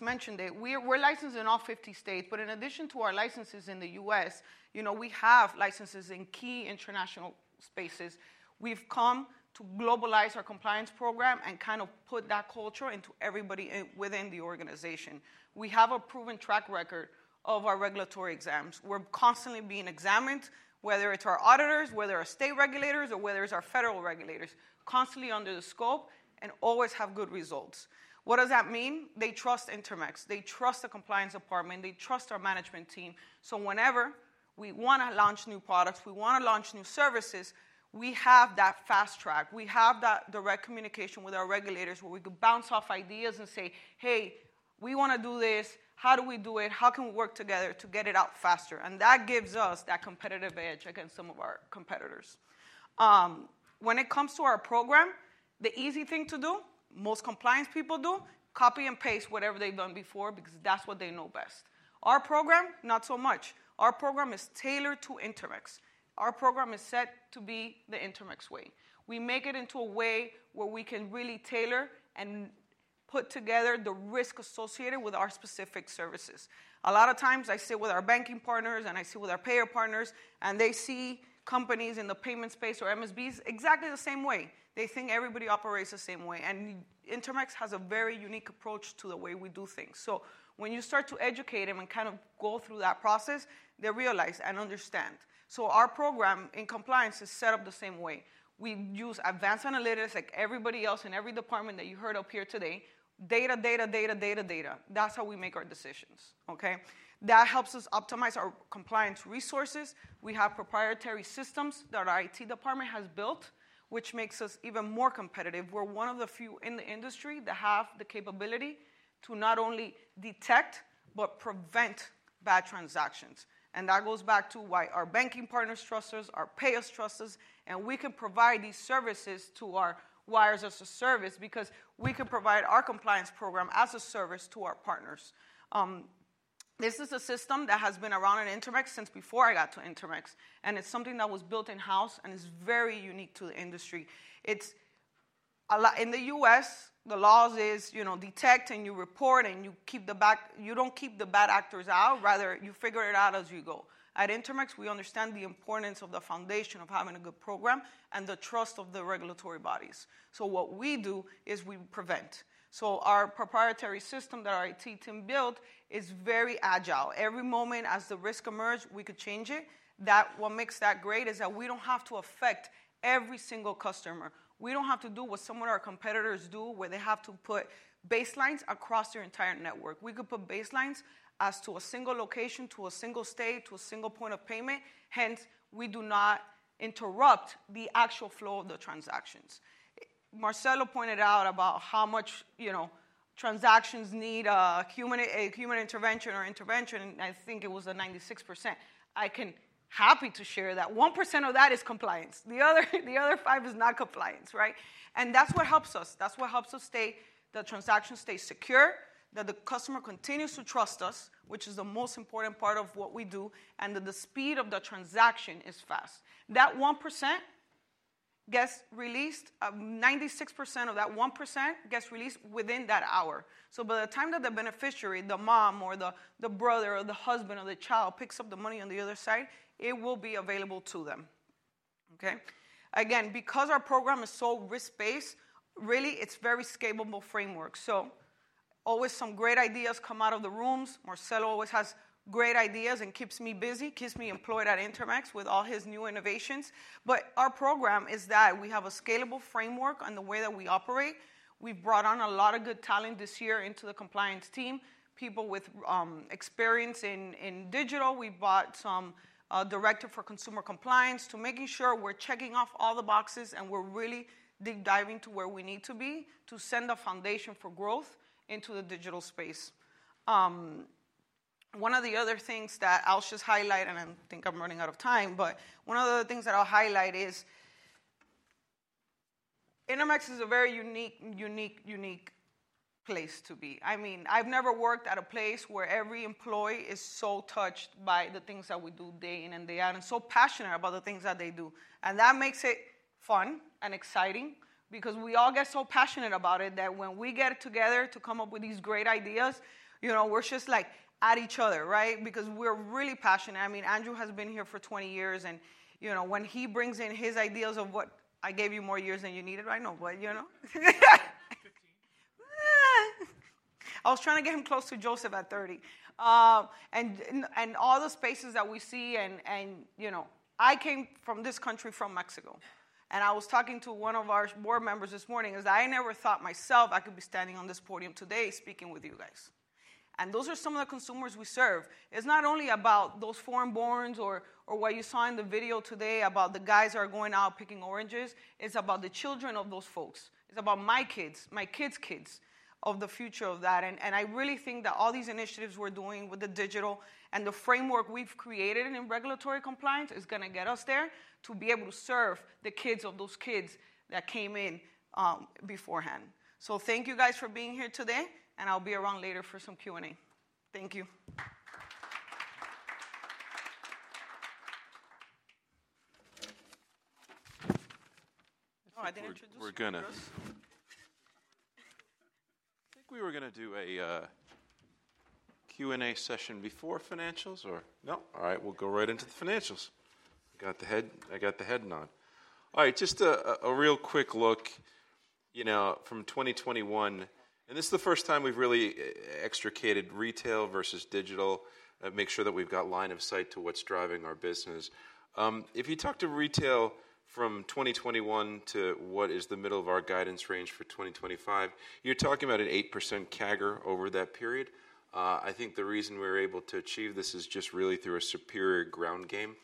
mentioned that we're licensed in all 50 states. But in addition to our licenses in the U.S., we have licenses in key international spaces. We've come to globalize our compliance program and kind of put that culture into everybody within the organization. We have a proven track record of our regulatory exams. We're constantly being examined, whether it's our auditors, whether our state regulators, or whether it's our federal regulators, constantly under the scope and always have good results. What does that mean? They trust Intermex. They trust the compliance department. They trust our management team. So whenever we want to launch new products, we want to launch new services, we have that fast track. We have that direct communication with our regulators where we can bounce off ideas and say, "Hey, we want to do this. How do we do it? How can we work together to get it out faster?" And that gives us that competitive edge against some of our competitors. When it comes to our program, the easy thing to do, most compliance people do, copy and paste whatever they've done before because that's what they know best. Our program, not so much. Our program is tailored to Intermex. Our program is set to be the Intermex way. We make it into a way where we can really tailor and put together the risk associated with our specific services. A lot of times, I sit with our banking partners and I sit with our payer partners, and they see companies in the payment space or MSBs exactly the same way. They think everybody operates the same way, and Intermex has a very unique approach to the way we do things. So when you start to educate them and kind of go through that process, they realize and understand. So our program in compliance is set up the same way. We use advanced analytics like everybody else in every department that you heard up here today, data, data, data, data, data. That's how we make our decisions, okay? That helps us optimize our compliance resources. We have proprietary systems that our IT department has built, which makes us even more competitive. We're one of the few in the industry that have the capability to not only detect but prevent bad transactions, and that goes back to why our banking partners trust us, our payers trust us, and we can provide these services to our Wires-as-a-Service because we can provide our compliance program as a service to our partners. This is a system that has been around in Intermex since before I got to Intermex, and it's something that was built in-house and is very unique to the industry. In the U.S., the law is detect and you report and you don't keep the bad actors out. Rather, you figure it out as you go. At Intermex, we understand the importance of the foundation of having a good program and the trust of the regulatory bodies, so what we do is we prevent. Our proprietary system that our IT team built is very agile. Every moment, as the risk emerged, we could change it. What makes that great is that we don't have to affect every single customer. We don't have to do what some of our competitors do where they have to put baselines across their entire network. We could put baselines as to a single location, to a single state, to a single point of payment. Hence, we do not interrupt the actual flow of the transactions. Marcelo pointed out about how much transactions need a human intervention. I think it was 96%. I'm happy to share that 1% of that is compliance. The other 5% is not compliance, right? That's what helps us. That's what helps us keep the transaction secure, that the customer continues to trust us, which is the most important part of what we do, and that the speed of the transaction is fast. That 1% gets released. 96% of that 1% gets released within that hour. So by the time that the beneficiary, the mom or the brother or the husband or the child picks up the money on the other side, it will be available to them, okay? Again, because our program is so risk-based, really, it's a very scalable framework. Always some great ideas come out of the rooms. Marcelo always has great ideas and keeps me busy, keeps me employed at Intermex with all his new innovations. Our program is that we have a scalable framework on the way that we operate. We brought on a lot of good talent this year into the compliance team, people with experience in digital. We brought on a director for consumer compliance to make sure we're checking off all the boxes and we're really deep diving to where we need to be to set a foundation for growth into the digital space. One of the other things that I'll just highlight, and I think I'm running out of time, but one of the things that I'll highlight is Intermex is a very unique, unique, unique place to be. I mean, I've never worked at a place where every employee is so touched by the things that we do day in and day out and so passionate about the things that they do. And that makes it fun and exciting because we all get so passionate about it that when we get together to come up with these great ideas, we're just like at each other, right? Because we're really passionate. I mean, Andrew has been here for 20 years. And when he brings in his ideas of, "What? I gave you more years than you needed, right? No, but you know." I was trying to get him close to Joseph at 30. And all the spaces that we see, and I came from this country from Mexico. And I was talking to one of our board members this morning. I never thought myself I could be standing on this podium today speaking with you guys. And those are some of the consumers we serve. It's not only about those foreign borns or what you saw in the video today about the guys that are going out picking oranges. It's about the children of those folks. It's about my kids, my kids' kids of the future of that. And I really think that all these initiatives we're doing with the digital and the framework we've created in regulatory compliance is going to get us there to be able to serve the kids of those kids that came in beforehand. So thank you guys for being here today. And I'll be around later for some Q&A. Thank you. No, I didn't introduce myself. I think we were going to do a Q&A session before financials, or? No? All right. We'll go right into the financials. I got the head nod. All right. Just a real quick look from 2021. This is the first time we've really extricated retail versus digital to make sure that we've got line of sight to what's driving our business. If you talk to retail from 2021 to what is the middle of our guidance range for 2025, you're talking about an 8% CAGR over that period. I think the reason we were able to achieve this is just really through a superior ground game,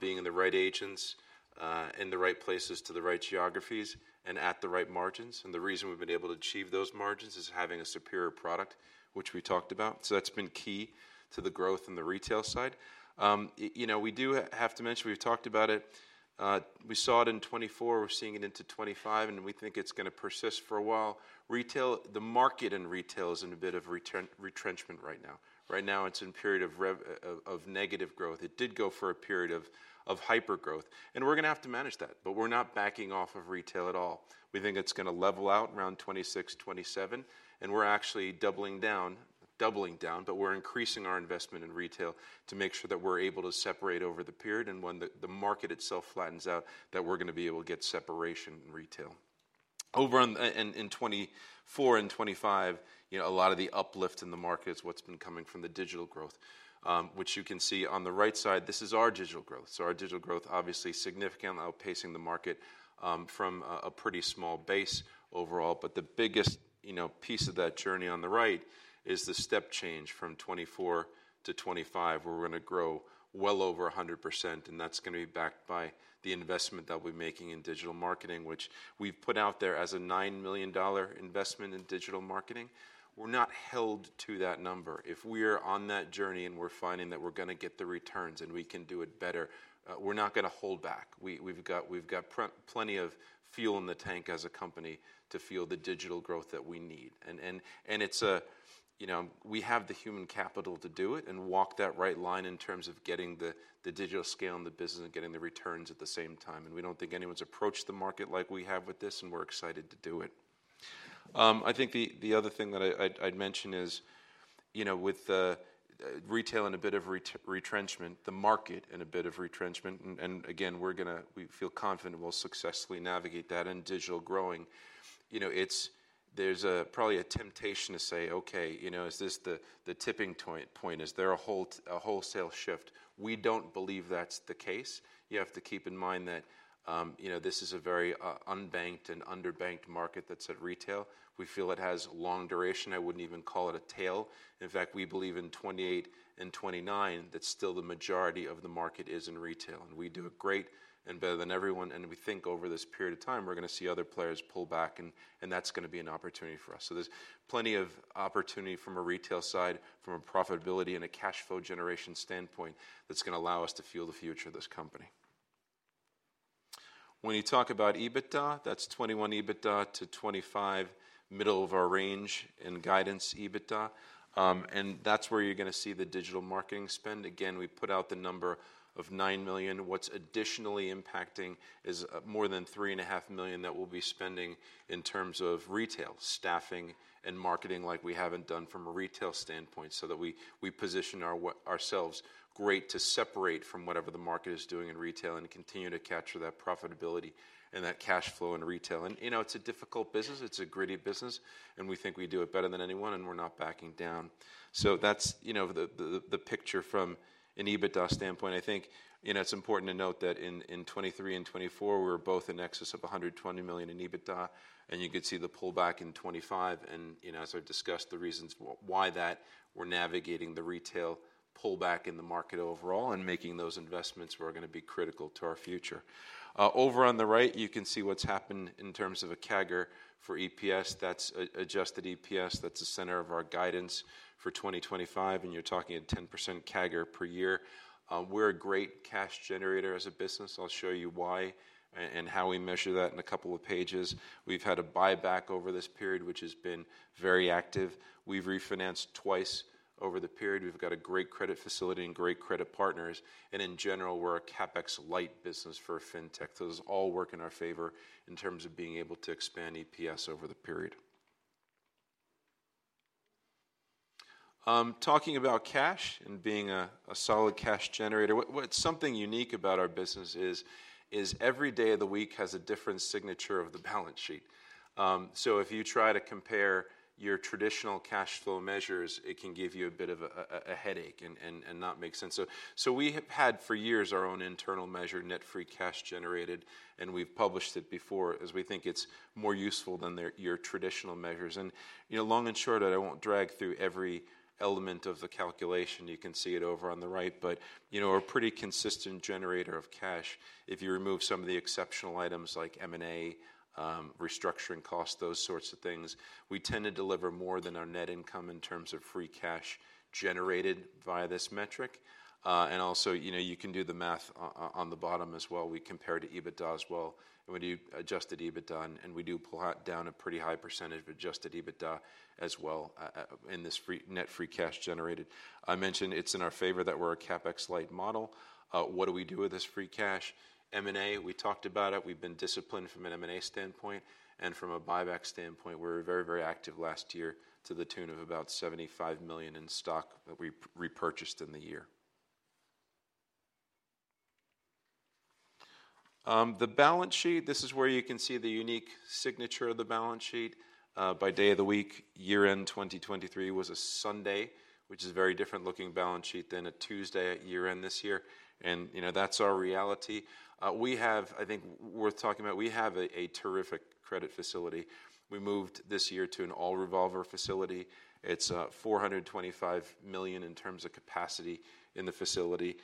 being in the right agents, in the right places to the right geographies, and at the right margins. And the reason we've been able to achieve those margins is having a superior product, which we talked about. So that's been key to the growth in the retail side. We do have to mention, we've talked about it. We saw it in 2024. We're seeing it into 2025. And we think it's going to persist for a while. The market in retail is in a bit of retrenchment right now. Right now, it's in a period of negative growth. It did go for a period of hypergrowth, and we're going to have to manage that. But we're not backing off of retail at all. We think it's going to level out around 2026, 2027, and we're actually doubling down, doubling down, but we're increasing our investment in retail to make sure that we're able to separate over the period and when the market itself flattens out, that we're going to be able to get separation in retail. In 2024 and 2025, a lot of the uplift in the market is what's been coming from the digital growth, which you can see on the right side. This is our digital growth, so our digital growth, obviously, significantly outpacing the market from a pretty small base overall. But the biggest piece of that journey on the right is the step change from 2024 to 2025, where we're going to grow well over 100%. And that's going to be backed by the investment that we're making in digital marketing, which we've put out there as a $9 million investment in digital marketing. We're not held to that number. If we're on that journey and we're finding that we're going to get the returns and we can do it better, we're not going to hold back. We've got plenty of fuel in the tank as a company to fuel the digital growth that we need. And we have the human capital to do it and walk that right line in terms of getting the digital scale in the business and getting the returns at the same time. We don't think anyone's approached the market like we have with this. We're excited to do it. I think the other thing that I'd mention is with retail in a bit of retrenchment, the market in a bit of retrenchment. Again, we feel confident we'll successfully navigate that in digital growing. There's probably a temptation to say, "Okay, is this the tipping point? Is there a wholesale shift?" We don't believe that's the case. You have to keep in mind that this is a very unbanked and underbanked market that's at retail. We feel it has long tail. I wouldn't even call it a tail. In fact, we believe in 2028 and 2029 that still the majority of the market is in retail. We do it great and better than everyone. We think over this period of time, we're going to see other players pull back. And that's going to be an opportunity for us. So there's plenty of opportunity from a retail side, from a profitability and a cash flow generation standpoint that's going to allow us to fuel the future of this company. When you talk about EBITDA, that's 2021 EBITDA to 2025 middle of our range in guidance EBITDA. And that's where you're going to see the digital marketing spend. Again, we put out the number of $9 million. What's additionally impacting is more than $3.5 million that we'll be spending in terms of retail, staffing, and marketing like we haven't done from a retail standpoint so that we position ourselves great to separate from whatever the market is doing in retail and continue to capture that profitability and that cash flow in retail. It's a difficult business. It's a gritty business. We think we do it better than anyone. We're not backing down. So that's the picture from an EBITDA standpoint. I think it's important to note that in 2023 and 2024, we were both in excess of 120 million in EBITDA. You could see the pullback in 2025. As I've discussed the reasons why that, we're navigating the retail pullback in the market overall and making those investments where we're going to be critical to our future. Over on the right, you can see what's happened in terms of a CAGR for EPS. That's adjusted EPS. That's the center of our guidance for 2025. You're talking a 10% CAGR per year. We're a great cash generator as a business. I'll show you why and how we measure that in a couple of pages. We've had a buyback over this period, which has been very active. We've refinanced twice over the period. We've got a great credit facility and great credit partners, and in general, we're a CapEx light business for fintech, so it's all working in our favor in terms of being able to expand EPS over the period. Talking about cash and being a solid cash generator, what's something unique about our business is every day of the week has a different signature of the balance sheet, so if you try to compare your traditional cash flow measures, it can give you a bit of a headache and not make sense, so we have had for years our own internal measure, net free cash generated, and we've published it before as we think it's more useful than your traditional measures. Long and short, I won't drag through every element of the calculation. You can see it over on the right, but we're a pretty consistent generator of cash. If you remove some of the exceptional items like M&A, restructuring costs, those sorts of things, we tend to deliver more than our net income in terms of free cash generated via this metric. Also, you can do the math on the bottom as well. We compare to EBITDA as well. We do adjusted EBITDA. And we do pull down a pretty high percentage of adjusted EBITDA as well in this net free cash generated. I mentioned it's in our favor that we're a CapEx light model. What do we do with this free cash? M&A, we talked about it. We've been disciplined from an M&A standpoint. And from a buyback standpoint, we were very, very active last year to the tune of about $75 million in stock that we repurchased in the year. The balance sheet, this is where you can see the unique signature of the balance sheet. By day of the week, year-end 2023 was a Sunday, which is a very different-looking balance sheet than a Tuesday year-end this year. And that's our reality. I think worth talking about, we have a terrific credit facility. We moved this year to an all-revolver facility. It's $425 million in terms of capacity in the facility.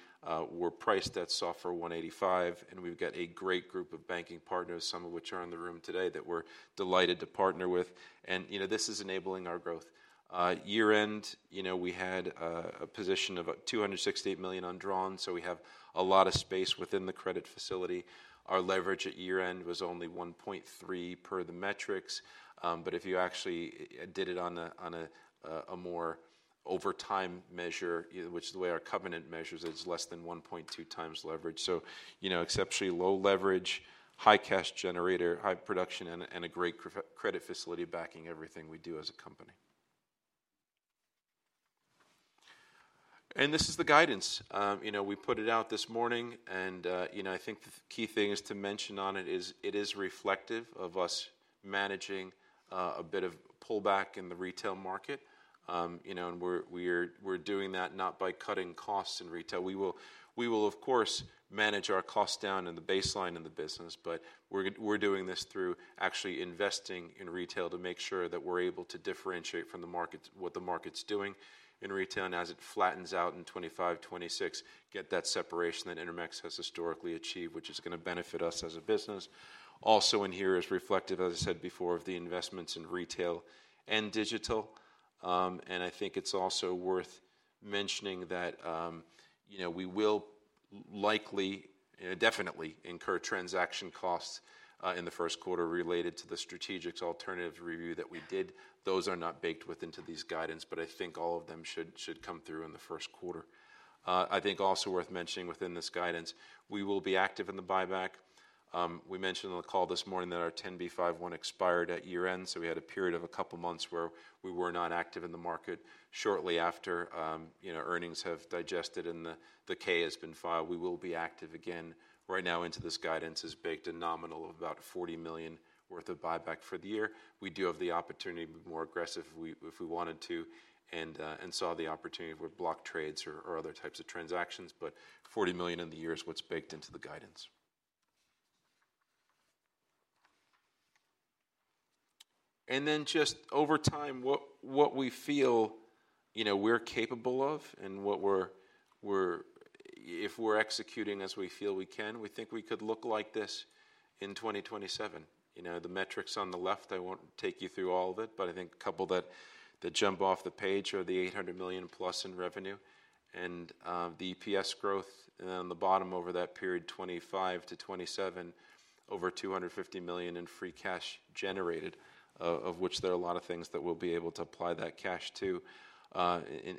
We're priced at SOFR +185bps. And we've got a great group of banking partners, some of which are in the room today that we're delighted to partner with. And this is enabling our growth. Year-end, we had a position of $268 million drawn. We have a lot of space within the credit facility. Our leverage at year-end was only 1.3 per the metrics. But if you actually did it on a more over time measure, which is the way our covenant measures, it's less than 1.2 times leverage. Exceptionally low leverage, high cash generator, high production, and a great credit facility backing everything we do as a company. This is the guidance. We put it out this morning. I think the key thing is to mention on it is it is reflective of us managing a bit of pullback in the retail market. We're doing that not by cutting costs in retail. We will, of course, manage our costs down in the baseline in the business. But we're doing this through actually investing in retail to make sure that we're able to differentiate from the market what the market's doing in retail. And as it flattens out in 2025, 2026, get that separation that Intermex has historically achieved, which is going to benefit us as a business. Also in here is reflective, as I said before, of the investments in retail and digital. And I think it's also worth mentioning that we will likely and definitely incur transaction costs in the first quarter related to the strategic alternatives review that we did. Those are not baked into these guidance. But I think all of them should come through in the first quarter. I think also worth mentioning within this guidance, we will be active in the buyback. We mentioned on the call this morning that our 10b5-1 expired at year-end. We had a period of a couple of months where we were not active in the market. Shortly after earnings have digested and the K has been filed, we will be active again. Right now, into this guidance is baked a nominal of about $40 million worth of buyback for the year. We do have the opportunity to be more aggressive if we wanted to and saw the opportunity with block trades or other types of transactions. But $40 million in the year is what's baked into the guidance. And then just over time, what we feel we're capable of and if we're executing as we feel we can, we think we could look like this in 2027. The metrics on the left, I won't take you through all of it. But I think a couple that jump off the page are the $800 million+ in revenue and the EPS growth. And on the bottom over that period, 2025 to 2027, over $250 million in free cash generated, of which there are a lot of things that we'll be able to apply that cash to,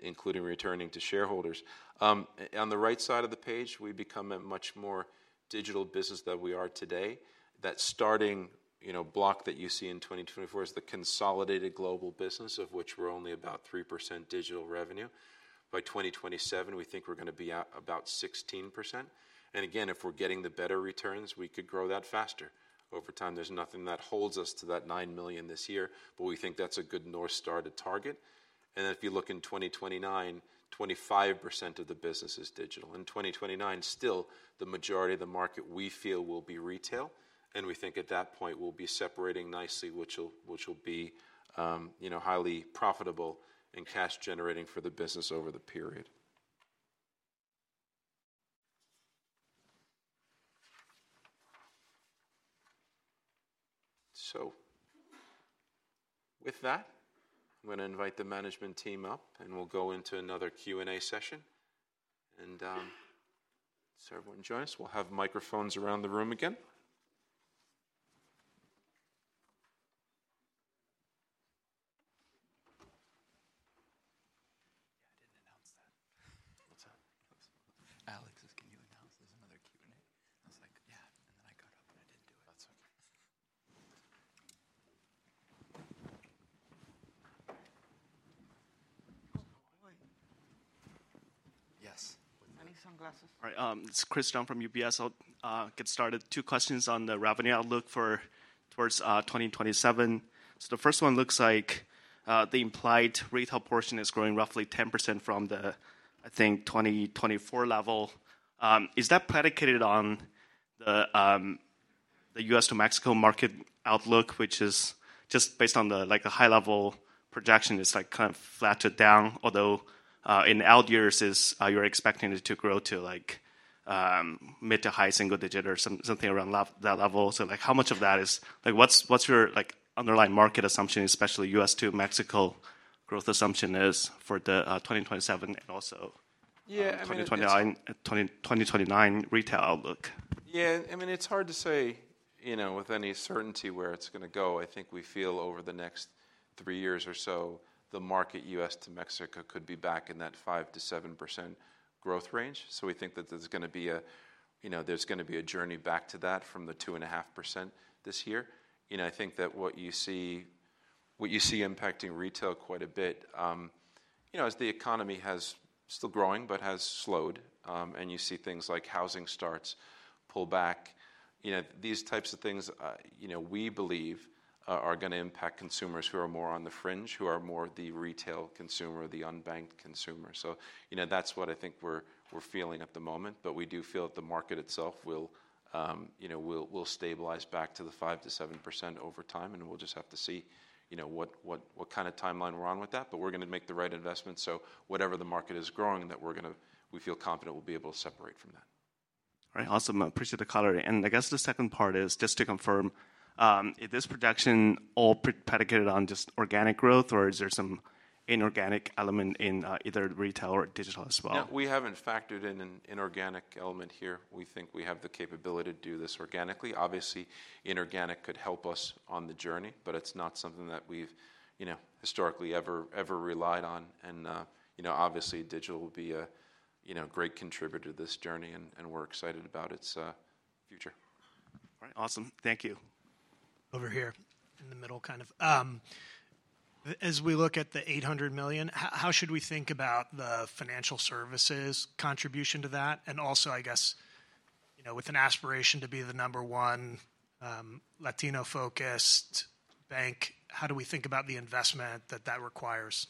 including returning to shareholders. On the right side of the page, we become a much more digital business than we are today. That starting block that you see in 2024 is the consolidated global business, of which we're only about 3% digital revenue. By 2027, we think we're going to be at about 16%. And again, if we're getting the better returns, we could grow that faster. Over time, there's nothing that holds us to that 9 million this year. But we think that's a good North Star to target. If you look in 2029, 25% of the business is digital. In 2029, still, the majority of the market we feel will be retail. We think at that point, we'll be separating nicely, which will be highly profitable and cash generating for the business over the period. With that, I'm going to invite the management team up. We'll go into another Q&A session. Sir, wouldn't you join us? We'll have microphones around the room again. All right. This is Chris Dunne from UBS. I'll get started. Two questions on the revenue outlook towards 2027. The first one looks like the implied retail portion is growing roughly 10% from the, I think, 2024 level. Is that predicated on the US to Mexico market outlook, which is just based on the high-level projection? It's kind of flattened down, although in the out years, you're expecting it to grow to mid to high single digit or something around that level. So how much of that is what's your underlying market assumption, especially US to Mexico growth assumption is for the 2027 and also 2029 retail outlook? Yeah. I mean, it's hard to say with any certainty where it's going to go. I think we feel over the next three years or so, the market US to Mexico could be back in that 5% to 7% growth range. So we think that there's going to be a journey back to that from the 2.5% this year. I think that what you see impacting retail quite a bit as the economy has still growing but has slowed, and you see things like housing starts pull back. These types of things we believe are going to impact consumers who are more on the fringe, who are more the retail consumer, the unbanked consumer, so that's what I think we're feeling at the moment, but we do feel that the market itself will stabilize back to the 5%-7% over time, and we'll just have to see what kind of timeline we're on with that, but we're going to make the right investment, so whatever the market is growing that we feel confident we'll be able to separate from that. All right. Awesome. Appreciate the clarity. I guess the second part is just to confirm. Is this projection all predicated on just organic growth, or is there some inorganic element in either retail or digital as well? We haven't factored in an inorganic element here. We think we have the capability to do this organically. Obviously, inorganic could help us on the journey. But it's not something that we've historically ever relied on. And obviously, digital will be a great contributor to this journey. And we're excited about its future. All right. Awesome. Thank you. Over here in the middle kind of. As we look at the $800 million, how should we think about the financial services contribution to that? And also, I guess, with an aspiration to be the number one Latino-focused bank, how do we think about the investment that that requires?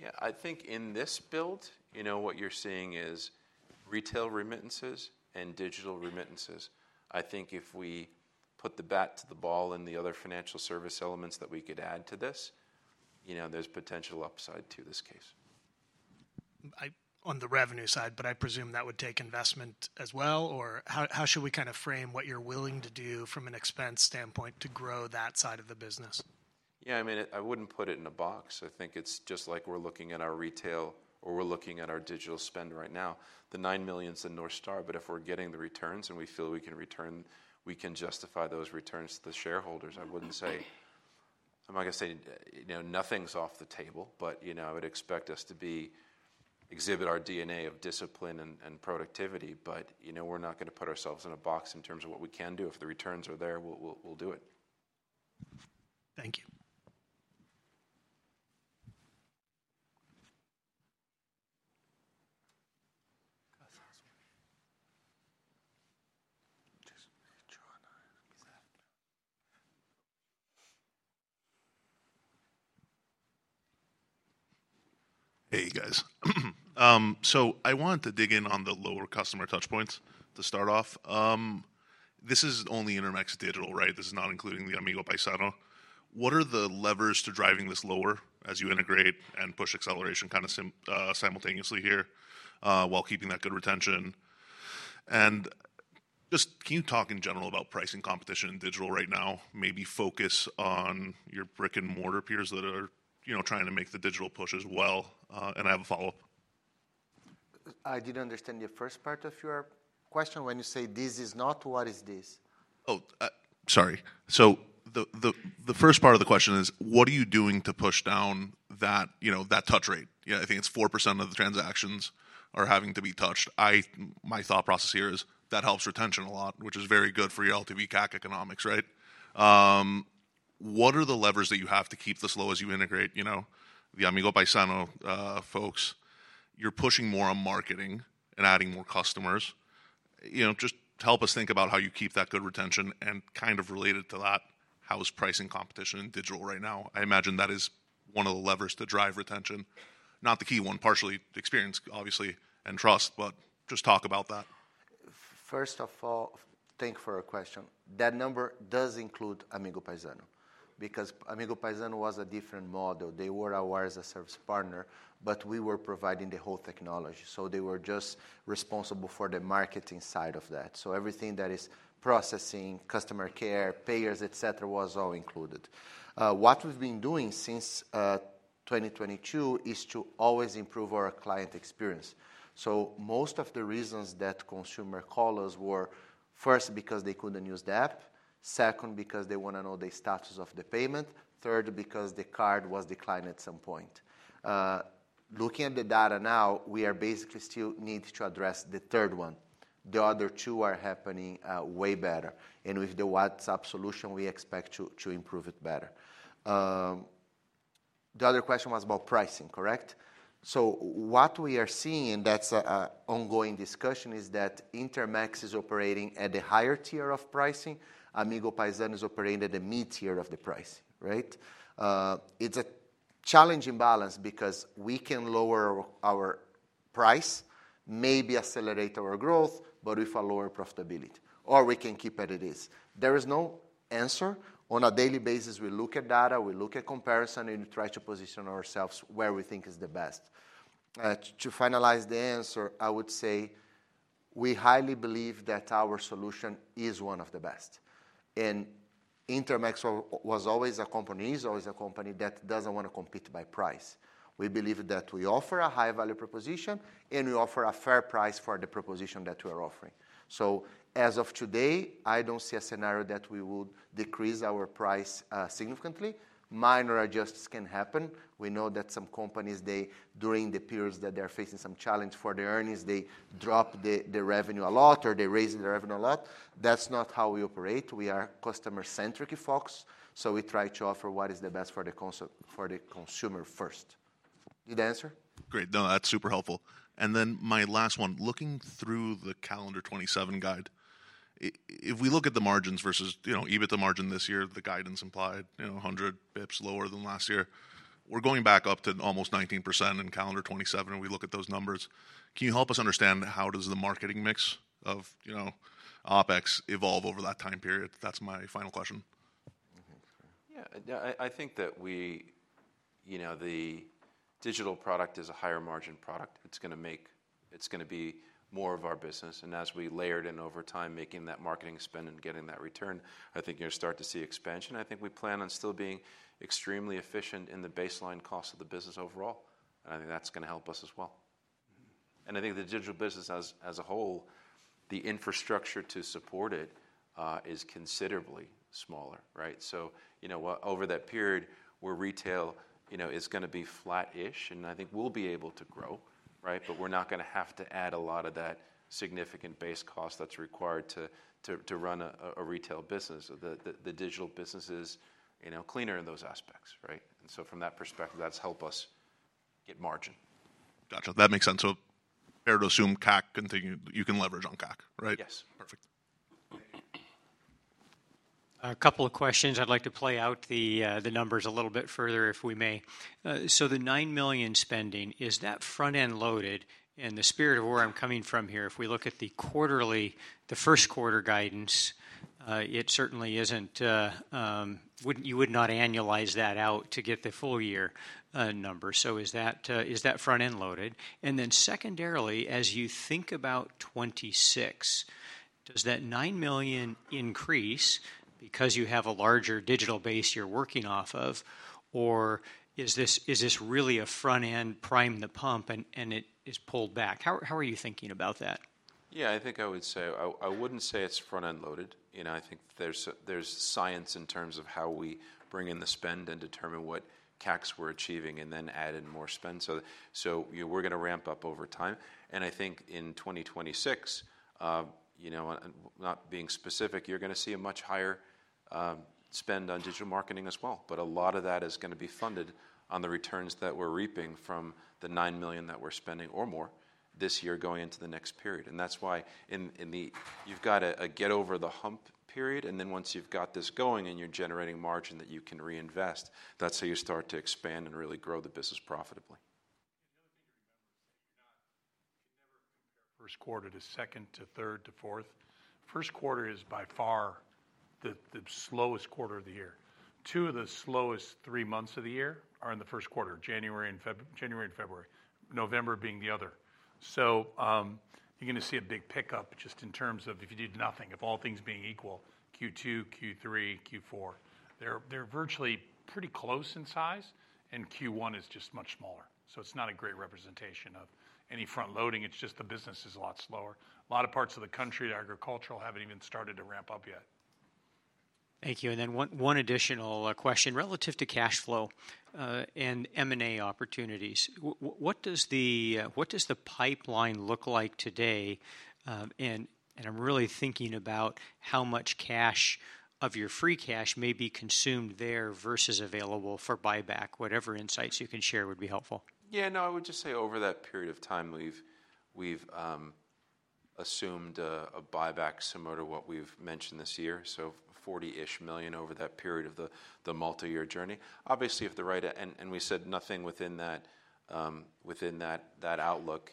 Yeah. I think in this build, what you're seeing is retail remittances and digital remittances. I think if we put the bat to the ball and the other financial service elements that we could add to this, there's potential upside to this case. On the revenue side, but I presume that would take investment as well. Or how should we kind of frame what you're willing to do from an expense standpoint to grow that side of the business? Yeah. I mean, I wouldn't put it in a box. I think it's just like we're looking at our retail or we're looking at our digital spend right now. The 9 million is the North Star. But if we're getting the returns and we feel we can return, we can justify those returns to the shareholders. I wouldn't say I'm not going to say nothing's off the table. But I would expect us to exhibit our DNA of discipline and productivity. But we're not going to put ourselves in a box in terms of what we can do. If the returns are there, we'll do it. Thank you. Hey, guys. So I want to dig in on the lower customer touchpoints to start off. This is only Intermex Digital, right? This is not including the Amigo Paisano. What are the levers to driving this lower as you integrate and push acceleration kind of simultaneously here while keeping that good retention? And just can you talk in general about pricing competition in digital right now? Maybe focus on your brick and mortar peers that are trying to make the digital push as well. And I have a follow-up. I didn't understand the first part of your question. When you say this is not, what is this? Oh, sorry. So the first part of the question is, what are you doing to push down that touch rate? I think it's 4% of the transactions are having to be touched. My thought process here is that helps retention a lot, which is very good for your LTV CAC economics, right? What are the levers that you have to keep this low as you integrate? The Amigo Paisano folks, you're pushing more on marketing and adding more customers. Just help us think about how you keep that good retention. And kind of related to that, how is pricing competition in digital right now? I imagine that is one of the levers to drive retention. Not the key one, partially experience, obviously, and trust. But just talk about that. First of all, thank you for your question. That number does include Amigo Paisano. Because Amigo Paisano was a different model. They were our wireless service partner. But we were providing the whole technology. So they were just responsible for the marketing side of that. So everything that is processing, customer care, payers, et cetera, was all included. What we've been doing since 2022 is to always improve our client experience. So most of the reasons that consumer call us were, first, because they couldn't use the app, second, because they want to know the status of the payment, third, because the card was declined at some point. Looking at the data now, we are basically still need to address the third one. The other two are happening way better. And with the WhatsApp solution, we expect to improve it better. The other question was about pricing, correct? So what we are seeing, and that's an ongoing discussion, is that Intermex is operating at the higher tier of pricing. Amigo Paisano is operating at the mid tier of the price, right? It's a challenging balance because we can lower our price, maybe accelerate our growth, but with a lower profitability. Or we can keep it as it is. There is no answer. On a daily basis, we look at data. We look at comparison, and we try to position ourselves where we think is the best. To finalize the answer, I would say we highly believe that our solution is one of the best. Intermex was always a company, is always a company that doesn't want to compete by price. We believe that we offer a high-value proposition, and we offer a fair price for the proposition that we are offering. So as of today, I don't see a scenario that we would decrease our price significantly. Minor adjustments can happen. We know that some companies, during the periods that they're facing some challenge for their earnings, they drop the revenue a lot or they raise the revenue a lot. That's not how we operate. We are customer-centric, folks. So we try to offer what is the best for the consumer first. Did I answer? Great. No, that's super helpful. And then my last one, looking through the calendar 2027 guide, if we look at the margins versus even at the margin this year, the guidance implied, 100 basis points lower than last year, we're going back up to almost 19% in calendar 2027. And we look at those numbers. Can you help us understand how does the marketing mix of OpEx evolve over that time period? That's my final question. Yeah. I think that the digital product is a higher margin product. It's going to be more of our business. And as we layered in over time, making that marketing spend and getting that return, I think you're going to start to see expansion. I think we plan on still being extremely efficient in the baseline cost of the business overall. And I think that's going to help us as well. And I think the digital business as a whole, the infrastructure to support it is considerably smaller, right? So over that period, where retail is going to be flat-ish, and I think we'll be able to grow, right? But we're not going to have to add a lot of that significant base cost that's required to run a retail business. The digital business is cleaner in those aspects, right? And so from that perspective, that's helped us get margin. Gotcha. That makes sense. So per se, CAC, you can leverage on CAC, right? Yes. Perfect. A couple of questions. I'd like to play out the numbers a little bit further, if we may. So the $9 million spending, is that front-end loaded? In the spirit of where I'm coming from here, if we look at the quarterly, the first quarter guidance, it certainly isn't. You would not annualize that out to get the full year number. So is that front-end loaded? And then secondarily, as you think about 2026, does that $9 million increase because you have a larger digital base you're working off of? Or is this really a front-end prime the pump and it is pulled back? How are you thinking about that? Yeah. I think I would say I wouldn't say it's front-end loaded. I think there's science in terms of how we bring in the spend and determine what CACs we're achieving and then add in more spend. We're going to ramp up over time. I think in 2026, not being specific, you're going to see a much higher spend on digital marketing as well. But a lot of that is going to be funded on the returns that we're reaping from the $9 million that we're spending or more this year going into the next period. That's why you've got to get over the hump period. Then once you've got this going and you're generating margin that you can reinvest, that's how you start to expand and really grow the business profitably. Another thing to remember is that you can never compare first quarter to second to third to fourth. First quarter is by far the slowest quarter of the year. Two of the slowest three months of the year are in the first quarter, January and February, November being the other. So you're going to see a big pickup just in terms of if you did nothing. If all things being equal, Q2, Q3, Q4, they're virtually pretty close in size. And Q1 is just much smaller. So it's not a great representation of any front-loading. It's just the business is a lot slower. A lot of parts of the country, the agricultural, haven't even started to ramp up yet. Thank you. And then one additional question relative to cash flow and M&A opportunities. What does the pipeline look like today? And I'm really thinking about how much cash of your free cash may be consumed there versus available for buyback. Whatever insights you can share would be helpful. Yeah. No, I would just say over that period of time, we've assumed a buyback similar to what we've mentioned this year. So $40-ish million over that period of the multi-year journey. Obviously, if the right M&A and we said nothing within that outlook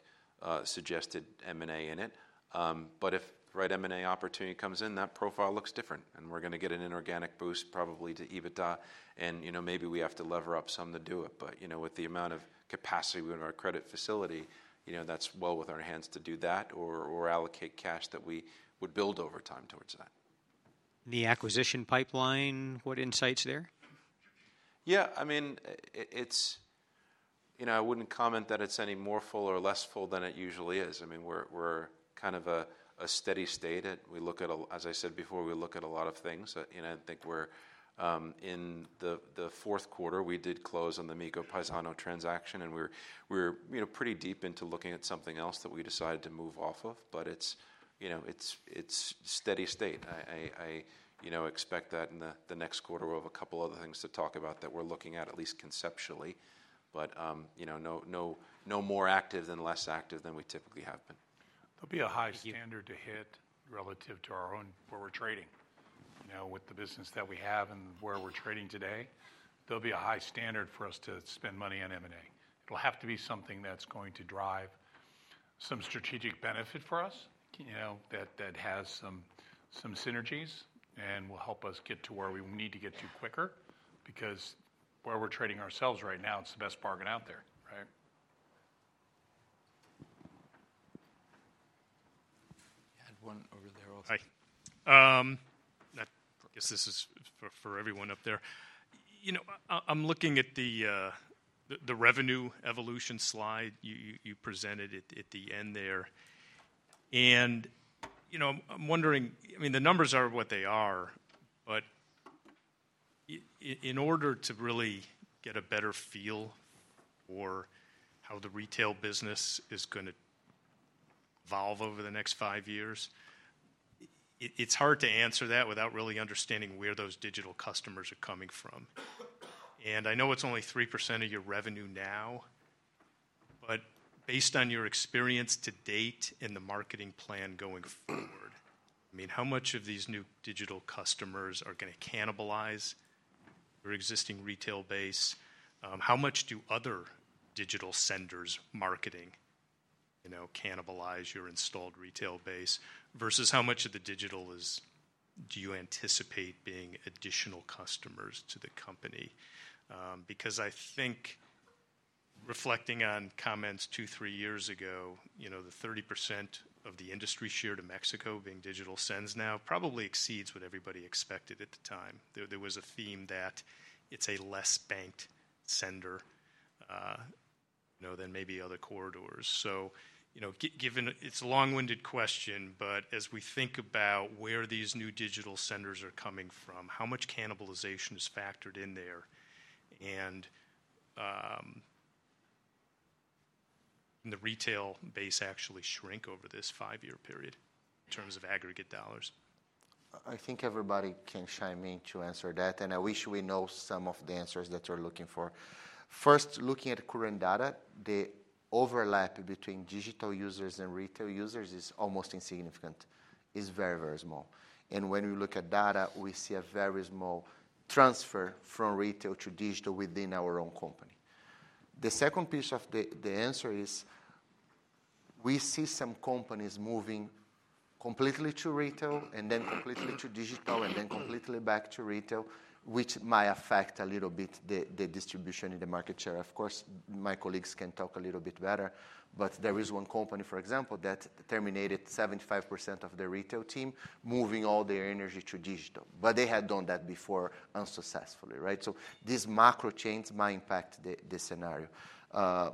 suggested M&A in it. But if the right M&A opportunity comes in, that profile looks different. And we're going to get an inorganic boost probably to EBITDA. And maybe we have to lever up some to do it. But with the amount of capacity within our credit facility, that's well within our hands to do that or allocate cash that we would build over time towards that. The acquisition pipeline, what insights there? Yeah. I mean, I wouldn't comment that it's any more full or less full than it usually is. I mean, we're kind of a steady state. As I said before, we look at a lot of things. I think we're in the fourth quarter. We did close on the Amigo Paisano transaction. We're pretty deep into looking at something else that we decided to move off of, but it's steady state. I expect that in the next quarter we'll have a couple of other things to talk about that we're looking at, at least conceptually, but no more active than less active than we typically have been. There'll be a high standard to hit relative to our own where we're trading. With the business that we have and where we're trading today, there'll be a high standard for us to spend money on M&A. It'll have to be something that's going to drive some strategic benefit for us that has some synergies and will help us get to where we need to get to quicker. Because where we're trading ourselves right now, it's the best bargain out there, right? You had one over there. I guess this is for everyone up there. I'm looking at the revenue evolution slide you presented at the end there. And I'm wondering, I mean, the numbers are what they are. But in order to really get a better feel for how the retail business is going to evolve over the next five years, it's hard to answer that without really understanding where those digital customers are coming from. And I know it's only 3% of your revenue now. But based on your experience to date in the marketing plan going forward, I mean, how much of these new digital customers are going to cannibalize your existing retail base? How much do other digital senders' marketing cannibalize your installed retail base? Versus how much of the digital do you anticipate being additional customers to the company? Because I think, reflecting on comments two, three years ago, the 30% of the industry share in Mexico being digital sends now probably exceeds what everybody expected at the time. There was a theme that it's a less banked sender than maybe other corridors. So it's a long-winded question. But as we think about where these new digital senders are coming from, how much cannibalization is factored in there? And can the retail base actually shrink over this five-year period in terms of aggregate dollars? I think everybody can chime in to answer that. And I wish we knew some of the answers that you're looking for. First, looking at current data, the overlap between digital users and retail users is almost insignificant. It's very, very small. And when we look at data, we see a very small transfer from retail to digital within our own company. The second piece of the answer is we see some companies moving completely to retail and then completely to digital and then completely back to retail, which might affect a little bit the distribution in the market share. Of course, my colleagues can talk a little bit better, but there is one company, for example, that terminated 75% of their retail team, moving all their energy to digital. But they had done that before unsuccessfully, right? So these macro chains might impact this scenario, so these macro chains might impact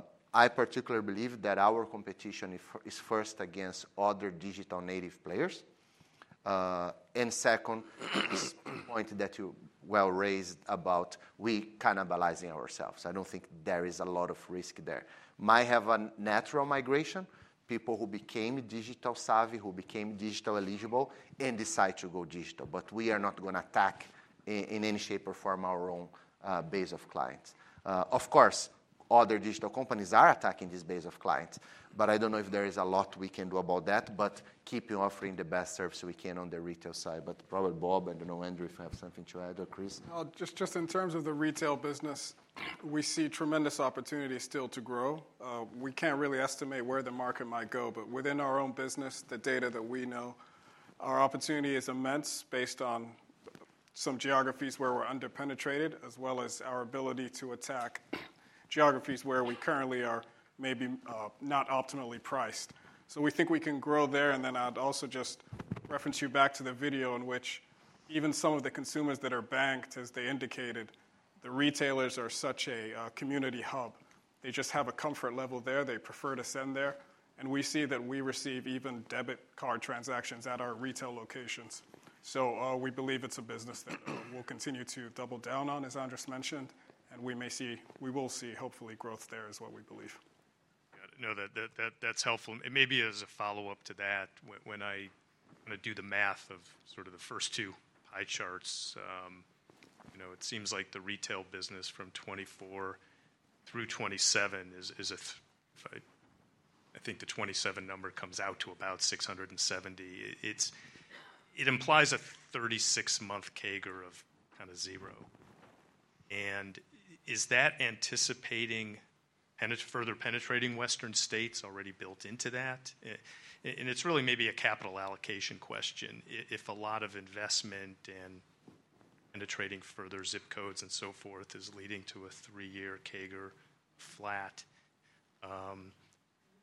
this scenario. I particularly believe that our competition is first against other digital native players, and second, this point that you well raised about we cannibalizing ourselves. I don't think there is a lot of risk there. Might have a natural migration, people who became digital savvy, who became digital eligible, and decide to go digital. But we are not going to attack in any shape or form our own base of clients. Of course, other digital companies are attacking this base of clients. But I don't know if there is a lot we can do about that. But keeping offering the best service we can on the retail side. But probably Bob and Andras, if you have something to add or Chris. Just in terms of the retail business, we see tremendous opportunity still to grow. We can't really estimate where the market might go. But within our own business, the data that we know, our opportunity is immense based on some geographies where we're underpenetrated, as well as our ability to attack geographies where we currently are maybe not optimally priced. So we think we can grow there. And then I'd also just reference you back to the video in which even some of the consumers that are banked, as they indicated, the retailers are such a community hub. They just have a comfort level there. They prefer to send there. And we see that we receive even debit card transactions at our retail locations. So we believe it's a business that we'll continue to double down on, as Andras mentioned. And we will see, hopefully, growth there is what we believe. No, that's helpful. And maybe as a follow-up to that, when I do the math of sort of the first two pie charts, it seems like the retail business from 2024 through 2027 is a—I think the 2027 number comes out to about 670. It implies a 36-month CAGR of kind of zero. And is that anticipating further penetrating Western states already built into that? It's really maybe a capital allocation question. If a lot of investment and penetrating further zip codes and so forth is leading to a three-year CAGR flat,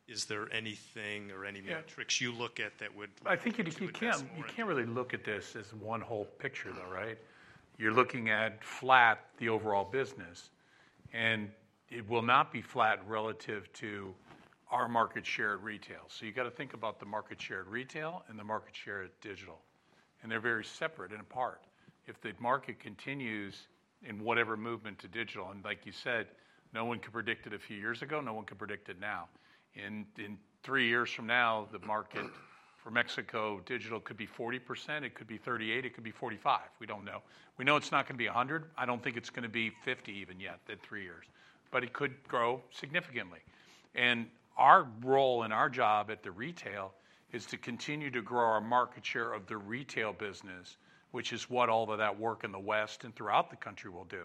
is there anything or any metrics you look at that would? I think you can't really look at this as one whole picture, though, right? You're looking at flat, the overall business. It will not be flat relative to our market share at retail. You've got to think about the market share at retail and the market share at digital. They're very separate and apart. If the market continues in whatever movement to digital, and like you said, no one could predict it a few years ago, no one could predict it now. In three years from now, the market for Mexico digital could be 40%. It could be 38%. It could be 45%. We don't know. We know it's not going to be 100%. I don't think it's going to be 50% even yet in three years. But it could grow significantly. And our role and our job at the retail is to continue to grow our market share of the retail business, which is what all of that work in the West and throughout the country will do.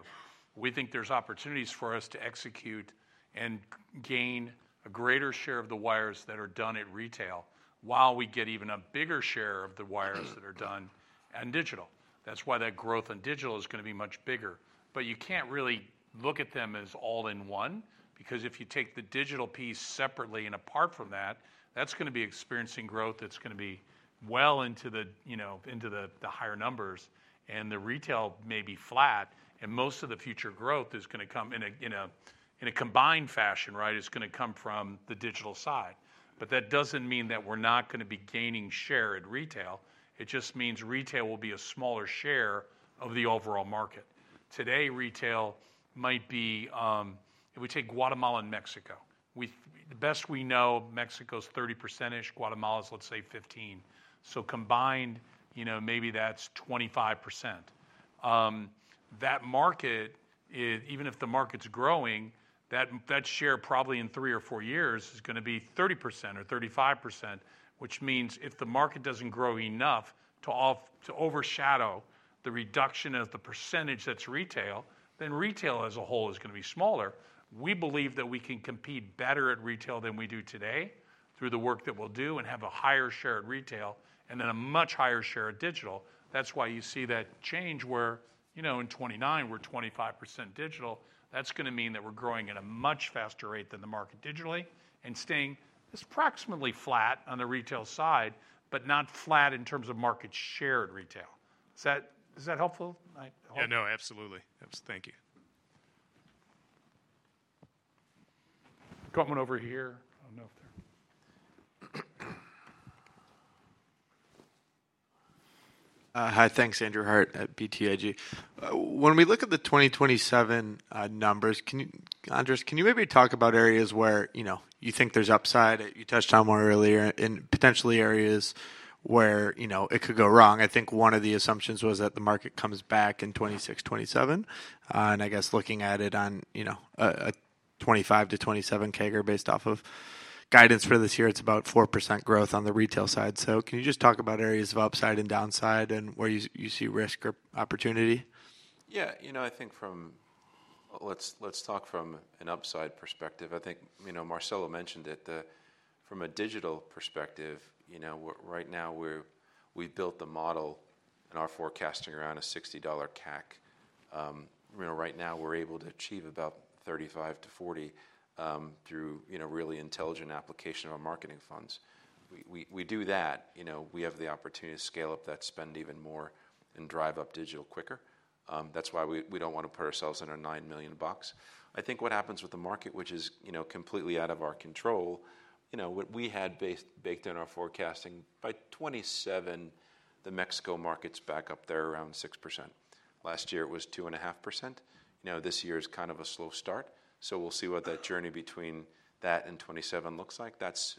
We think there's opportunities for us to execute and gain a greater share of the wires that are done at retail while we get even a bigger share of the wires that are done and digital. That's why that growth in digital is going to be much bigger. But you can't really look at them as all in one. Because if you take the digital piece separately and apart from that, that's going to be experiencing growth. It's going to be well into the higher numbers. The retail may be flat. Most of the future growth is going to come in a combined fashion, right? It's going to come from the digital side. But that doesn't mean that we're not going to be gaining share at retail. It just means retail will be a smaller share of the overall market. Today, retail might be if we take Guatemala and Mexico. The best we know, Mexico's 30%-ish. Guatemala's, let's say, 15%. So combined, maybe that's 25%. That market, even if the market's growing, that share probably in three or four years is going to be 30% or 35%, which means if the market doesn't grow enough to overshadow the reduction of the percentage that's retail, then retail as a whole is going to be smaller. We believe that we can compete better at retail than we do today through the work that we'll do and have a higher share at retail and then a much higher share at digital. That's why you see that change where in 2029, we're 25% digital. That's going to mean that we're growing at a much faster rate than the market digitally and staying approximately flat on the retail side, but not flat in terms of market share at retail. Is that helpful? Yeah. No, absolutely. Thank you. [Comment over here]. Hi. Thanks, Andrew Hart at BTIG. When we look at the 2027 numbers, Andras, can you maybe talk about areas where you think there's upside? You touched on one earlier and potentially areas where it could go wrong. I think one of the assumptions was that the market comes back in 2026, 2027. I guess looking at it on a 2025 to 2027 CAGR based off of guidance for this year, it's about 4% growth on the retail side. So can you just talk about areas of upside and downside and where you see risk or opportunity? Yeah. I think, let's talk from an upside perspective. I think Marcelo mentioned it. From a digital perspective, right now, we've built the model and our forecasting around a $60 CAC. Right now, we're able to achieve about 35%-40% through really intelligent application of our marketing funds. We do that. We have the opportunity to scale up that spend even more and drive up digital quicker. That's why we don't want to put ourselves in our $9 million. I think what happens with the market, which is completely out of our control, what we had baked in our forecasting by 2027, the Mexico market's back up there around 6%. Last year, it was 2.5%. This year is kind of a slow start, so we'll see what that journey between that and 2027 looks like. That's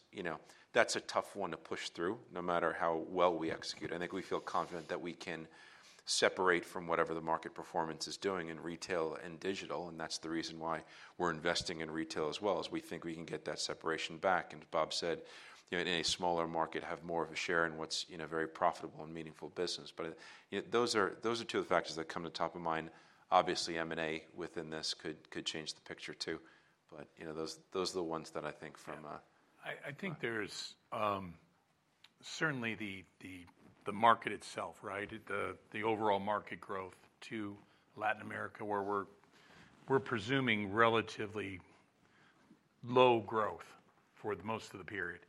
a tough one to push through no matter how well we execute. I think we feel confident that we can separate from whatever the market performance is doing in retail and digital, and that's the reason why we're investing in retail as well, is we think we can get that separation back, and as Bob said, in a smaller market, have more of a share in what's a very profitable and meaningful business, but those are two of the factors that come to the top of mind. Obviously, M&A within this could change the picture too. But those are the ones that I think. I think there's certainly the market itself, right? The overall market growth to Latin America, where we're presuming relatively low growth for most of the period.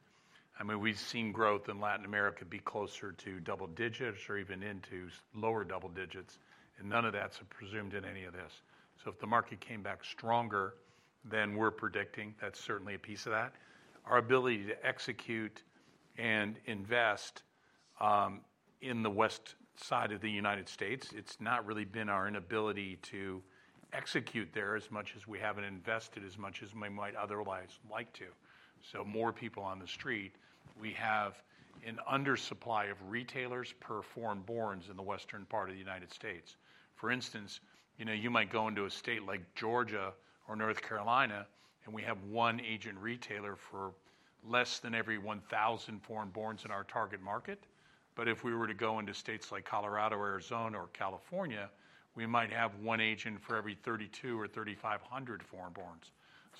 I mean, we've seen growth in Latin America be closer to double digits or even into lower double digits. And none of that's presumed in any of this. So if the market came back stronger than we're predicting, that's certainly a piece of that. Our ability to execute and invest in the West side of the United States, it's not really been our inability to execute there as much as we haven't invested as much as we might otherwise like to. So more people on the street, we have an undersupply of retailers per foreign borns in the western part of the United States. For instance, you might go into a state like Georgia or North Carolina, and we have one agent retailer for less than every 1,000 foreign borns in our target market, but if we were to go into states like Colorado, Arizona, or California, we might have one agent for every 32 or 3,500 foreign borns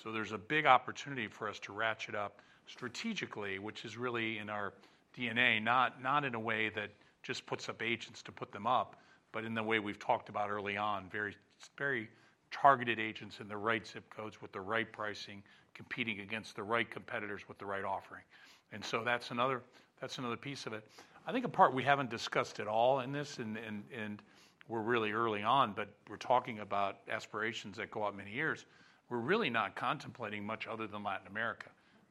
so there's a big opportunity for us to ratchet up strategically, which is really in our DNA, not in a way that just puts up agents to put them up, but in the way we've talked about early on, very targeted agents in the right zip codes with the right pricing, competing against the right competitors with the right offering, and so that's another piece of it. I think a part we haven't discussed at all in this, and we're really early on, but we're talking about aspirations that go out many years. We're really not contemplating much other than Latin America,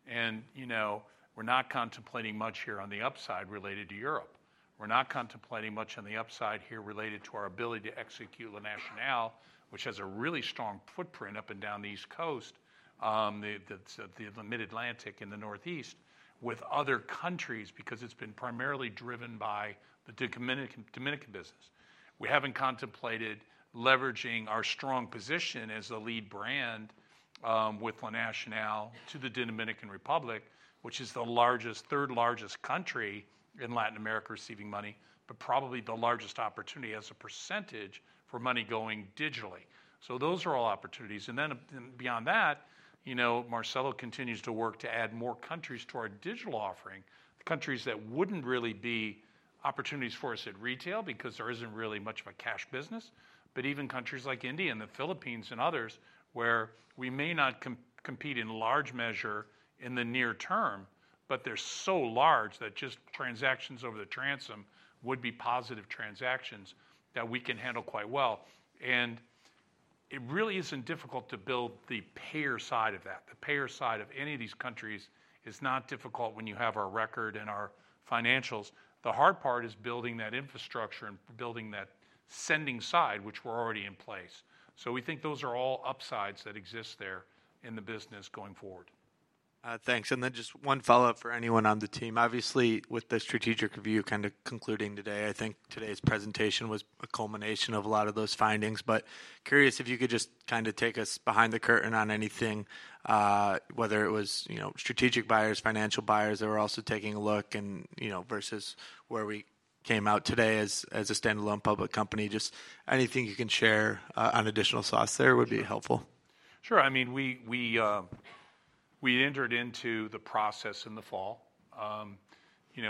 and we're not contemplating much here on the upside related to Europe. We're not contemplating much on the upside here related to our ability to execute La Nacional, which has a really strong footprint up and down the East Coast, the Mid-Atlantic, and the Northeast with other countries because it's been primarily driven by the Dominican business. We haven't contemplated leveraging our strong position as a lead brand with La Nacional to the Dominican Republic, which is the third largest country in Latin America receiving money, but probably the largest opportunity as a percentage for money going digitally, so those are all opportunities. And then beyond that, Marcelo continues to work to add more countries to our digital offering, countries that wouldn't really be opportunities for us at retail because there isn't really much of a cash business, but even countries like India and the Philippines and others where we may not compete in large measure in the near term, but they're so large that just transactions over the transom would be positive transactions that we can handle quite well. And it really isn't difficult to build the payer side of that. The payer side of any of these countries is not difficult when you have our record and our financials. The hard part is building that infrastructure and building that sending side, which we're already in place. So we think those are all upsides that exist there in the business going forward. Thanks. Then just one follow-up for anyone on the team. Obviously, with the strategic review kind of concluding today, I think today's presentation was a culmination of a lot of those findings. But curious if you could just kind of take us behind the curtain on anything, whether it was strategic buyers, financial buyers that were also taking a look versus where we came out today as a standalone public company. Just anything you can share on additional thoughts there would be helpful. Sure. I mean, we entered into the process in the fall.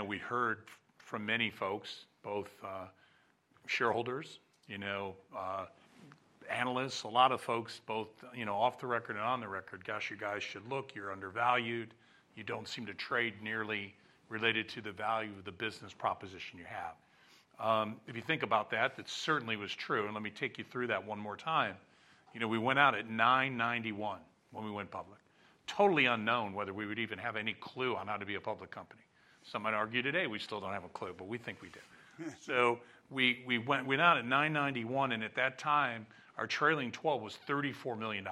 We heard from many folks, both shareholders, analysts, a lot of folks, both off the record and on the record, "Gosh, you guys should look. You're undervalued. You don't seem to trade nearly related to the value of the business proposition you have." If you think about that, that certainly was true. And let me take you through that one more time. We went out at $9.91 when we went public, totally unknown whether we would even have any clue on how to be a public company. Some might argue today we still don't have a clue, but we think we did. So we went out at $9.91. And at that time, our trailing 12 was $34 million.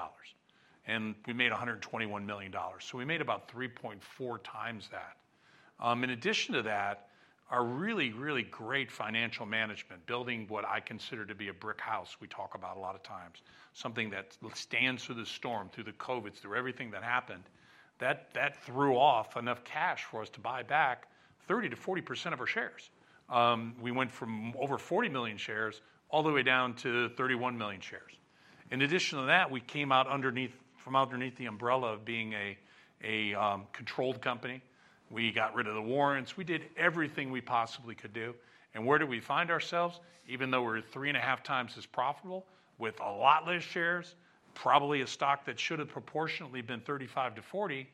And we made $121 million. So we made about 3.4x that. In addition to that, our really, really great financial management, building what I consider to be a brick house we talk about a lot of times, something that stands through the storm, through the COVID, through everything that happened, that threw off enough cash for us to buy back 30%-40% of our shares. We went from over 40 million shares all the way down to 31 million shares. In addition to that, we came out from underneath the umbrella of being a controlled company. We got rid of the warrants. We did everything we possibly could do, and where did we find ourselves? Even though we were three and a half times as profitable with a lot less shares, probably a stock that should have proportionately been 35%-40%,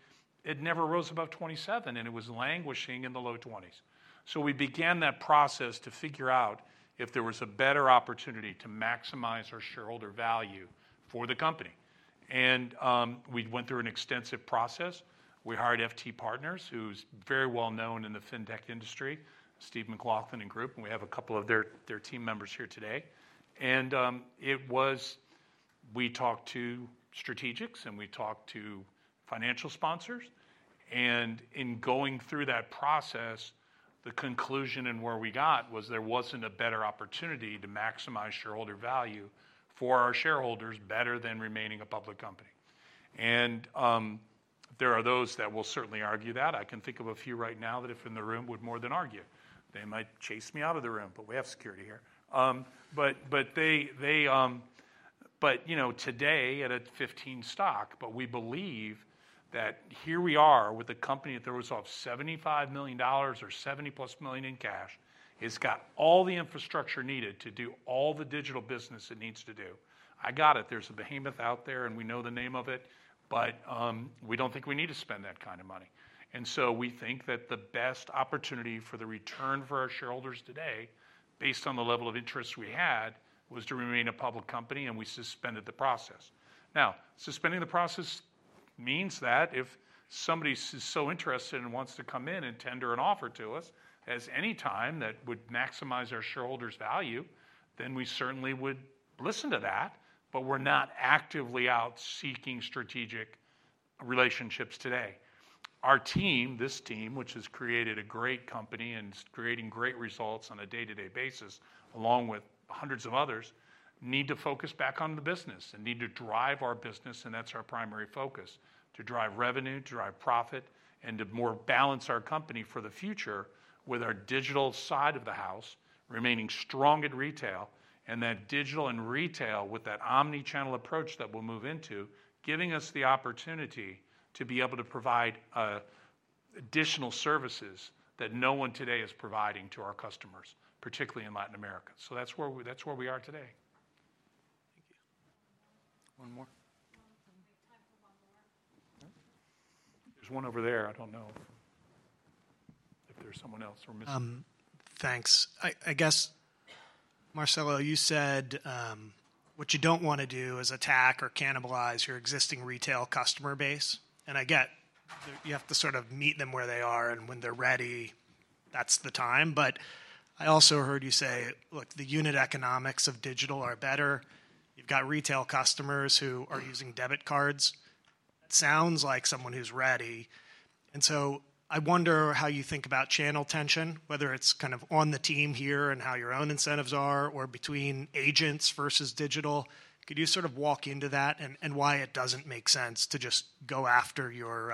it never rose above 27%. It was languishing in the low 20s, so we began that process to figure out if there was a better opportunity to maximize our shareholder value for the company. We went through an extensive process. We hired FT Partners, who's very well known in the fintech industry, Steve McLaughlin and group. We have a couple of their team members here today. We talked to strategics, and we talked to financial sponsors. In going through that process, the conclusion and where we got was there wasn't a better opportunity to maximize shareholder value for our shareholders better than remaining a public company. And there are those that will certainly argue that. I can think of a few right now that if in the room would more than argue. They might chase me out of the room, but we have security here. But today, at a $15 stock, but we believe that here we are with a company that throws off $75 million or 70-plus million in cash. It's got all the infrastructure needed to do all the digital business it needs to do. I got it. There's a behemoth out there, and we know the name of it. But we don't think we need to spend that kind of money. We think that the best opportunity for the return for our shareholders today, based on the level of interest we had, was to remain a public company, and we suspended the process. Now, suspending the process means that if somebody is so interested and wants to come in and tender an offer to us at any time that would maximize our shareholders' value, then we certainly would listen to that. We're not actively out seeking strategic relationships today. Our team, this team, which has created a great company and is creating great results on a day-to-day basis, along with hundreds of others, need to focus back on the business and need to drive our business. And that's our primary focus: to drive revenue, to drive profit, and to more balance our company for the future with our digital side of the house, remaining strong at retail, and that digital and retail with that omnichannel approach that we'll move into, giving us the opportunity to be able to provide additional services that no one today is providing to our customers, particularly in Latin America. So that's where we are today. Thank you. One more? There's one over there. I don't know if there's someone else we're missing. Thanks. I guess, Marcelo, you said what you don't want to do is attack or cannibalize your existing retail customer base. And I get you have to sort of meet them where they are. And when they're ready, that's the time. But I also heard you say, "Look, the unit economics of digital are better. You've got retail customers who are using debit cards." That sounds like someone who's ready, and so I wonder how you think about channel tension, whether it's kind of on the team here and how your own incentives are or between agents versus digital. Could you sort of walk into that and why it doesn't make sense to just go after your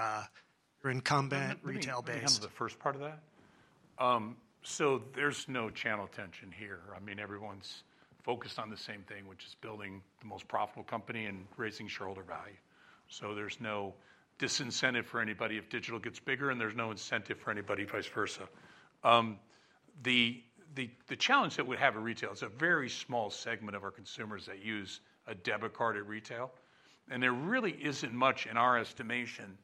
incumbent retail base? Can I jump in on the first part of that, so there's no channel tension here. I mean, everyone's focused on the same thing, which is building the most profitable company and raising shareholder value. There's no disincentive for anybody if digital gets bigger, and there's no incentive for anybody vice versa. The challenge that we have in retail, it's a very small segment of our consumers that use a debit card at retail. And there really isn't much, in our estimation,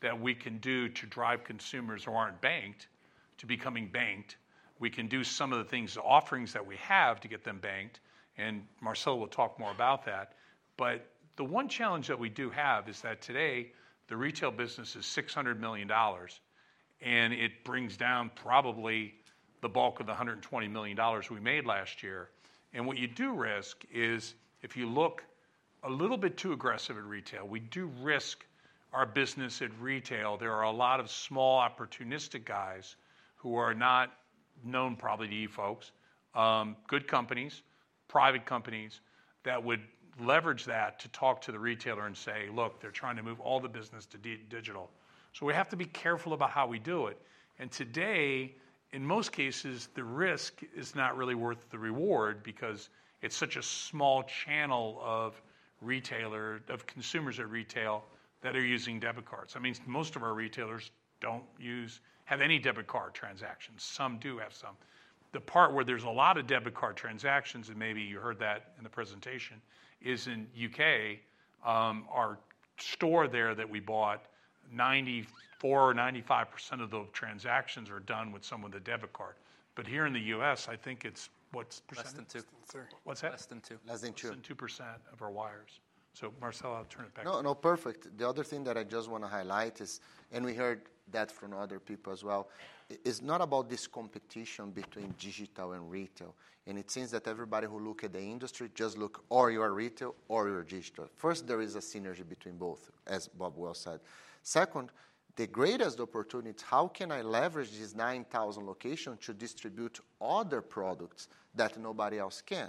that we can do to drive consumers who aren't banked to becoming banked. We can do some of the things, the offerings that we have to get them banked. And Marcelo will talk more about that. But the one challenge that we do have is that today, the retail business is $600 million. And it brings down probably the bulk of the $120 million we made last year. And what you do risk is if you look a little bit too aggressive at retail, we do risk our business at retail. There are a lot of small opportunistic guys who are not known probably to you folks, good companies, private companies that would leverage that to talk to the retailer and say, "Look, they're trying to move all the business to digital." So we have to be careful about how we do it. And today, in most cases, the risk is not really worth the reward because it's such a small channel of consumers at retail that are using debit cards. I mean, most of our retailers don't have any debit card transactions. Some do have some. The part where there's a lot of debit card transactions, and maybe you heard that in the presentation, is in the U.K., our store there that we bought, 94% or 95% of those transactions are done with someone with a debit card. But here in the U.S., I think it's what's? Less than 2%. What's that? Less than 2%. Less than 2% of our wires, so Marcelo, I'll turn it back to you. No, no, perfect. The other thing that I just want to highlight is, and we heard that from other people as well, it's not about this competition between digital and retail, and it seems that everybody who looks at the industry just looks at either retail or digital. First, there is a synergy between both, as Bob well said. Second, the greatest opportunity is how can I leverage these 9,000 locations to distribute other products that nobody else can?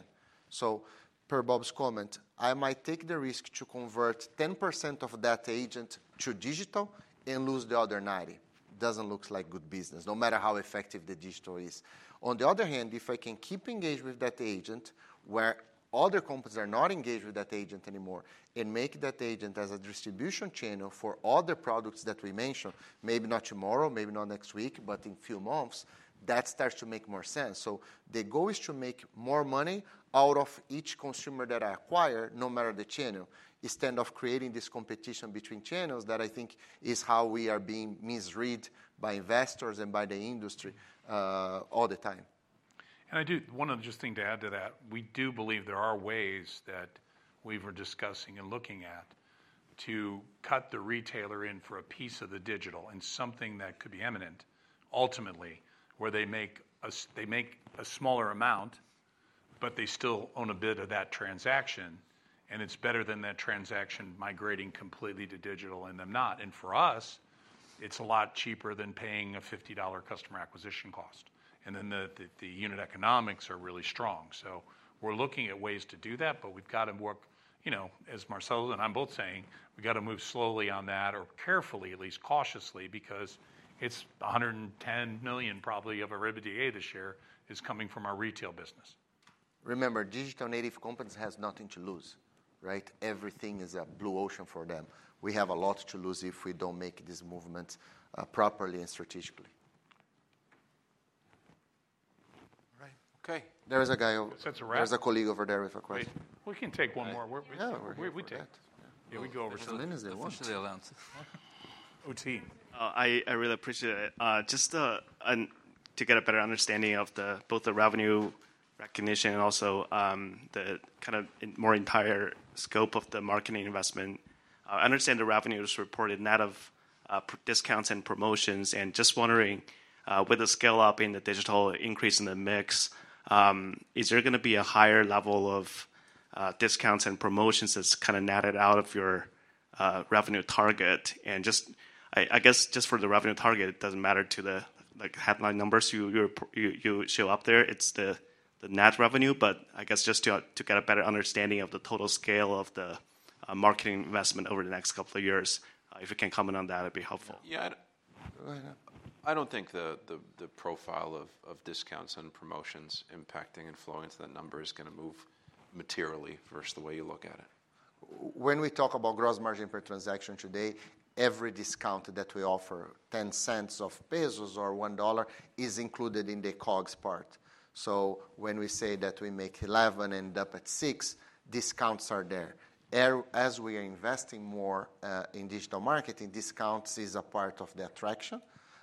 So per Bob's comment, I might take the risk to convert 10% of that agent to digital and lose the other 90%. It doesn't look like good business, no matter how effective the digital is. On the other hand, if I can keep engaged with that agent where other companies are not engaged with that agent anymore and make that agent as a distribution channel for all the products that we mentioned, maybe not tomorrow, maybe not next week, but in a few months, that starts to make more sense. So the goal is to make more money out of each consumer that I acquire, no matter the channel. Instead of creating this competition between channels that I think is how we are being misread by investors and by the industry all the time. And I do want to just think to add to that. We do believe there are ways that we were discussing and looking at to cut the retailer in for a piece of the digital and something that could be imminent ultimately where they make a smaller amount, but they still own a bit of that transaction, and it's better than that transaction migrating completely to digital and them not, and for us, it's a lot cheaper than paying a $50 customer acquisition cost, and then the unit economics are really strong, so we're looking at ways to do that, but we've got to work, as Marcelo and I are both saying, we've got to move slowly on that or carefully, at least cautiously, because it's $110 million probably in revenue this year is coming from our retail business. Remember, digital native companies have nothing to lose, right? Everything is a blue ocean for them. We have a lot to lose if we don't make these movements properly and strategically. All right. Okay. There is a guy. There's a colleague over there with a question. We can take one more. No, we're good. We take that. Yeah, we go over to. [Mr. Lins], if you want. [Mr. Lins]. [OT]. I really appreciate it. Just to get a better understanding of both the revenue recognition and also the kind of more entire scope of the marketing investment, I understand the revenue is reported net of discounts and promotions. And just wondering, with the scale-up in the digital increase in the mix, is there going to be a higher level of discounts and promotions that's kind of netted out of your revenue target? And I guess just for the revenue target, it doesn't matter to the headline numbers you show up there. It's the net revenue. But I guess just to get a better understanding of the total scale of the marketing investment over the next couple of years, if you can comment on that, it'd be helpful. Yeah. I don't think the profile of discounts and promotions impacting and flowing to that number is going to move materially versus the way you look at it. When we talk about gross margin per transaction today, every discount that we offer, 0.10 or $1, is included in the COGS part. So when we say that we make 11 and end up at six, discounts are there. As we are investing more in digital marketing, discounts is a part of the attraction.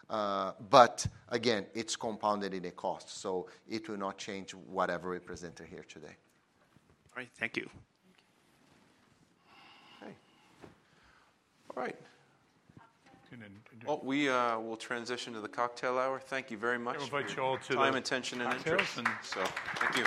But again, it's compounded in the cost. So it will not change whatever we presented here today. All right. Thank you. Okay. All right. We will transition to the cocktail hour. Thank you very much. We'll invite you all to pay prime attention and interest. Thank you.